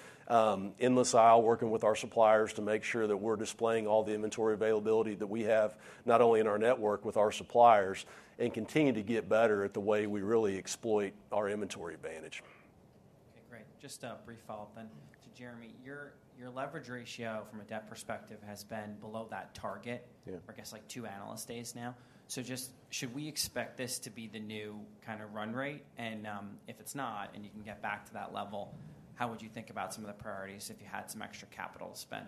in the aisle, working with our suppliers to make sure that we're displaying all the inventory availability that we have, not only in our network with our suppliers, and continue to get better at the way we really exploit our inventory advantage. Okay, great. Just a brief follow-up then to Jeremy. Your leverage ratio from a debt perspective has been below that target- Yeah... for I guess, like, two analyst days now. So just, should we expect this to be the new kinda run rate? And, if it's not, and you can get back to that level, how would you think about some of the priorities if you had some extra capital to spend?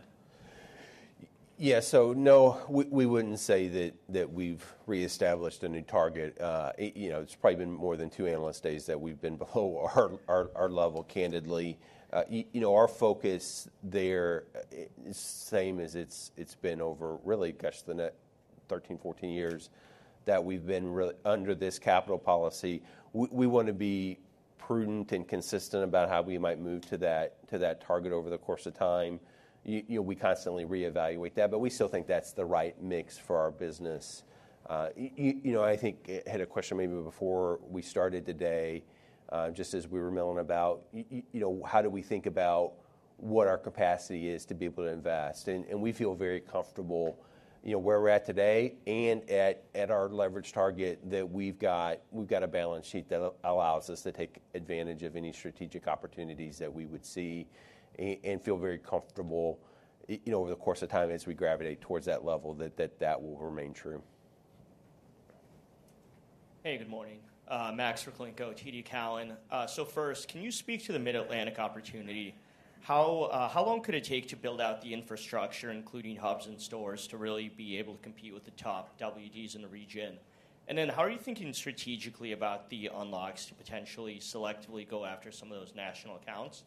Yeah, so no, we wouldn't say that we've re-established a new target. You know, it's probably been more than two analyst days that we've been below our level, candidly. You know, our focus there is the same as it's been over the better part of thirteen, fourteen years that we've been under this capital policy. We wanna be prudent and consistent about how we might move to that target over the course of time. You know, we constantly reevaluate that, but we still think that's the right mix for our business. You know, I think I had a question maybe before we started today, just as we were milling about, you know, how do we think about what our capacity is to be able to invest? We feel very comfortable, you know, where we're at today and at our leverage target, that we've got a balance sheet that allows us to take advantage of any strategic opportunities that we would see, and feel very comfortable, you know, over the course of time, as we gravitate towards that level, that will remain true. Hey, good morning, Max Rakh lenko, TD Cowen. So first, can you speak to the Mid-Atlantic opportunity? How long could it take to build out the infrastructure, including hubs and stores, to really be able to compete with the top WDs in the region? And then, how are you thinking strategically about the unlocks to potentially selectively go after some of those national accounts?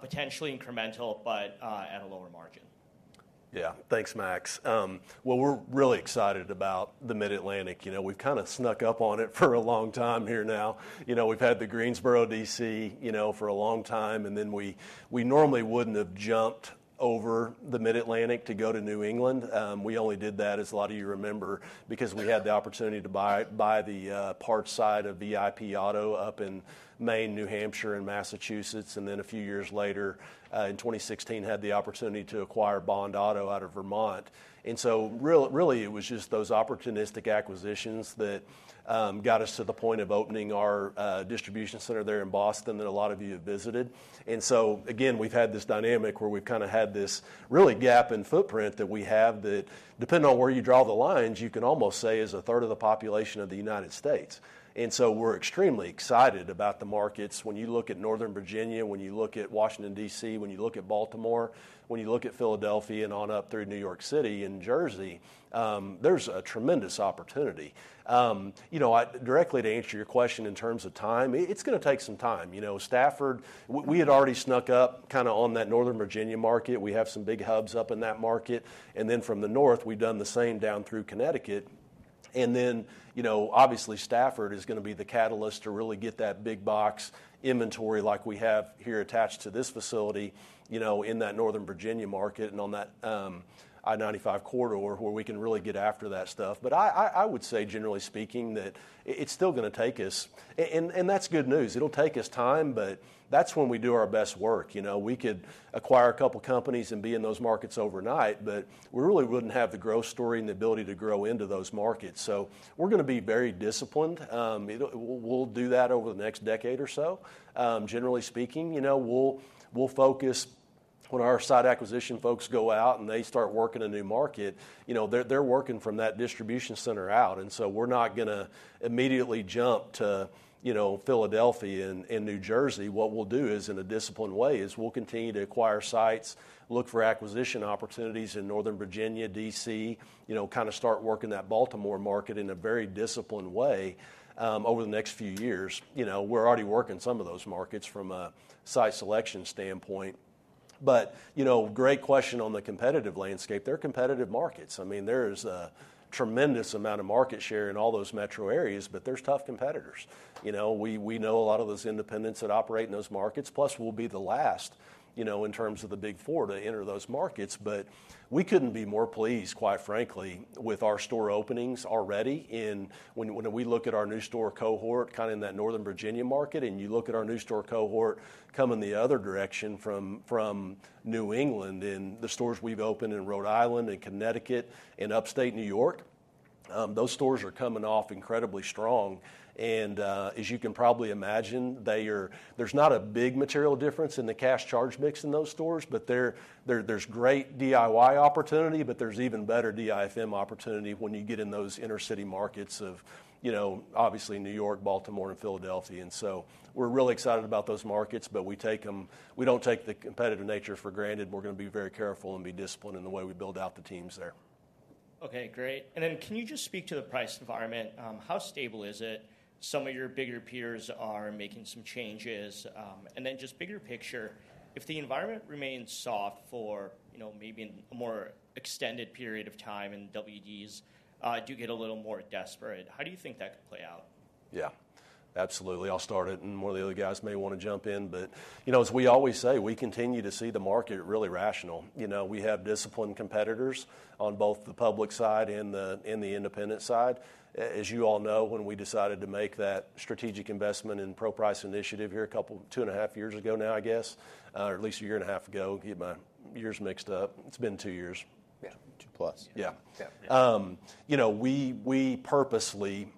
Potentially incremental, but at a lower margin. Yeah. Thanks, Max. Well, we're really excited about the Mid-Atlantic. You know, we've kinda snuck up on it for a long time here now. You know, we've had the Greensboro DC, you know, for a long time, and then we normally wouldn't have jumped over the Mid-Atlantic to go to New England. We only did that, as a lot of you remember, because we had the opportunity to buy the parts side of VIP Auto up in Maine, New Hampshire, and Massachusetts, and then a few years later, in 2016, had the opportunity to acquire Bond Auto out of Vermont. And so really, it was just those opportunistic acquisitions that got us to the point of opening our distribution center there in Boston that a lot of you have visited. And so, again, we've had this dynamic where we've kinda had this really gap in footprint that we have, that depending on where you draw the lines, you can almost say is a third of the population of the United States. And so we're extremely excited about the markets. When you look at Northern Virginia, when you look at Washington, D.C., when you look at Baltimore, when you look at Philadelphia and on up through New York City and Jersey, there's a tremendous opportunity. You know, directly to answer your question, in terms of time, it's gonna take some time. You know, Stafford, we had already snuck up kinda on that Northern Virginia market. We have some big hubs up in that market, and then from the north, we've done the same down through Connecticut, and then, you know, obviously Stafford is gonna be the catalyst to really get that big box inventory like we have here attached to this facility, you know, in that Northern Virginia market and on that I-95 corridor, where we can really get after that stuff. But I would say, generally speaking, that it's still gonna take us, and that's good news. It'll take us time, but that's when we do our best work. You know, we could acquire a couple companies and be in those markets overnight, but we really wouldn't have the growth story and the ability to grow into those markets. So we're gonna be very disciplined. We'll do that over the next decade or so. Generally speaking, you know, we'll focus. When our site acquisition folks go out, and they start working a new market, you know, they're working from that distribution center out, and so we're not gonna immediately jump to, you know, Philadelphia and New Jersey. What we'll do is, in a disciplined way, we'll continue to acquire sites, look for acquisition opportunities in Northern Virginia, DC, you know, kinda start working that Baltimore market in a very disciplined way, over the next few years. You know, we're already working some of those markets from a site selection standpoint, but, you know, great question on the competitive landscape. They're competitive markets. I mean, there's a tremendous amount of market share in all those metro areas, but there's tough competitors. You know, we know a lot of those independents that operate in those markets, plus we'll be the last, you know, in terms of the Big Four, to enter those markets. But we couldn't be more pleased, quite frankly, with our store openings already in... When we look at our new store cohort, kinda in that Northern Virginia market, and you look at our new store cohort coming the other direction from New England, and the stores we've opened in Rhode Island and Connecticut and upstate New York, those stores are coming off incredibly strong. And as you can probably imagine, they are. There's not a big material difference in the cash charge mix in those stores, but there, there's great DIY opportunity, but there's even better DIFM opportunity when you get in those inner-city markets of, you know, obviously New York, Baltimore, and Philadelphia. And so we're really excited about those markets, but we take them. We don't take the competitive nature for granted. We're gonna be very careful and be disciplined in the way we build out the teams there. Okay, great. And then, can you just speak to the price environment? How stable is it? Some of your bigger peers are making some changes. And then, just bigger picture, if the environment remains soft for, you know, maybe a more extended period of time, and WDs do get a little more desperate, how do you think that could play out? Yeah. Absolutely. I'll start it, and more of the other guys may wanna jump in. But, you know, as we always say, we continue to see the market really rational. You know, we have disciplined competitors on both the public side and the independent side. As you all know, when we decided to make that strategic investment in ProPrice initiative here a couple, two and a half years ago now, I guess, or at least a year and a half ago, get my years mixed up. It's been two years. Yeah, two plus. Yeah. Yeah. You know, we purposely did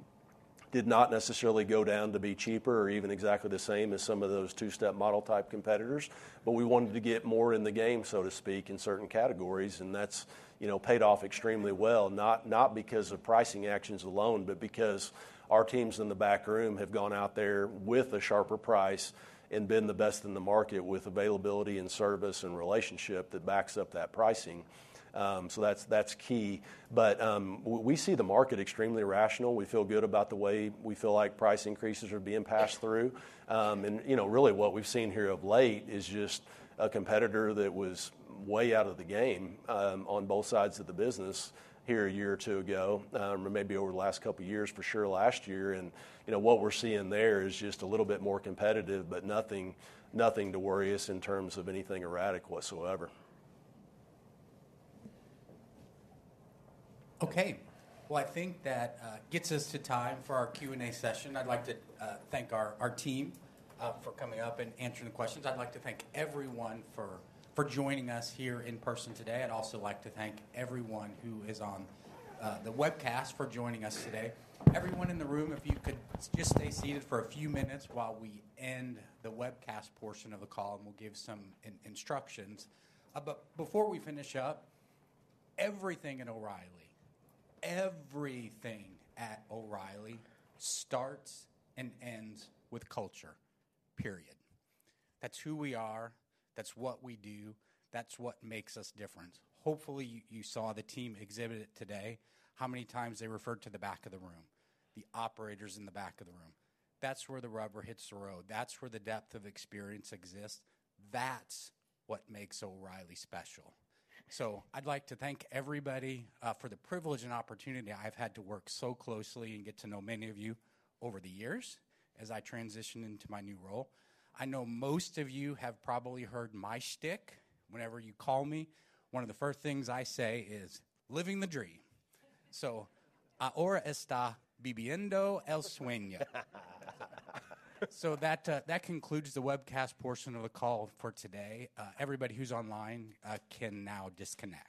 not necessarily go down to be cheaper or even exactly the same as some of those two-step model-type competitors, but we wanted to get more in the game, so to speak, in certain categories, and that's, you know, paid off extremely well, not because of pricing actions alone, but because our teams in the back room have gone out there with a sharper price and been the best in the market with availability and service and relationship that backs up that pricing. So that's key. But we see the market extremely rational. We feel good about the way we feel like price increases are being passed through. And, you know, really what we've seen here of late is just a competitor that was way out of the game, on both sides of the business here a year or two ago, or maybe over the last couple years, for sure last year. And, you know, what we're seeing there is just a little bit more competitive, but nothing to worry us in terms of anything erratic whatsoever. Okay. Well, I think that gets us to time for our Q&A session. I'd like to thank our team for coming up and answering the questions. I'd like to thank everyone for joining us here in person today. I'd also like to thank everyone who is on the webcast for joining us today. Everyone in the room, if you could just stay seated for a few minutes while we end the webcast portion of the call, and we'll give some instructions, but before we finish up, everything at O'Reilly, everything at O'Reilly starts and ends with culture, period. That's who we are. That's what we do. That's what makes us different. Hopefully, you saw the team exhibit it today, how many times they referred to the back of the room, the operators in the back of the room. That's where the rubber hits the road. That's where the depth of experience exists. That's what makes O'Reilly special. So I'd like to thank everybody for the privilege and opportunity I've had to work so closely and get to know many of you over the years as I transition into my new role. I know most of you have probably heard my shtick. Whenever you call me, one of the first things I say is, "Living the dream." So ahora está viviendo el sueño. So that concludes the webcast portion of the call for today. Everybody who's online can now disconnect.